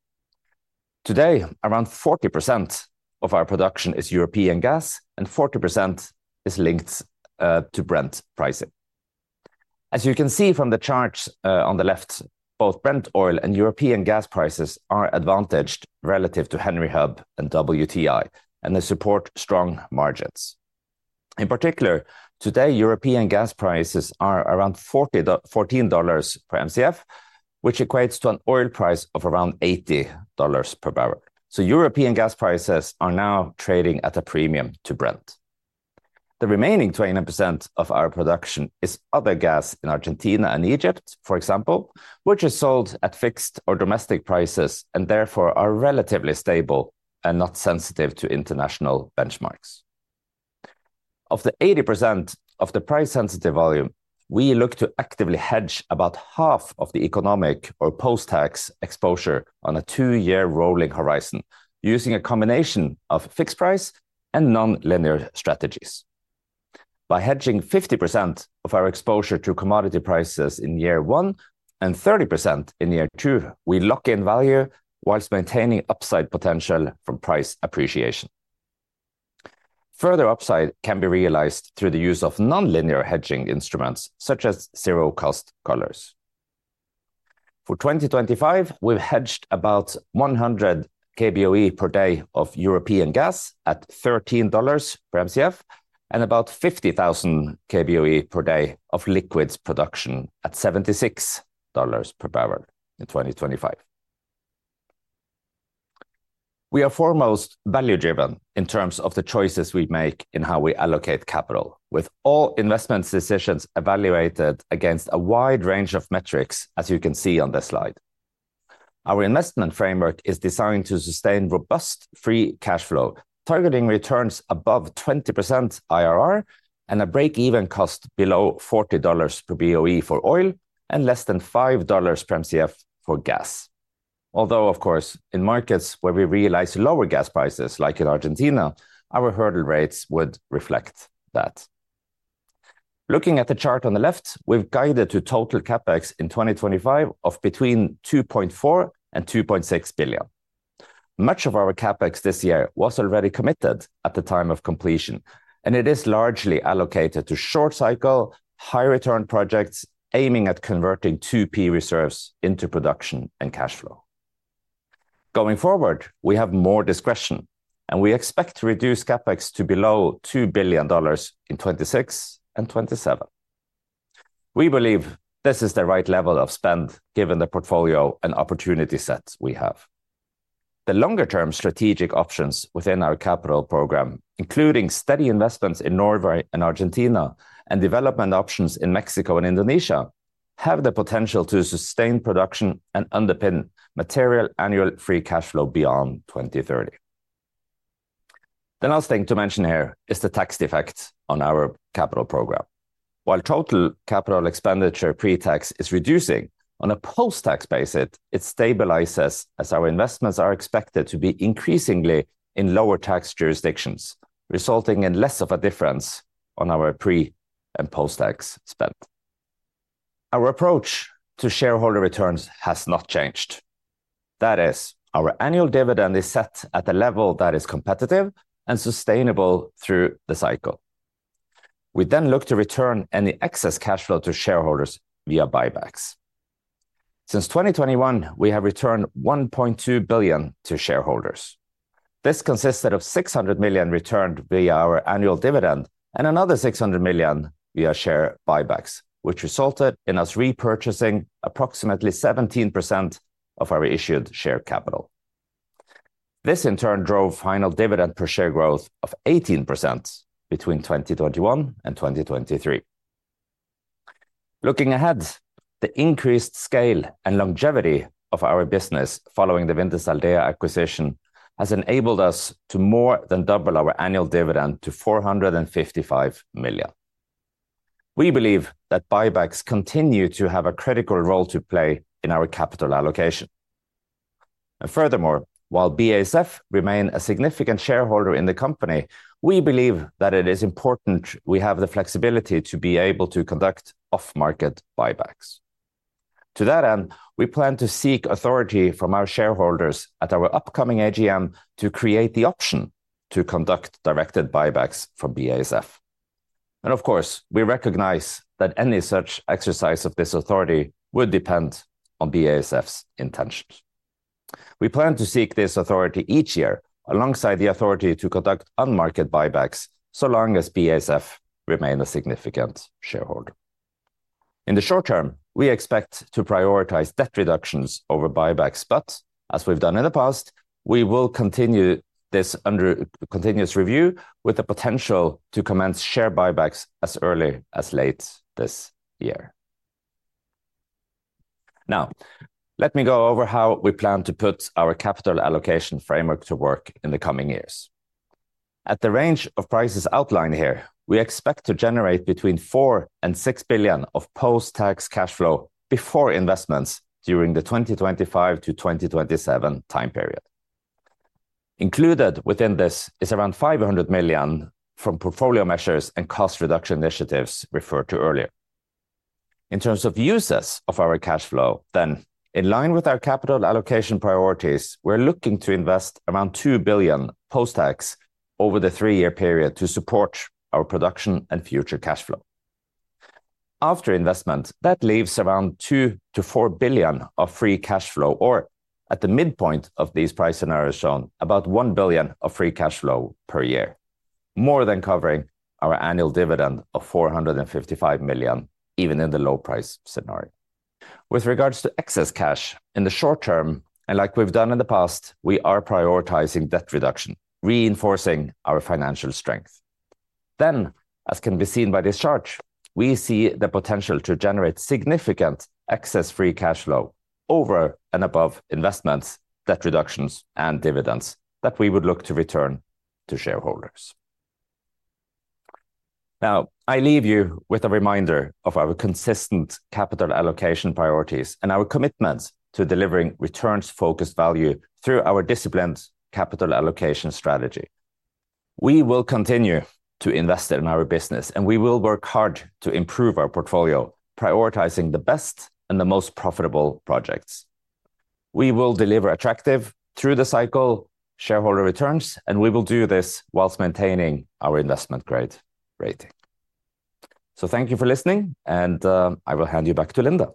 S2: Today, around 40% of our production is European gas and 40% is linked to Brent pricing. As you can see from the charts on the left, both Brent oil and European gas prices are advantaged relative to Henry Hub and WTI, and they support strong margins. In particular, today, European gas prices are around $14 per MCF, which equates to an oil price of around $80 per barrel, so European gas prices are now trading at a premium to Brent. The remaining 29% of our production is other gas in Argentina and Egypt, for example, which is sold at fixed or domestic prices and therefore are relatively stable and not sensitive to international benchmarks. Of the 80% of the price-sensitive volume, we look to actively hedge about half of the economic or post-tax exposure on a two-year rolling horizon, using a combination of fixed price and non-linear strategies. By hedging 50% of our exposure to commodity prices in year one and 30% in year two, we lock in value while maintaining upside potential from price appreciation. Further upside can be realized through the use of non-linear hedging instruments such as zero-cost collars. For 2025, we've hedged about 100 KBOE per day of European gas at $13 per MCF and about 50,000 KBOE per day of liquids production at $76 per barrel in 2025. We are foremost value-driven in terms of the choices we make in how we allocate capital, with all investment decisions evaluated against a wide range of metrics, as you can see on this slide. Our investment framework is designed to sustain robust free cash flow, targeting returns above 20% IRR and a break-even cost below $40 per BOE for oil and less than $5 per MCF for gas. Although, of course, in markets where we realize lower gas prices, like in Argentina, our hurdle rates would reflect that. Looking at the chart on the left, we've guided to total CapEx in 2025 of between $2.4 and $2.6 billion. Much of our CapEx this year was already committed at the time of completion, and it is largely allocated to short-cycle, high-return projects aiming at converting 2P reserves into production and cash flow. Going forward, we have more discretion, and we expect to reduce CapEx to below $2 billion in 2026 and 2027. We believe this is the right level of spend given the portfolio and opportunity set we have. The longer-term strategic options within our capital program, including steady investments in Norway and Argentina and development options in Mexico and Indonesia, have the potential to sustain production and underpin material annual free cash flow beyond 2030. The last thing to mention here is the tax effect on our capital program. While total capital expenditure pre-tax is reducing, on a post-tax basis, it stabilizes as our investments are expected to be increasingly in lower tax jurisdictions, resulting in less of a difference on our pre- and post-tax spend. Our approach to shareholder returns has not changed. That is, our annual dividend is set at a level that is competitive and sustainable through the cycle. We then look to return any excess cash flow to shareholders via buybacks. Since 2021, we have returned $1.2 billion to shareholders. This consisted of $600 million returned via our annual dividend and another $600 million via share buybacks, which resulted in us repurchasing approximately 17% of our issued share capital. This, in turn, drove final dividend per share growth of 18% between 2021 and 2023. Looking ahead, the increased scale and longevity of our business following the Wintershall Dea acquisition has enabled us to more than double our annual dividend to $455 million. We believe that buybacks continue to have a critical role to play in our capital allocation, and furthermore, while BASF remains a significant shareholder in the company, we believe that it is important we have the flexibility to be able to conduct off-market buybacks. To that end, we plan to seek authority from our shareholders at our upcoming AGM to create the option to conduct directed buybacks from BASF. Of course, we recognize that any such exercise of this authority would depend on BASF's intentions. We plan to seek this authority each year alongside the authority to conduct on-market buybacks so long as BASF remains a significant shareholder. In the short term, we expect to prioritize debt reductions over buybacks, but as we've done in the past, we will continue this under continuous review with the potential to commence share buybacks as early as late this year. Now, let me go over how we plan to put our capital allocation framework to work in the coming years. At the range of prices outlined here, we expect to generate between $4 and $6 billion of post-tax cash flow before investments during the 2025 to 2027 time period. Included within this is around $500 million from portfolio measures and cost reduction initiatives referred to earlier. In terms of uses of our cash flow, then in line with our capital allocation priorities, we're looking to invest around $2 billion post-tax over the three-year period to support our production and future cash flow. After investment, that leaves around $2-$4 billion of free cash flow, or at the midpoint of these price scenarios shown, about $1 billion of free cash flow per year, more than covering our annual dividend of $455 million, even in the low-price scenario. With regards to excess cash in the short term, and like we've done in the past, we are prioritizing debt reduction, reinforcing our financial strength, then as can be seen by this chart, we see the potential to generate significant excess free cash flow over and above investments, debt reductions, and dividends that we would look to return to shareholders. Now, I leave you with a reminder of our consistent capital allocation priorities and our commitment to delivering returns-focused value through our disciplined capital allocation strategy. We will continue to invest in our business, and we will work hard to improve our portfolio, prioritizing the best and the most profitable projects. We will deliver attractive, through-the-cycle shareholder returns, and we will do this while maintaining our investment grade rating. So thank you for listening, and I will hand you back to Linda.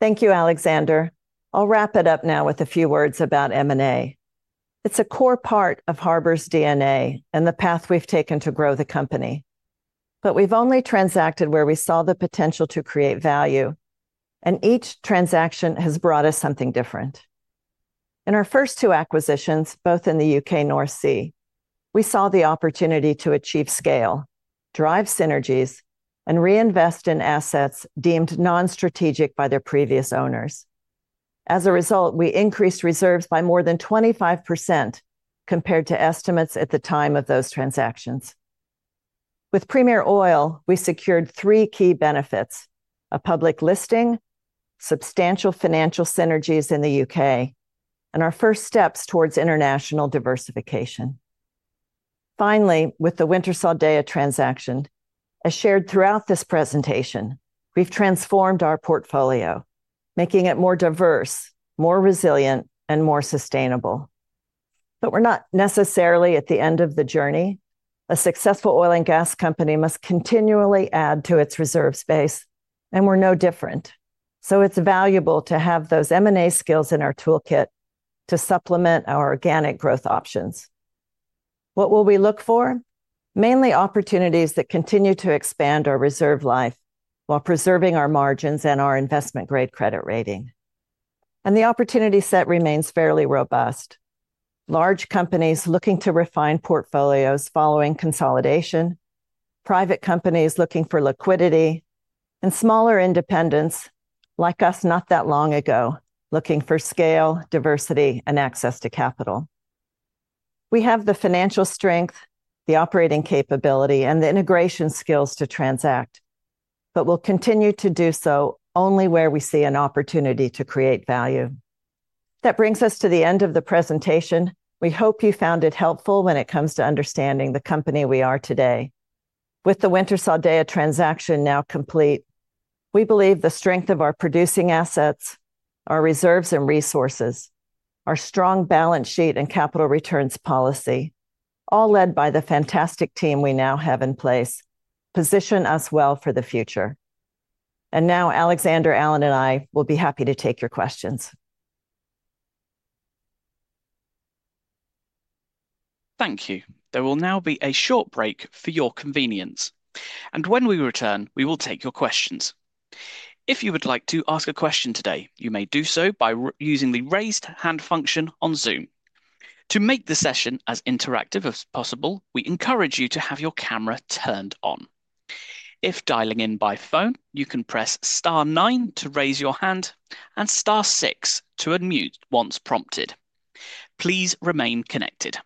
S3: Thank you, Alexander. I'll wrap it up now with a few words about M&A. It's a core part of Harbour's DNA and the path we've taken to grow the company. But we've only transacted where we saw the potential to create value, and each transaction has brought us something different. In our first two acquisitions, both in the UK North Sea, we saw the opportunity to achieve scale, drive synergies, and reinvest in assets deemed non-strategic by their previous owners. As a result, we increased reserves by more than 25% compared to estimates at the time of those transactions. With Premier Oil, we secured three key benefits: a public listing, substantial financial synergies in the UK, and our first steps towards international diversification. Finally, with the Wintershall Dea transaction, as shared throughout this presentation, we've transformed our portfolio, making it more diverse, more resilient, and more sustainable. But we're not necessarily at the end of the journey. A successful oil and gas company must continually add to its reserves base, and we're no different. So it's valuable to have those M&A skills in our toolkit to supplement our organic growth options. What will we look for? Mainly opportunities that continue to expand our reserve life while preserving our margins and our investment-grade credit rating. And the opportunity set remains fairly robust. Large companies looking to refine portfolios following consolidation, private companies looking for liquidity, and smaller independents, like us not that long ago, looking for scale, diversity, and access to capital. We have the financial strength, the operating capability, and the integration skills to transact, but we'll continue to do so only where we see an opportunity to create value. That brings us to the end of the presentation. We hope you found it helpful when it comes to understanding the company we are today. With the Wintershall Dea transaction now complete, we believe the strength of our producing assets, our reserves and resources, our strong balance sheet and capital returns policy, all led by the fantastic team we now have in place, position us well for the future. And now, Alexander, Alan, and I will be happy to take your questions.
S9: Thank you. There will now be a short break for your convenience. And when we return, we will take your questions. If you would like to ask a question today, you may do so by using the raised hand function on Zoom. To make the session as interactive as possible, we encourage you to have your camera turned on. If dialing in by phone, you can press Star 9 to raise your hand and Star 6 to unmute once prompted. Please remain connected.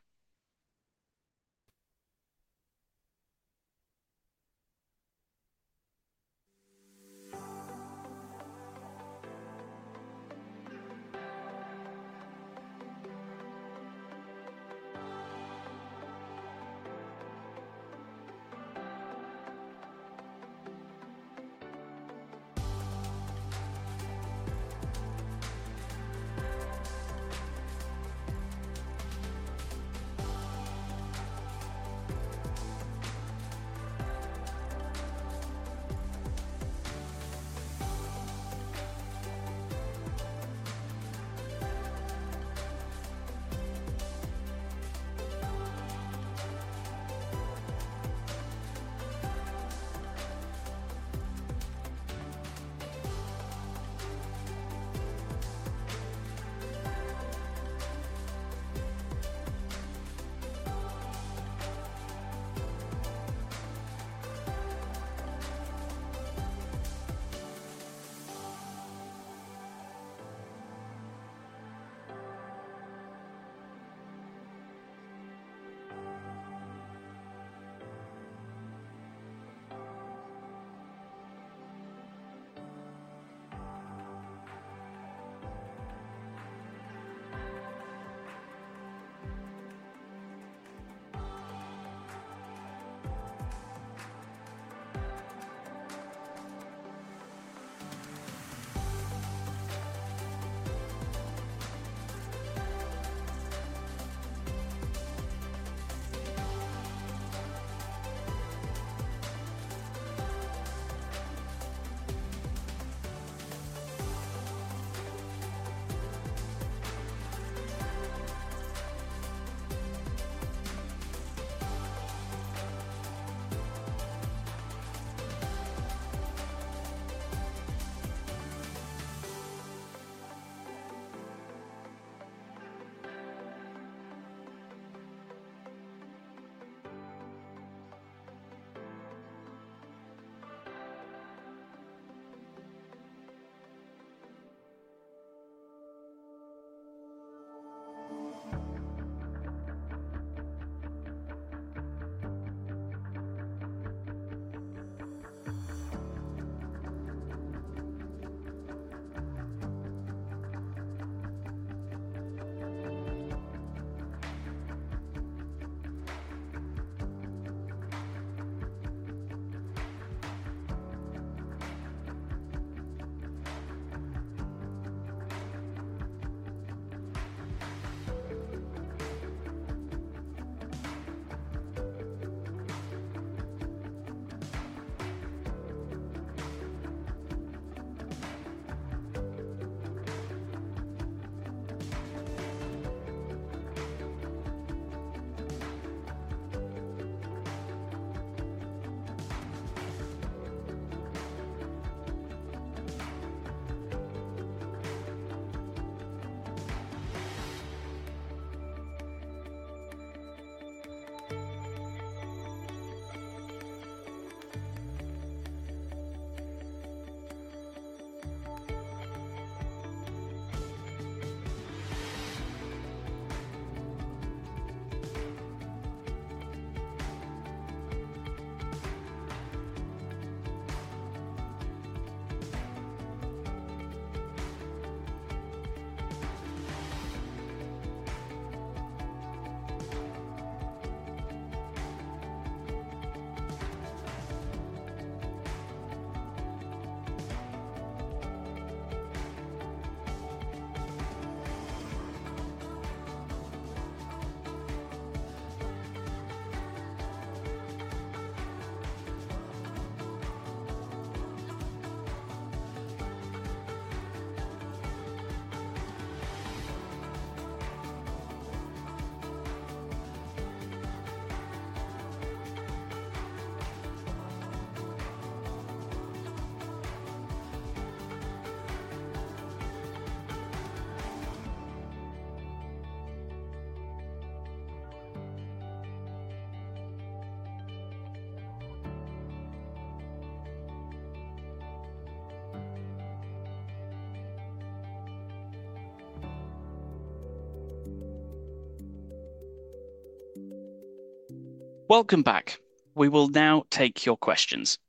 S9: Welcome back. We will now take your questions.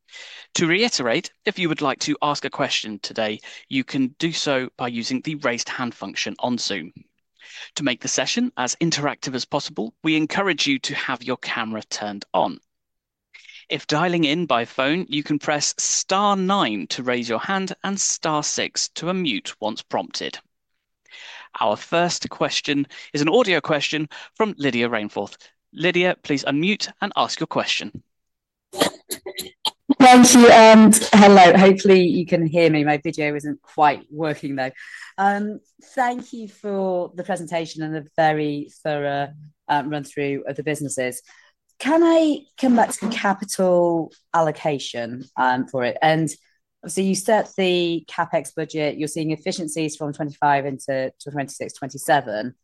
S9: To reiterate, if you would like to ask a question today, you can do so by using the raised hand function on Zoom. To make the session as interactive as possible, we encourage you to have your camera turned on. If dialing in by phone, you can press Star 9 to raise your hand and Star 6 to unmute once prompted. Our first question is an audio question from Lydia Rainforth. Lydia, please unmute and ask your question.
S10: Thank you. Hello. Hopefully, you can hear me. My video isn't quite working, though. Thank you for the presentation and the very thorough run-through of the businesses. Can I come back to the capital allocation for it? And obviously, you set the CapEx budget. You are seeing efficiencies from 2025 into 2026, 2027.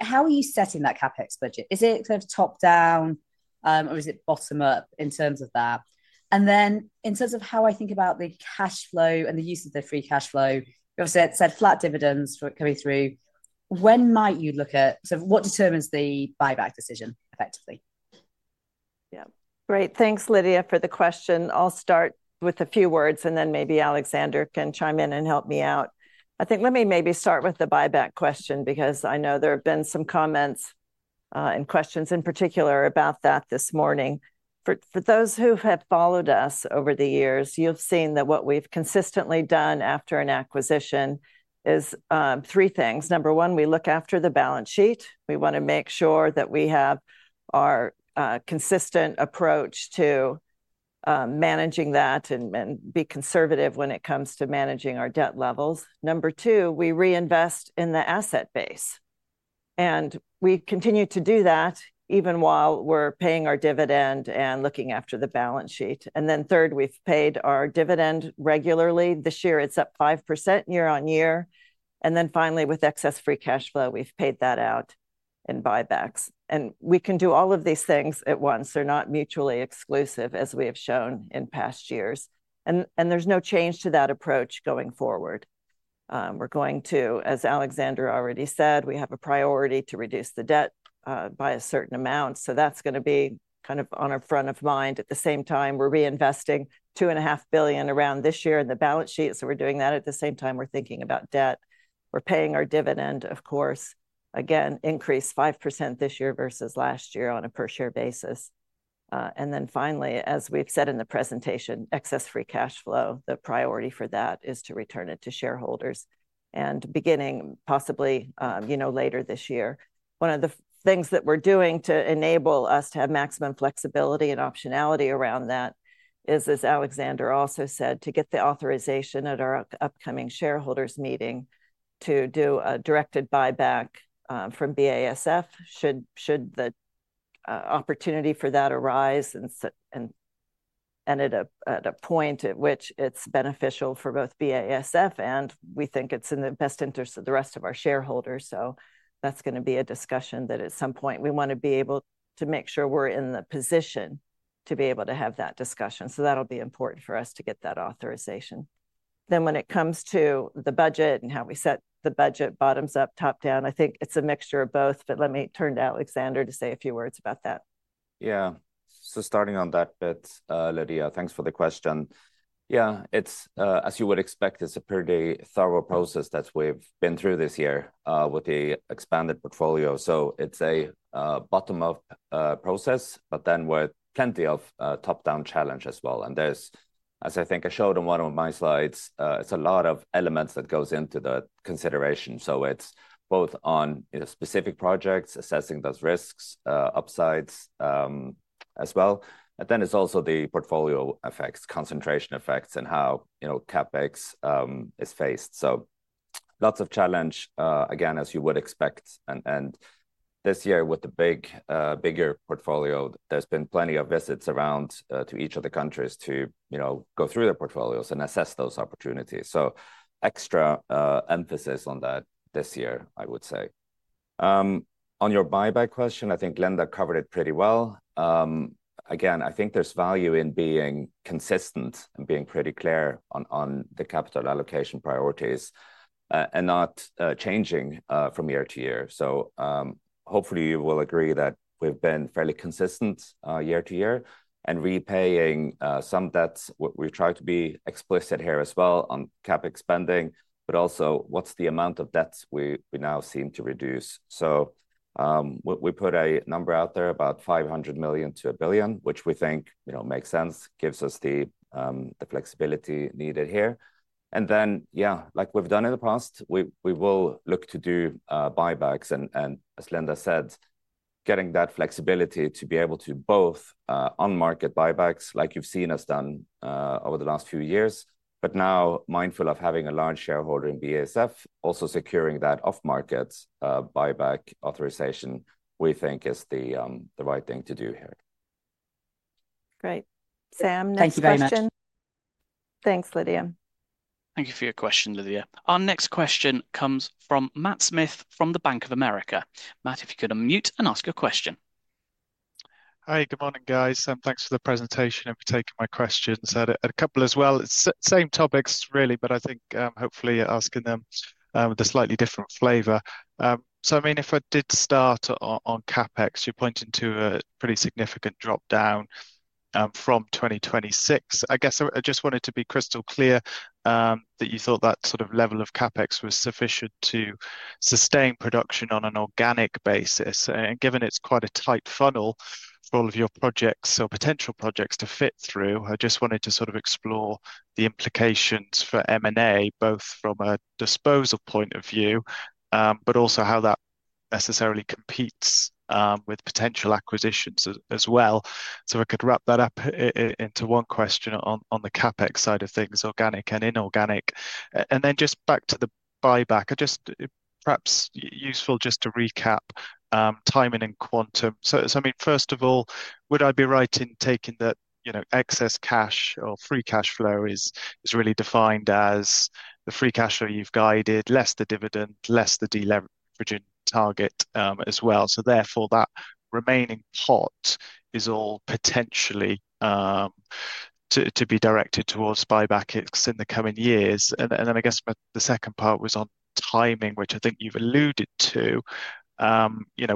S10: How are you setting that CapEx budget? Is it sort of top-down, or is it bottom-up in terms of that? And then in terms of how I think about the cash flow and the use of the free cash flow, you said flat dividends coming through. When might you look at what determines the buyback decision effectively?
S3: Yeah. Great. Thanks, Lydia, for the question. I'll start with a few words, and then maybe Alexander can chime in and help me out. I think let me maybe start with the buyback question because I know there have been some comments and questions in particular about that this morning. For those who have followed us over the years, you've seen that what we've consistently done after an acquisition is three things. Number 1, we look after the balance sheet. We want to make sure that we have our consistent approach to managing that and be conservative when it comes to managing our debt levels. Number 2, we reinvest in the asset base. We continue to do that even while we're paying our dividend and looking after the balance sheet. Then third, we've paid our dividend regularly. This year, it's up 5% year on year. Then finally, with excess free cash flow, we've paid that out in buybacks. We can do all of these things at once. They're not mutually exclusive, as we have shown in past years. There's no change to that approach going forward. We're going to, as Alexander already said, we have a priority to reduce the debt by a certain amount. So that's going to be kind of on our front of mind. At the same time, we're reinvesting $2.5 billion around this year in the balance sheet. So we're doing that. At the same time, we're thinking about debt. We're paying our dividend, of course. Again, increase 5% this year versus last year on a per-share basis, and then finally, as we've said in the presentation, excess free cash flow, the priority for that is to return it to shareholders and beginning possibly later this year. One of the things that we're doing to enable us to have maximum flexibility and optionality around that is, as Alexander also said, to get the authorization at our upcoming shareholders meeting to do a directed buyback from BASF should the opportunity for that arise and at a point at which it's beneficial for both BASF and we think it's in the best interest of the rest of our shareholders. So that's going to be a discussion that at some point we want to be able to make sure we're in the position to be able to have that discussion. So that'll be important for us to get that authorization. Then when it comes to the budget and how we set the budget bottoms up, top down, I think it's a mixture of both. But let me turn to Alexander to say a few words about that. Yeah. So starting on that bit, Lydia, thanks for the question.
S2: Yeah, as you would expect, it's a pretty thorough process that we've been through this year with the expanded portfolio. So it's a bottom-up process, but then with plenty of top-down challenge as well. And there's, as I think I showed on one of my slides, it's a lot of elements that goes into the consideration. So it's both on specific projects, assessing those risks, upsides as well. But then it's also the portfolio effects, concentration effects, and how CapEx is phased. So lots of challenge, again, as you would expect. This year, with the bigger portfolio, there's been plenty of visits around to each of the countries to go through their portfolios and assess those opportunities. So extra emphasis on that this year, I would say. On your buyback question, I think Linda covered it pretty well. Again, I think there's value in being consistent and being pretty clear on the capital allocation priorities and not changing from year to year. So hopefully, you will agree that we've been fairly consistent year to year and repaying some debts. We've tried to be explicit here as well on CapEx spending, but also what's the amount of debts we now seem to reduce. So we put a number out there, about $500 million-$1 billion, which we think makes sense, gives us the flexibility needed here. Then, yeah, like we've done in the past, we will look to do buybacks. As lenda said, getting that flexibility to be able to both on-market buybacks, like you've seen us done over the last few years, but now mindful of having a large shareholder in BASF, also securing that off-market buyback authorization, we think is the right thing to do here.
S3: Great. Sam, next question.
S10: Thank you very much.
S3: Thanks, Lydia.
S9: Thank you for your question, Lydia. Our next question comes from Matt Smith from Bank of America. Matt, if you could unmute and ask your question.
S11: Hi, good morning, guys. Thanks for the presentation and for taking my questions. I had a couple as well. Same topics, really, but I think hopefully asking them with a slightly different flavor. So, I mean, if I did start on CapEx, you're pointing to a pretty significant drop down from 2026. I guess I just wanted to be crystal clear that you thought that sort of level of CapEx was sufficient to sustain production on an organic basis. And given it's quite a tight funnel for all of your projects or potential projects to fit through, I just wanted to sort of explore the implications for M&A, both from a disposal point of view, but also how that necessarily competes with potential acquisitions as well. So if I could wrap that up into one question on the CapEx side of things, organic and inorganic. And then just back to the buyback, I just perhaps useful just to recap timing and quantum. So, I mean, first of all, would I be right in taking that excess cash or free cash flow is really defined as the free cash flow you've guided, less the dividend, less the deleveraging target as well? So therefore, that remaining pot is all potentially to be directed towards buyback in the coming years. And then I guess the second part was on timing, which I think you've alluded to,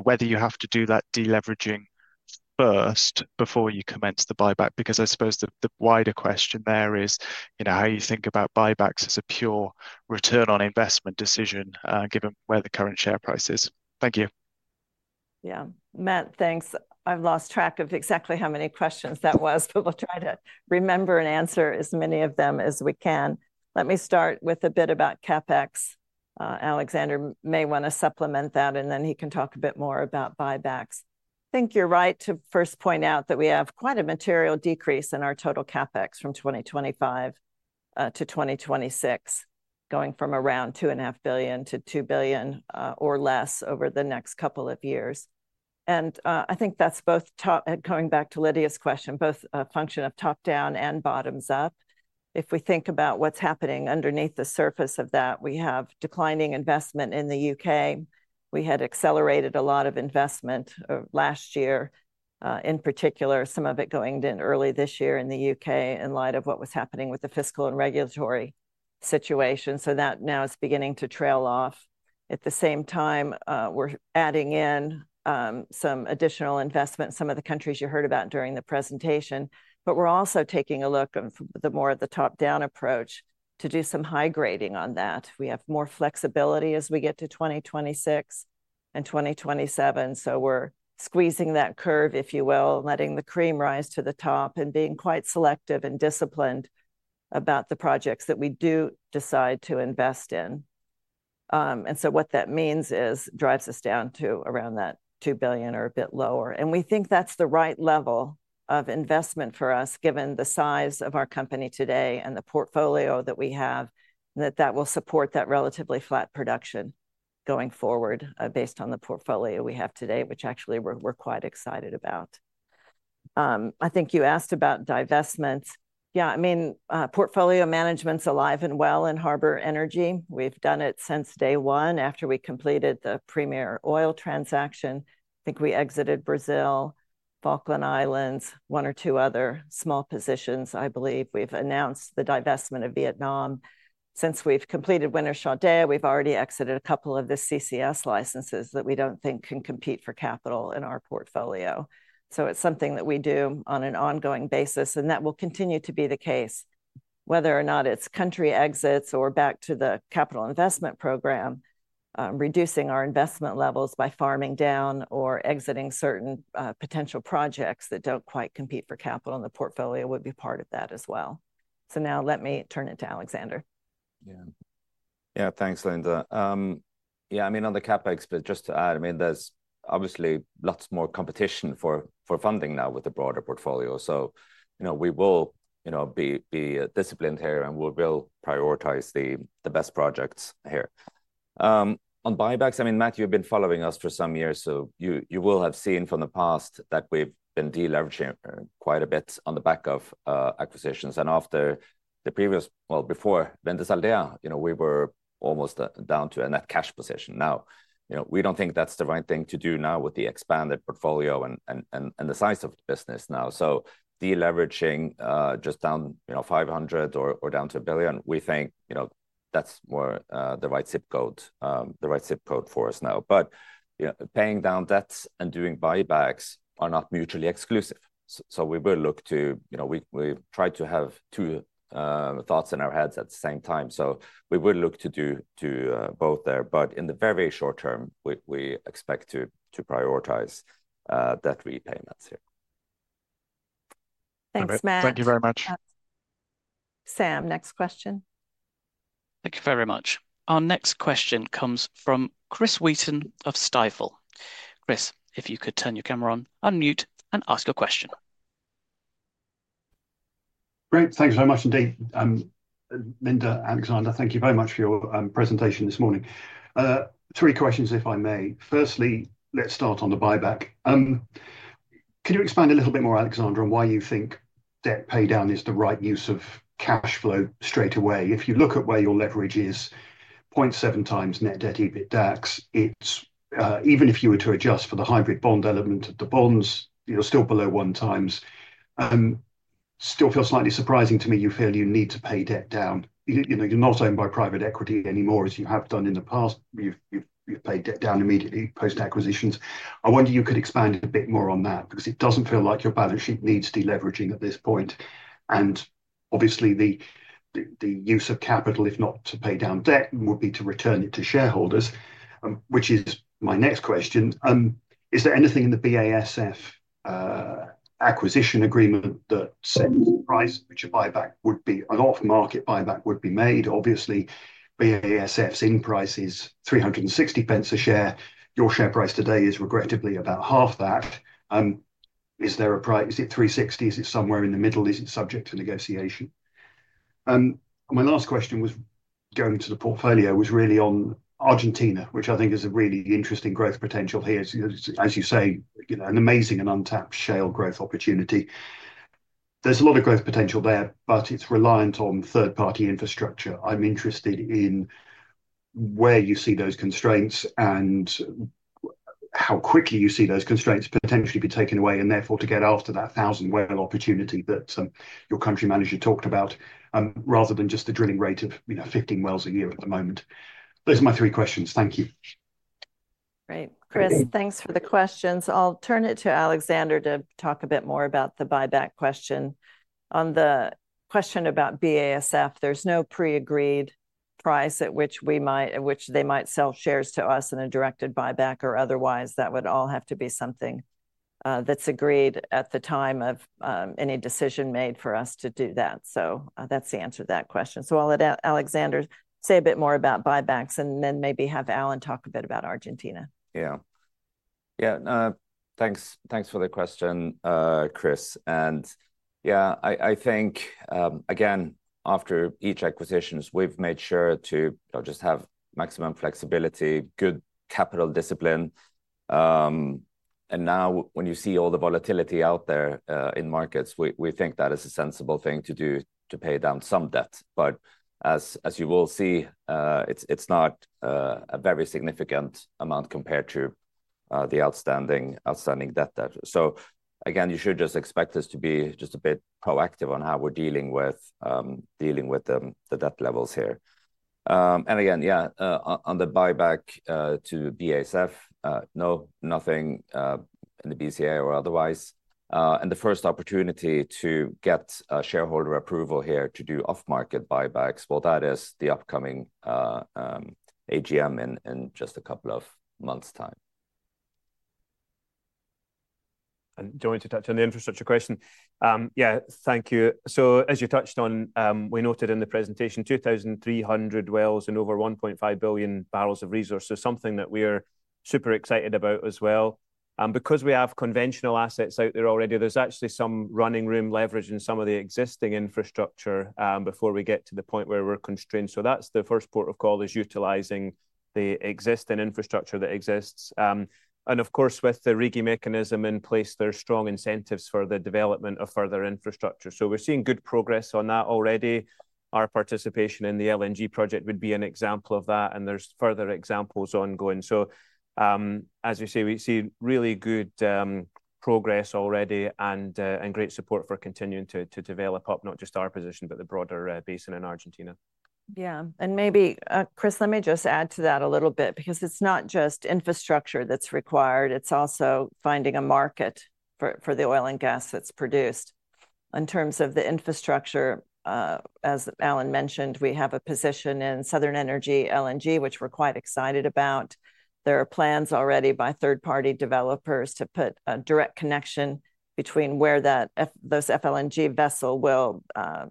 S11: whether you have to do that deleveraging first before you commence the buyback, because I suppose the wider question there is how you think about buybacks as a pure return on investment decision given where the current share price is. Thank you.
S3: Yeah. Matt, thanks. I've lost track of exactly how many questions that was, but we'll try to remember and answer as many of them as we can. Let me start with a bit about CapEx. Alexander may want to supplement that, and then he can talk a bit more about buybacks. I think you're right to first point out that we have quite a material decrease in our total CapEx from 2025 to 2026, going from around $2.5 billion to $2 billion or less over the next couple of years, and I think that's both going back to Lydia's question, both a function of top down and bottoms up. If we think about what's happening underneath the surface of that, we have declining investment in the UK. We had accelerated a lot of investment last year, in particular, some of it going in early this year in the UK in light of what was happening with the fiscal and regulatory situation, so that now is beginning to trail off. At the same time, we're adding in some additional investment, some of the countries you heard about during the presentation, but we're also taking a look at a more top-down approach to do some high grading on that. We have more flexibility as we get to 2026 and 2027, so we're squeezing that curve, if you will, letting the cream rise to the top and being quite selective and disciplined about the projects that we do decide to invest in, and so what that means is drives us down to around that $2 billion or a bit lower, and we think that's the right level of investment for us, given the size of our company today and the portfolio that we have, that that will support that relatively flat production going forward based on the portfolio we have today, which actually we're quite excited about. I think you asked about divestments. Yeah, I mean, portfolio management's alive and well in Harbour Energy. We've done it since day one after we completed the Premier Oil transaction. I think we exited Brazil, Falkland Islands, one or two other small positions. I believe we've announced the divestment of Vietnam. Since we've completed Wintershall Dea, we've already exited a couple of the CCS licenses that we don't think can compete for capital in our portfolio. So it's something that we do on an ongoing basis, and that will continue to be the case, whether or not it's country exits or back to the capital investment program, reducing our investment levels by farming down or exiting certain potential projects that don't quite compete for capital in the portfolio would be part of that as well. So now let me turn it to Alexander.
S2: Yeah. Yeah, thanks, Linda. Yeah, I mean, on the CapEx, but just to add, I mean, there's obviously lots more competition for funding now with the broader portfolio. So we will be disciplined here and we will prioritize the best projects here. On buybacks, I mean, Matt, you've been following us for some years, so you will have seen from the past that we've been deleveraging quite a bit on the back of acquisitions. And after the previous, well, before Wintershall Dea, we were almost down to a net cash position. Now, we don't think that's the right thing to do now with the expanded portfolio and the size of the business now. So deleveraging just down $500 or down to $1 billion, we think that's more the right zip code for us now. But paying down debts and doing buybacks are not mutually exclusive. We've tried to have two thoughts in our heads at the same time, so we would look to do both there, but in the very short term, we expect to prioritize debt repayments here.
S3: Thanks, Matt.
S11: Thank you very much.
S3: Sam, next question.
S9: Thank you very much. Our next question comes from Chris Wheaton of Stifel. Chris, if you could turn your camera on, unmute and ask your question.
S12: Great. Thanks very much. Linda, Alexander, thank you very much for your presentation this morning. Three questions, if I may. Firstly, let's start on the buyback. Can you expand a little bit more, Alexander, on why you think debt paydown is the right use of cash flow straight away? If you look at where your leverage is, 0.7 times net debt EBITDAX, even if you were to adjust for the hybrid bond element of the bonds, you're still below one times. Still feels slightly surprising to me you feel you need to pay debt down. You're not owned by private equity anymore, as you have done in the past. You've paid debt down immediately post acquisitions. I wonder you could expand a bit more on that because it doesn't feel like your balance sheet needs deleveraging at this point. And obviously, the use of capital, if not to pay down debt, would be to return it to shareholders, which is my next question. Is there anything in the BASF acquisition agreement that sets the price which a buyback would be an off-market buyback would be made? Obviously, BASF's in-price is $360 a share. Your share price today is regrettably about half that. Is there a price? Is it $360? Is it somewhere in the middle? Is it subject to negotiation? My last question was going to the portfolio was really on Argentina, which I think is a really interesting growth potential here. As you say, an amazing and untapped shale growth opportunity. There's a lot of growth potential there, but it's reliant on third-party infrastructure. I'm interested in where you see those constraints and how quickly you see those constraints potentially be taken away and therefore to get after that thousand well opportunity that your country manager talked about, rather than just the drilling rate of 15 wells a year at the moment. Those
S3: are my three questions. Thank you. Great. Chris, thanks for the questions. I'll turn it to Alexander to talk a bit more about the buyback question. On the question about BASF, there's no pre-agreed price at which they might sell shares to us in a directed buyback or otherwise. That would all have to be something that's agreed at the time of any decision made for us to do that. So that's the answer to that question. So I'll let Alexander say a bit more about buybacks and then maybe have Alan talk a bit about Argentina.
S2: Yeah. Yeah. Thanks for the question, Chris. And yeah, I think, again, after each acquisition, we've made sure to just have maximum flexibility, good capital discipline. And now when you see all the volatility out there in markets, we think that is a sensible thing to do to pay down some debt. But as you will see, it's not a very significant amount compared to the outstanding debt there. Again, you should just expect us to be just a bit proactive on how we're dealing with the debt levels here. And again, yeah, on the buyback to BASF, no, nothing in the BCA or otherwise. And the first opportunity to get shareholder approval here to do off-market buybacks, well, that is the upcoming AGM in just a couple of months' time.
S4: Just to touch on the infrastructure question. Yeah, thank you. As you touched on, we noted in the presentation 2,300 wells and over $1.5 billion barrels of resource. Something that we are super excited about as well. And because we have conventional assets out there already, there's actually some running room leveraging some of the existing infrastructure before we get to the point where we're constrained. That's the first port of call: utilizing the existing infrastructure that exists. Of course, with the RIGI mechanism in place, there are strong incentives for the development of further infrastructure. So we're seeing good progress on that already. Our participation in the LNG project would be an example of that, and there's further examples ongoing. So as you say, we see really good progress already and great support for continuing to develop up, not just our position, but the broader basin in Argentina.
S3: Yeah. And maybe, Chris, let me just add to that a little bit because it's not just infrastructure that's required. It's also finding a market for the oil and gas that's produced. In terms of the infrastructure, as Alan mentioned, we have a position in Southern Energy LNG, which we're quite excited about. There are plans already by third-party developers to put a direct connection between where those FLNG vessels will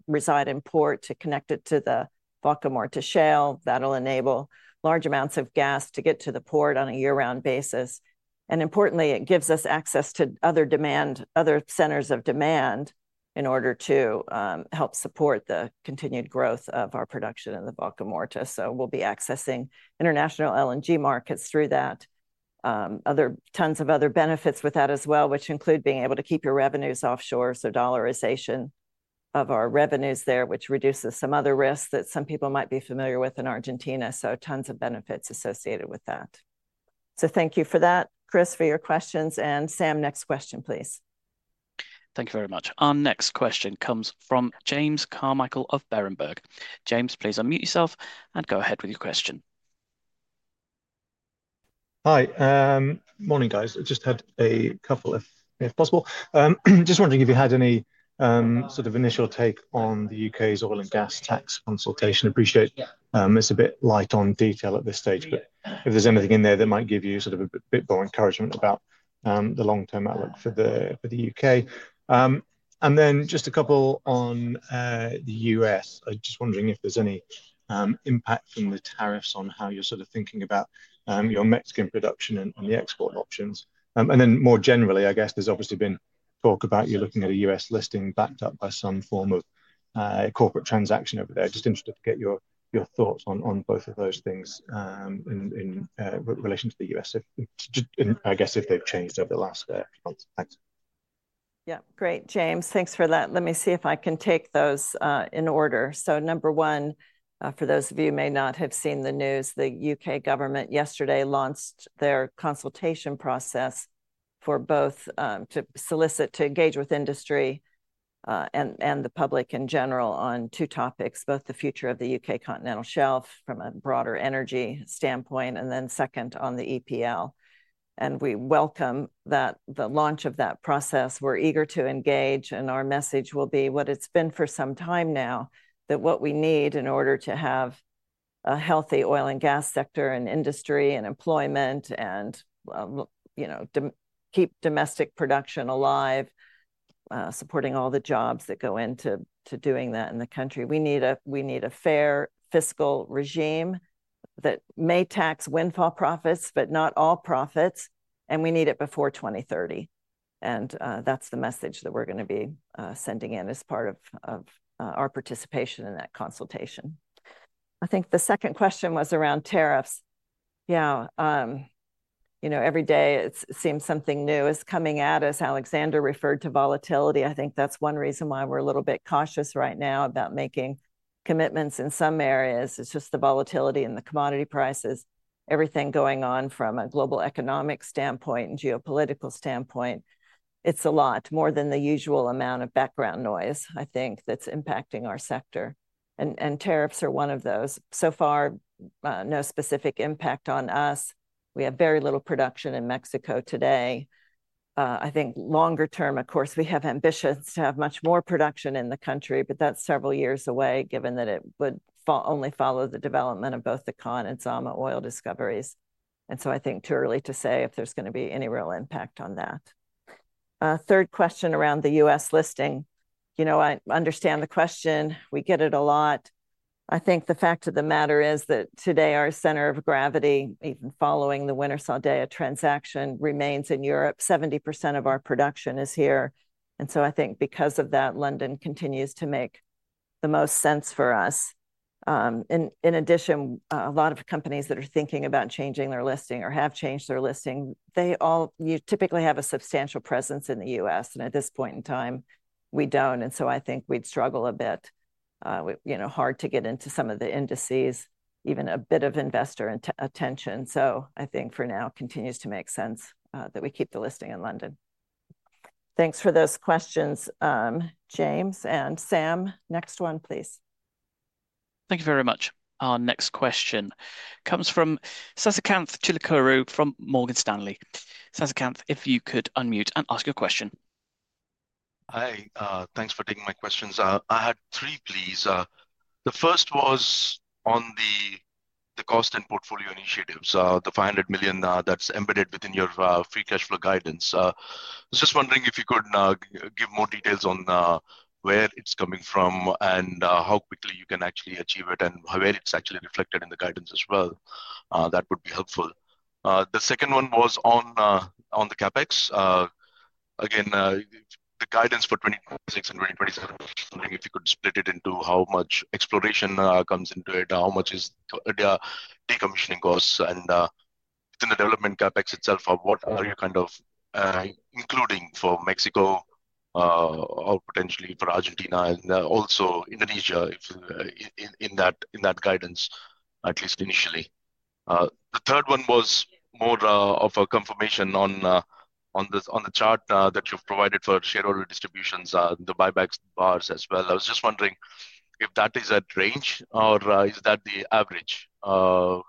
S3: reside in port to connect it to the Fenix to Vaca Muerta shale. That'll enable large amounts of gas to get to the port on a year-round basis, and importantly, it gives us access to other centers of demand in order to help support the continued growth of our production in the Fenix to Vaca Muerta. So we'll be accessing international LNG markets through that. Oh, tons of other benefits with that as well, which include being able to keep your revenues offshore. So dollarization of our revenues there, which reduces some other risks that some people might be familiar with in Argentina. So tons of benefits associated with that. So thank you for that, Chris, for your questions. And Sam, next question, please. Thank you very much.
S9: Our next question comes from James Carmichael of Berenberg. James, please unmute yourself and go ahead with your question.
S13: Hi. Morning, guys. I just had a couple of, if possible. Just wondering if you had any sort of initial take on the U.K.'s oil and gas tax consultation. Appreciate it. It's a bit light on detail at this stage, but if there's anything in there that might give you sort of a bit more encouragement about the long-term outlook for the U.K. And then just a couple on the U.S. I'm just wondering if there's any impact from the tariffs on how you're sort of thinking about your Mexican production and the export options. And then more generally, I guess there's obviously been talk about you're looking at a U.S. listing backed up by some form of corporate transaction over there. Just interested to get your thoughts on both of those things in relation to the US, I guess, if they've changed over the last month. Thanks.
S3: Yeah. Great. James, thanks for that. Let me see if I can take those in order. So number one, for those of you who may not have seen the news, the UK government yesterday launched their consultation process for both to solicit to engage with industry and the public in general on two topics, both the future of the UK Continental Shelf from a broader energy standpoint, and then second on the EPL. We welcome the launch of that process. We're eager to engage, and our message will be what it's been for some time now, that what we need in order to have a healthy oil and gas sector and industry and employment and keep domestic production alive, supporting all the jobs that go into doing that in the country. We need a fair fiscal regime that may tax windfall profits, but not all profits. And we need it before 2030. And that's the message that we're going to be sending in as part of our participation in that consultation. I think the second question was around tariffs. Yeah. Every day, it seems something new is coming at us. Alexander referred to volatility. I think that's one reason why we're a little bit cautious right now about making commitments in some areas. It's just the volatility in the commodity prices, everything going on from a global economic standpoint and geopolitical standpoint. It's a lot more than the usual amount of background noise, I think, that's impacting our sector, and tariffs are one of those. So far, no specific impact on us. We have very little production in Mexico today. I think longer term, of course, we have ambitions to have much more production in the country, but that's several years away, given that it would only follow the development of both the Kan and Zama oil discoveries, and so I think too early to say if there's going to be any real impact on that. Third question around the US listing. You know, I understand the question. We get it a lot. I think the fact of the matter is that today our center of gravity, even following the Wintershall Dea transaction, remains in Europe. 70% of our production is here. So I think because of that, London continues to make the most sense for us. In addition, a lot of companies that are thinking about changing their listing or have changed their listing, they all typically have a substantial presence in the U.S. And at this point in time, we don't. So I think we'd struggle a bit, hard to get into some of the indices, even a bit of investor attention. I think for now, it continues to make sense that we keep the listing in London. Thanks for those questions, James. And Sam, next one, please.
S9: Thank you very much. Our next question comes from Sasikanth Chilukuru from Morgan Stanley. Sasikanth, if you could unmute and ask your question.
S14: Hi. Thanks for taking my questions. I had three, please. The first was on the cost and portfolio initiatives, the $500 million that's embedded within your free cash flow guidance. Just wondering if you could give more details on where it's coming from and how quickly you can actually achieve it and where it's actually reflected in the guidance as well. That would be helpful. The second one was on the CapEx. Again, the guidance for 2026 and 2027, if you could split it into how much exploration comes into it, how much is decommissioning costs, and within the development CapEx itself, what are you kind of including for Mexico or potentially for Argentina and also Indonesia in that guidance, at least initially. The third one was more of a confirmation on the chart that you've provided for shareholder distributions, the buyback bars as well. I was just wondering if that is at range or is that the average, the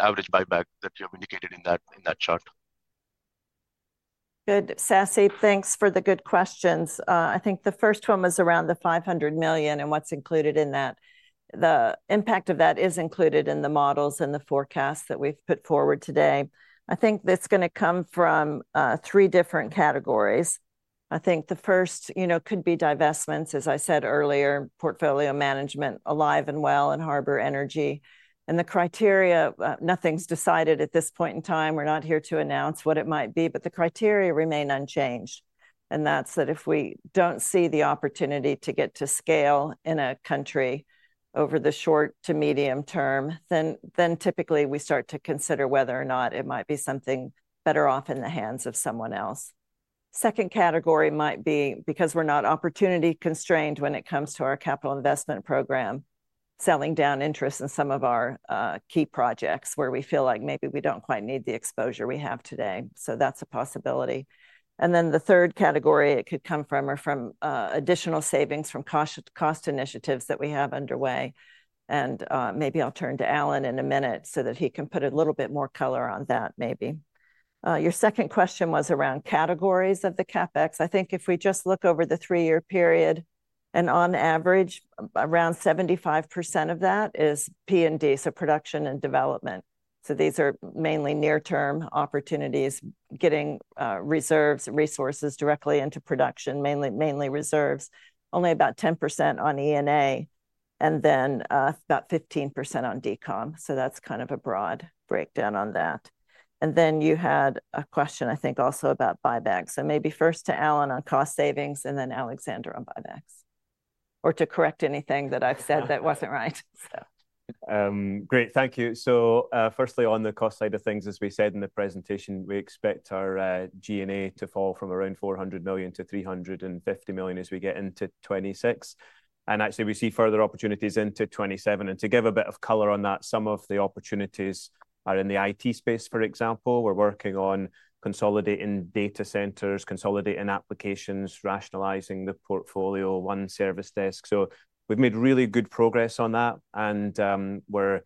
S14: average buyback that you have indicated in that chart?
S3: Good. Sasi, thanks for the good questions. I think the first one was around the $500 million and what's included in that. The impact of that is included in the models and the forecasts that we've put forward today. I think that's going to come from three different categories. I think the first could be divestments, as I said earlier, portfolio management, alive and well in Harbour Energy. And the criteria, nothing's decided at this point in time. We're not here to announce what it might be, but the criteria remain unchanged. And that's that if we don't see the opportunity to get to scale in a country over the short to medium term, then typically we start to consider whether or not it might be something better off in the hands of someone else. Second category might be because we're not opportunity constrained when it comes to our capital investment program, selling down interest in some of our key projects where we feel like maybe we don't quite need the exposure we have today. So that's a possibility. And then the third category, it could come from additional savings from cost initiatives that we have underway. And maybe I'll turn to Alan in a minute so that he can put a little bit more color on that, maybe. Your second question was around categories of the CapEx. I think if we just look over the three-year period, and on average, around 75% of that is P&D, so production and development. So these are mainly near-term opportunities, getting reserves and resources directly into production, mainly reserves, only about 10% on E&A, and then about 15% on decom. So that's kind of a broad breakdown on that. And then you had a question, I think, also about buybacks. So maybe first to Alan on cost savings and then Alexander on buybacks. Or to correct anything that I've said that wasn't right.
S4: Great. Thank you. So firstly, on the cost side of things, as we said in the presentation, we expect our G&A to fall from around $400 million to $350 million as we get into 2026. And actually, we see further opportunities into 2027. To give a bit of color on that, some of the opportunities are in the IT space, for example. We're working on consolidating data centers, consolidating applications, rationalizing the portfolio, one service desk. So we've made really good progress on that, and we're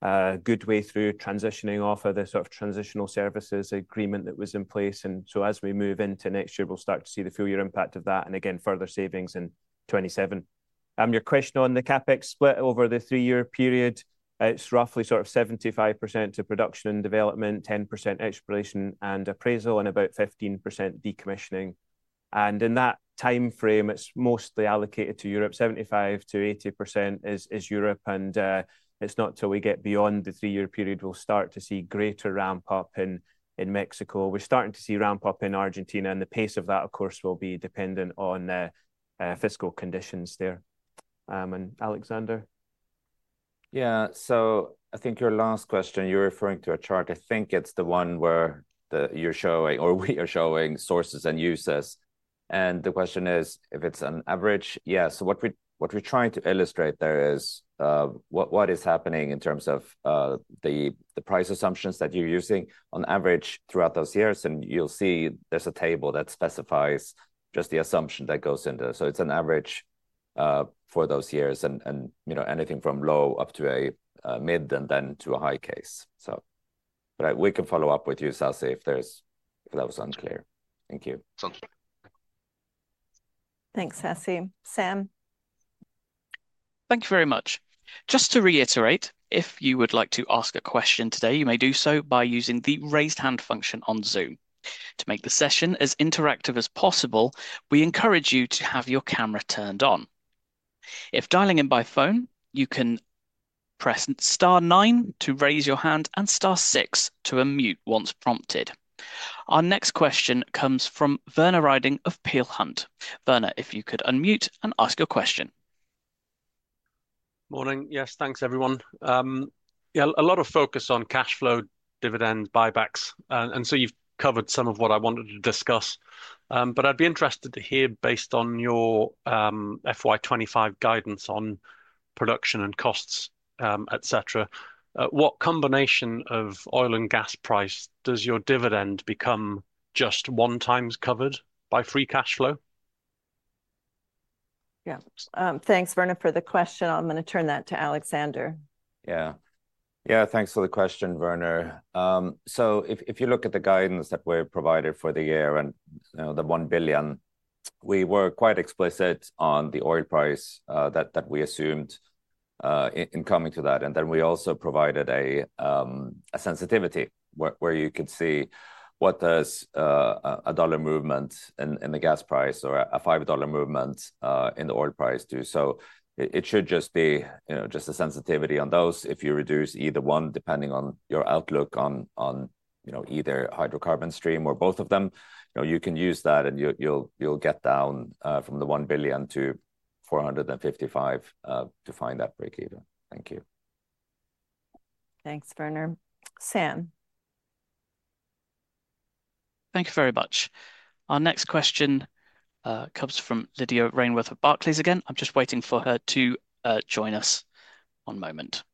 S4: a good way through transitioning off of the sort of transitional services agreement that was in place. So as we move into next year, we'll start to see the full year impact of that and again, further savings in 2027. Your question on the CapEx split over the three-year period, it's roughly sort of 75% to production and development, 10% exploration and appraisal, and about 15% decommissioning. And in that timeframe, it's mostly allocated to Europe. 75%-80% is Europe. And it's not till we get beyond the three-year period we'll start to see greater ramp up in Mexico. We're starting to see ramp up in Argentina. And the pace of that, of course, will be dependent on fiscal conditions there. And Alexander?
S2: Yeah. So I think your last question, you're referring to a chart. I think it's the one where you're showing or we are showing sources and uses. And the question is, if it's an average, yeah. So what we're trying to illustrate there is what is happening in terms of the price assumptions that you're using on average throughout those years. And you'll see there's a table that specifies just the assumption that goes into it. So it's an average for those years and anything from low up to a mid and then to a high case. But we can follow up with you, Sasi, if that was unclear. Thank you.
S3: Thanks, Sasi. Sam? Thank you very much.
S9: Just to reiterate, if you would like to ask a question today, you may do so by using the raised hand function on Zoom. To make the session as interactive as possible, we encourage you to have your camera turned on. If dialing in by phone, you can press star 9 to raise your hand and star six to unmute once prompted. Our next question comes from Werner Riding of Peel Hunt. Werner, if you could unmute and ask your question.
S15: Morning. Yes, thanks, everyone. Yeah, a lot of focus on cash flow, dividend, buybacks. And so you've covered some of what I wanted to discuss. But I'd be interested to hear, based on your FY25 guidance on production and costs, etc., what combination of oil and gas price does your dividend become just one time covered by free cash flow?
S3: Yeah. Thanks, Werner, for the question. I'm going to turn that to Alexander.
S2: Yeah. Yeah, thanks for the question, Werner. So if you look at the guidance that we've provided for the year and the $1 billion, we were quite explicit on the oil price that we assumed in coming to that. And then we also provided a sensitivity where you could see what does a dollar movement in the gas price or a $5 movement in the oil price do. So it should be a sensitivity on those. If you reduce either one, depending on your outlook on either hydrocarbon stream or both of them, you can use that and you'll get down from the $1 billion to $455 to find that breakeven. Thank you.
S3: Thanks, Werner. Sam?
S9: Thank you very much. Our next question comes from Lydia Rainforth of Barclays again. I'm just waiting for her to join us one moment.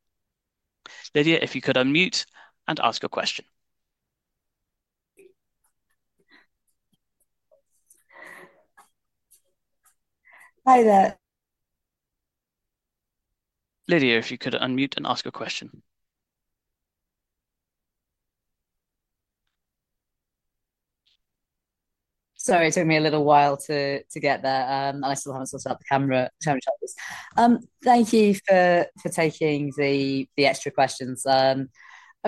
S9: Lydia, if you could unmute and ask a question.
S10: Hi there.
S9: Lydia, if you could unmute and ask a question.
S10: Sorry, it took me a little while to get there. And I still haven't sorted out the camera charges. Thank you for taking the extra questions.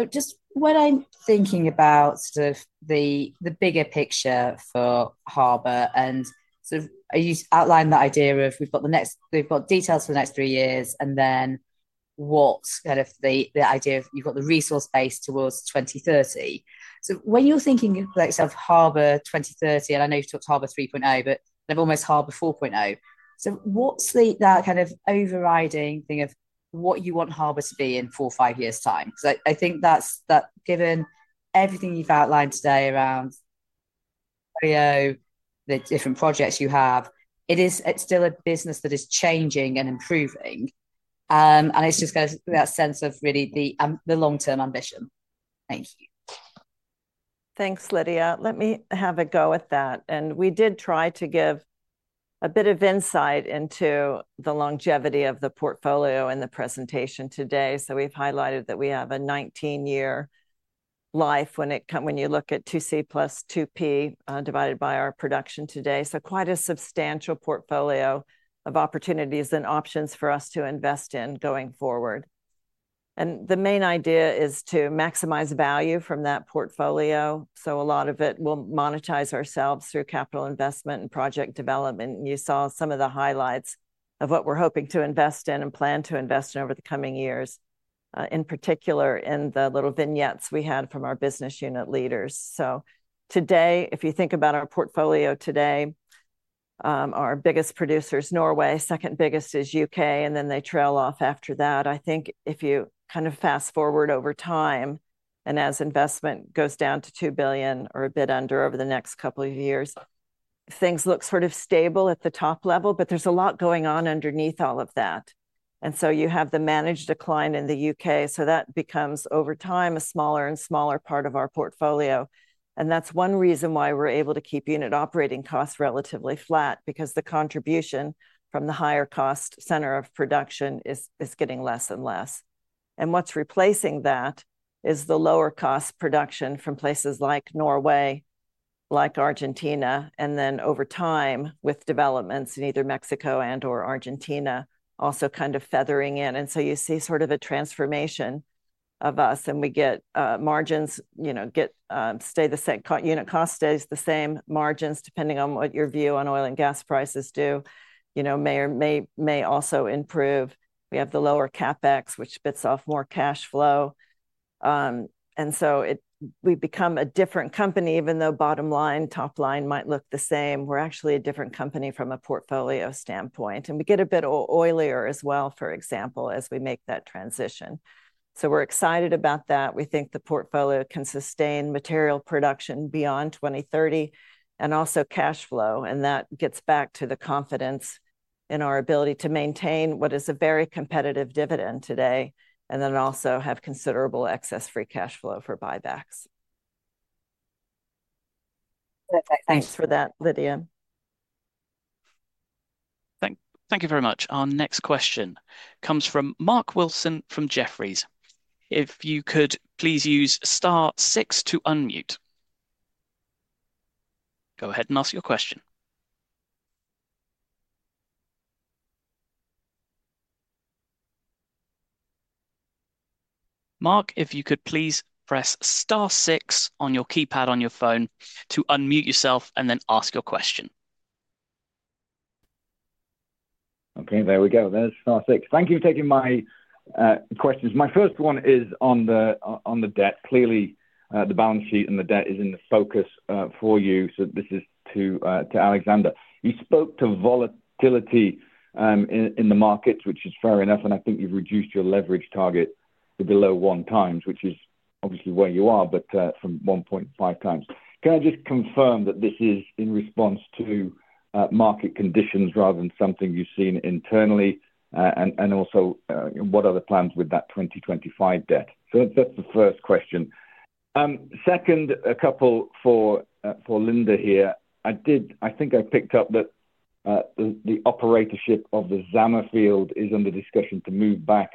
S10: Just when I'm thinking about sort of the bigger picture for Harbour and sort of you outlined the idea of we've got the next we've got details for the next three years, and then what's kind of the idea of you've got the resource base towards 2030. So when you're thinking of Harbour 2030, and I know you've talked Harbour 3.0, but they've almost Harbour 4.0. So what's that kind of overriding thing of what you want Harbour to be in four, five years' time? Because I think that's that given everything you've outlined today around the different projects you have, it is still a business that is changing and improving, and it's just got that sense of really the long-term ambition. Thank you.
S3: Thanks, Lydia. Let me have a go at that, and we did try to give a bit of insight into the longevity of the portfolio in the presentation today, so we've highlighted that we have a 19-year life when you look at 2C plus 2P divided by our production today, so quite a substantial portfolio of opportunities and options for us to invest in going forward, and the main idea is to maximize value from that portfolio, so a lot of it, we'll monetize ourselves through capital investment and project development. You saw some of the highlights of what we're hoping to invest in and plan to invest in over the coming years, in particular in the little vignettes we had from our business unit leaders. So today, if you think about our portfolio today, our biggest producer is Norway, second biggest is UK, and then they trail off after that. I think if you kind of fast forward over time and as investment goes down to $2 billion or a bit under over the next couple of years, things look sort of stable at the top level, but there's a lot going on underneath all of that. And so you have the managed decline in the UK. So that becomes over time a smaller and smaller part of our portfolio. And that's one reason why we're able to keep unit operating costs relatively flat, because the contribution from the higher cost center of production is getting less and less. And what's replacing that is the lower cost production from places like Norway, like Argentina, and then over time with developments in either Mexico and/or Argentina also kind of feathering in. And so you see sort of a transformation of us. And we get margins, stay the same, unit cost stays the same. Margins, depending on what your view on oil and gas prices do, may also improve. We have the lower CapEx, which spits off more cash flow. And so we become a different company, even though bottom line, top line might look the same. We're actually a different company from a portfolio standpoint. And we get a bit oilier as well, for example, as we make that transition. So we're excited about that. We think the portfolio can sustain material production beyond 2030 and also cash flow. And that gets back to the confidence in our ability to maintain what is a very competitive dividend today and then also have considerable excess free cash flow for buybacks. Thanks for that, Lydia.
S9: Thank you very much. Our next question comes from Mark Wilson from Jefferies. If you could please use star 6 to unmute. Go ahead and ask your question. Mark, if you could please press star 6 on your keypad on your phone to unmute yourself and then ask your question.
S16: Okay, there we go. There's star six. Thank you for taking my questions. My first one is on the debt. Clearly, the balance sheet and the debt is in the focus for you. So this is to Alexander. You spoke to volatility in the markets, which is fair enough. And I think you've reduced your leverage target to below one times, which is obviously where you are, but from 1.5 times. Can I just confirm that this is in response to market conditions rather than something you've seen internally? And also, what are the plans with that 2025 debt? So that's the first question. Second, a couple for Linda here. I think I picked up that the operatorship of the Zama Field is under discussion to move back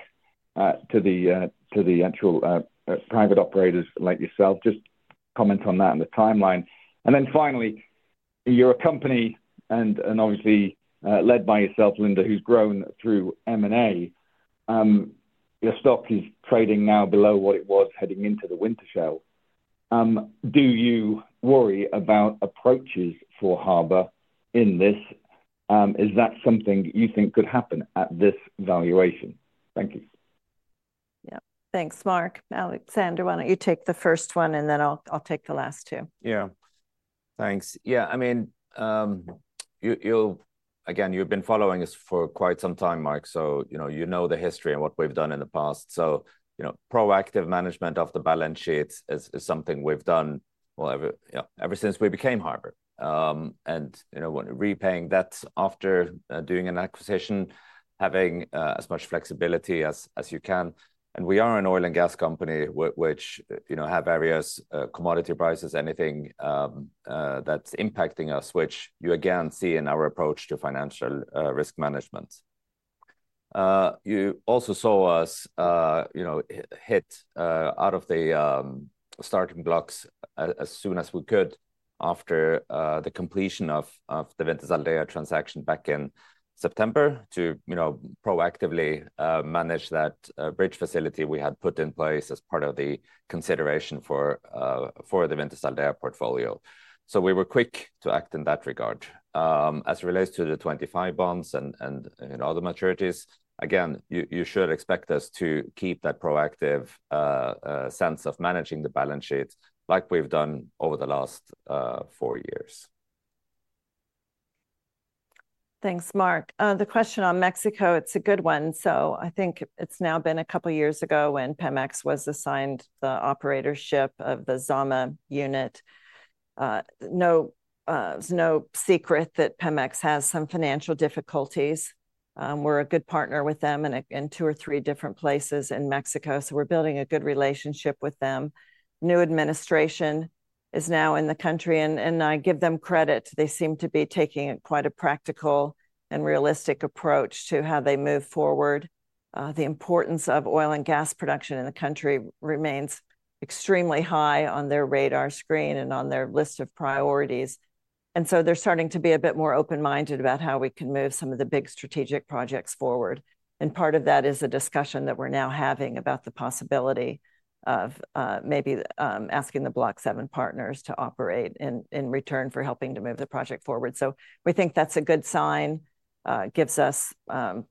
S16: to the actual private operators like yourself. Just comment on that and the timeline. And then finally, you're a company and obviously led by yourself, Linda, who's grown through M&A. Your stock is trading now below what it was heading into the Wintershall. Do you worry about approaches for Harbour in this? Is that something you think could happen at this valuation? Thank you.
S3: Yeah. Thanks, Mark. Alexander, why don't you take the first one, and then I'll take the last two.
S2: Yeah. Thanks. Yeah. I mean, again, you've been following us for quite some time, Mark. So you know the history and what we've done in the past. So proactive management of the balance sheets is something we've done ever since we became Harbour. And repaying debts after doing an acquisition, having as much flexibility as you can. And we are an oil and gas company which have various commodity prices, anything that's impacting us, which you again see in our approach to financial risk management. You also saw us hit out of the starting blocks as soon as we could after the completion of the Wintershall Dea transaction back in September to proactively manage that bridge facility we had put in place as part of the consideration for the Wintershall Dea portfolio. So we were quick to act in that regard. As it relates to the 25 bonds and other maturities, again, you should expect us to keep that proactive sense of managing the balance sheet like we've done over the last four years.
S3: Thanks, Mark. The question on Mexico, it's a good one. So I think it's now been a couple of years ago when PEMEX was assigned the operatorship of the Zama unit. It's no secret that PEMEX has some financial difficulties. We're a good partner with them in two or three different places in Mexico. So we're building a good relationship with them. New administration is now in the country. And I give them credit. They seem to be taking quite a practical and realistic approach to how they move forward. The importance of oil and gas production in the country remains extremely high on their radar screen and on their list of priorities. And so they're starting to be a bit more open-minded about how we can move some of the big strategic projects forward. And part of that is a discussion that we're now having about the possibility of maybe asking the Block 7 partners to operate in return for helping to move the project forward. So we think that's a good sign, gives us a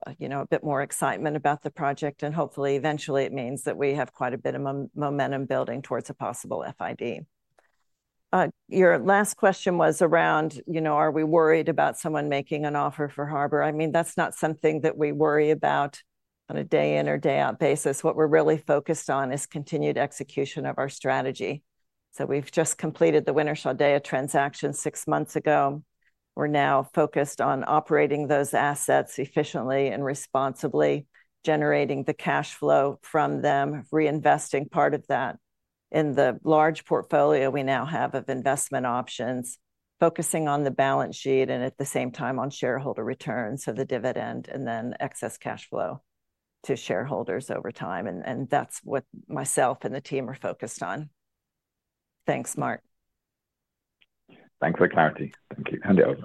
S3: bit more excitement about the project. And hopefully, eventually, it means that we have quite a bit of momentum building towards a possible FID. Your last question was around, are we worried about someone making an offer for Harbour? I mean, that's not something that we worry about on a day-in or day-out basis. What we're really focused on is continued execution of our strategy. So we've just completed the Wintershall Dea transaction six months ago. We're now focused on operating those assets efficiently and responsibly, generating the cash flow from them, reinvesting part of that in the large portfolio we now have of investment options, focusing on the balance sheet and at the same time on shareholder returns, so the dividend, and then excess cash flow to shareholders over time. And that's what myself and the team are focused on. Thanks, Mark.
S16: Thanks for the clarity. Thank you. Hand it over.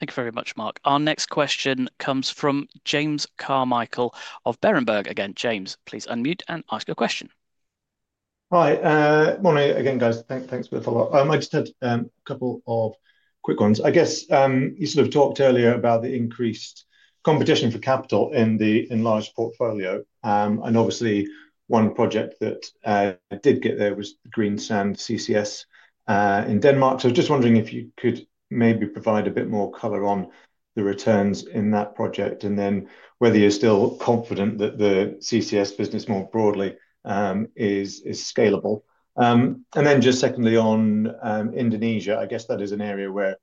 S9: Thank you very much, Mark. Our next question comes from James Carmichael of Berenberg. Again, James, please unmute and ask your question.
S13: Hi. Morning again, guys. Thanks for the follow-up. I just had a couple of quick ones. I guess you sort of talked earlier about the increased competition for capital in the enlarged portfolio. And obviously, one project that did get there was the Greensand CCS in Denmark. So just wondering if you could maybe provide a bit more color on the returns in that project and then whether you're still confident that the CCS business more broadly is scalable. And then just secondly on Indonesia, I guess that is an area where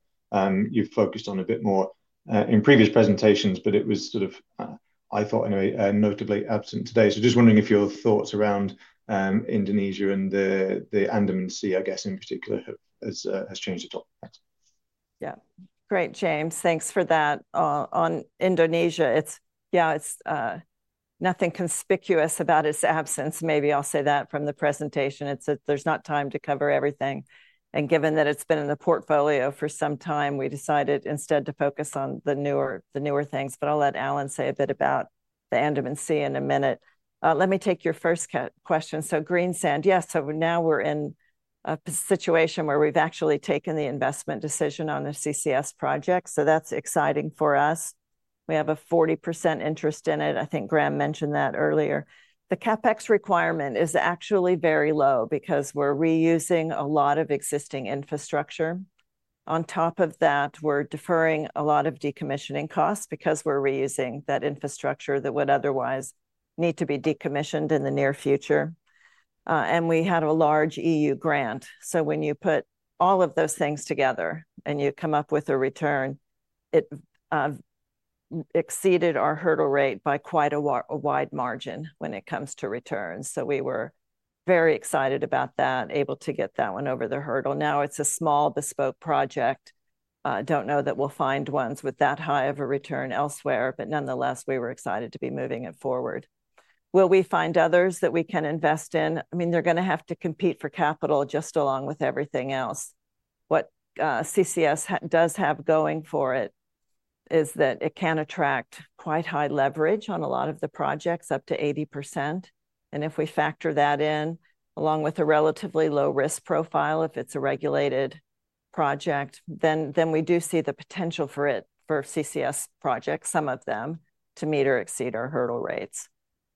S13: you've focused on a bit more in previous presentations, but it was sort of, I thought, notably absent today. So just wondering if your thoughts around Indonesia and the Andaman Sea, I guess in particular, has changed at all.
S3: Yeah. Great, James. Thanks for that. On Indonesia, yeah, it's nothing conspicuous about its absence. Maybe I'll say that from the presentation. It's that there's not time to cover everything, and given that it's been in the portfolio for some time, we decided instead to focus on the newer things, but I'll let Alan say a bit about the Andaman Sea in a minute. Let me take your first question, so Greensand, yes. Now we're in a situation where we've actually taken the investment decision on the CCS project. That's exciting for us. We have a 40% interest in it. I think Graeme mentioned that earlier. The CapEx requirement is actually very low because we're reusing a lot of existing infrastructure. On top of that, we're deferring a lot of decommissioning costs because we're reusing that infrastructure that would otherwise need to be decommissioned in the near future, and we had a large EU grant. So when you put all of those things together and you come up with a return, it exceeded our hurdle rate by quite a wide margin when it comes to returns. So we were very excited about that, able to get that one over the hurdle. Now it's a small bespoke project. I don't know that we'll find ones with that high of a return elsewhere, but nonetheless, we were excited to be moving it forward. Will we find others that we can invest in? I mean, they're going to have to compete for capital just along with everything else. What CCS does have going for it is that it can attract quite high leverage on a lot of the projects, up to 80%. And if we factor that in along with a relatively low risk profile, if it's a regulated project, then we do see the potential for CCS projects, some of them, to meet or exceed our hurdle rates.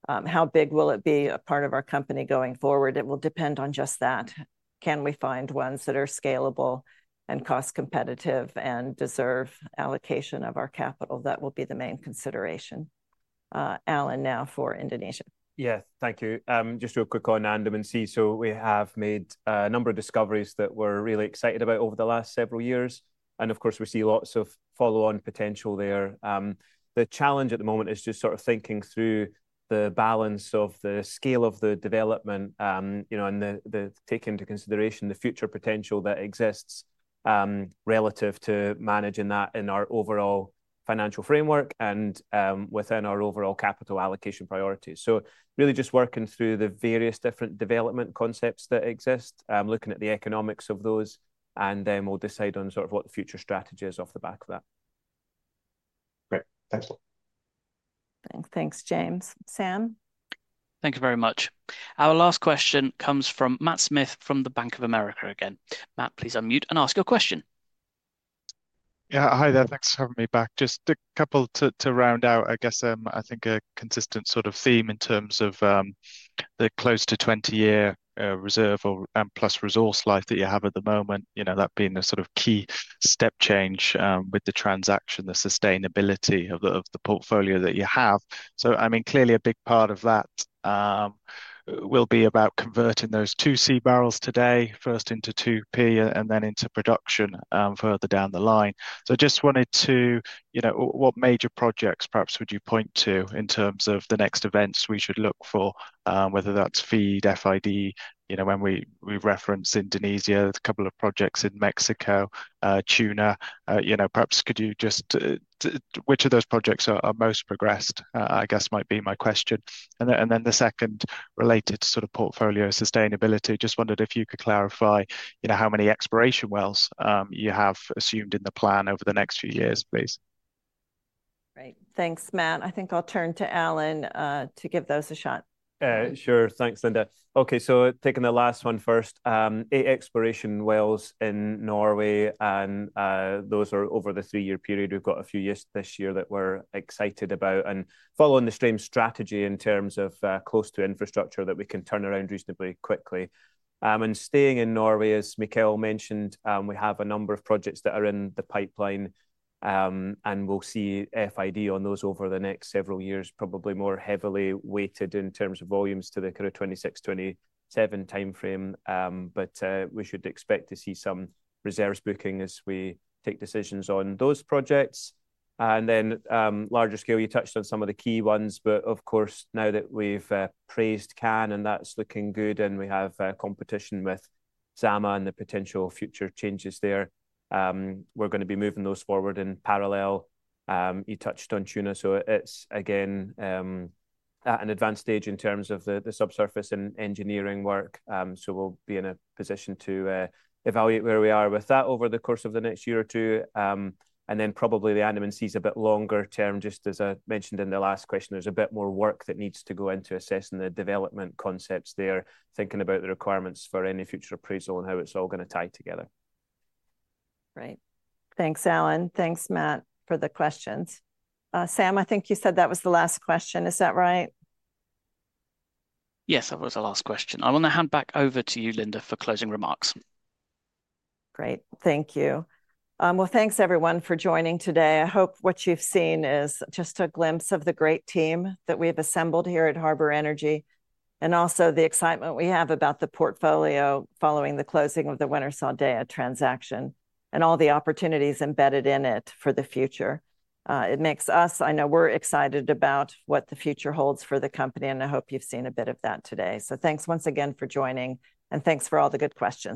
S3: How big will it be a part of our company going forward? It will depend on just that. Can we find ones that are scalable and cost competitive and deserve allocation of our capital? That will be the main consideration. Alan, now for Indonesia.
S4: Yes, thank you. Just real quick on Andaman Sea. So we have made a number of discoveries that we're really excited about over the last several years. And of course, we see lots of follow-on potential there. The challenge at the moment is just sort of thinking through the balance of the scale of the development and taking into consideration the future potential that exists relative to managing that in our overall financial framework and within our overall capital allocation priorities. So really just working through the various different development concepts that exist, looking at the economics of those, and then we'll decide on sort of what the future strategy is off the back of that. Great. Thanks.
S3: Thanks, James. Sam?
S9: Thank you very much. Our last question comes from Matt Smith from the Bank of America again. Matt, please unmute and ask your question.
S11: Yeah, hi there. Thanks for having me back. Just a couple to round out, I guess. I think a consistent sort of theme in terms of the close to 20-year reserve or plus resource life that you have at the moment, that being the sort of key step change with the transaction, the sustainability of the portfolio that you have. So I mean, clearly a big part of that will be about converting those 2C barrels today, first into 2P and then into production further down the line. So I just wanted to, what major projects perhaps would you point to in terms of the next events we should look for, whether that's FEED, FID, when we reference Indonesia, a couple of projects in Mexico, Tuna, perhaps could you just, which of those projects are most progressed, I guess might be my question. And then the second related to sort of portfolio sustainability, just wondered if you could clarify how many exploration wells you have assumed in the plan over the next few years, please.
S3: Great. Thanks, Matt. I think I'll turn to Alan to give those a shot.
S4: Sure. Thanks, Linda. Okay, so taking the last one first, eight exploration wells in Norway, and those are over the three-year period. We've got a few this year that we're excited about and following the streamlined strategy in terms of close to infrastructure that we can turn around reasonably quickly. And staying in Norway, as Michael mentioned, we have a number of projects that are in the pipeline, and we'll see FID on those over the next several years, probably more heavily weighted in terms of volumes to the 2026-2027 timeframe. But we should expect to see some reserves booking as we take decisions on those projects. And then larger scale, you touched on some of the key ones, but of course, now that we've appraised Kan and that's looking good, and we have commitment with Zama and the potential future changes there, we're going to be moving those forward in parallel. You touched on Tuna, so it's again at an advanced stage in terms of the subsurface and engineering work. So we'll be in a position to evaluate where we are with that over the course of the next year or two. And then probably the Andaman Sea is a bit longer term, just as I mentioned in the last question. There's a bit more work that needs to go into assessing the development concepts there, thinking about the requirements for any future appraisal and how it's all going to tie together.
S3: Right. Thanks, Alan. Thanks, Matt, for the questions. Sam, I think you said that was the last question. Is that right?
S9: Yes, that was the last question. I want to hand back over to you, Linda, for closing remarks.
S3: Great. Thank you. Well, thanks everyone for joining today. I hope what you've seen is just a glimpse of the great team that we've assembled here at Harbour Energy and also the excitement we have about the portfolio following the closing of the Wintershall Dea transaction and all the opportunities embedded in it for the future. It makes us, I know we're excited about what the future holds for the company, and I hope you've seen a bit of that today. So thanks once again for joining, and thanks for all the good questions.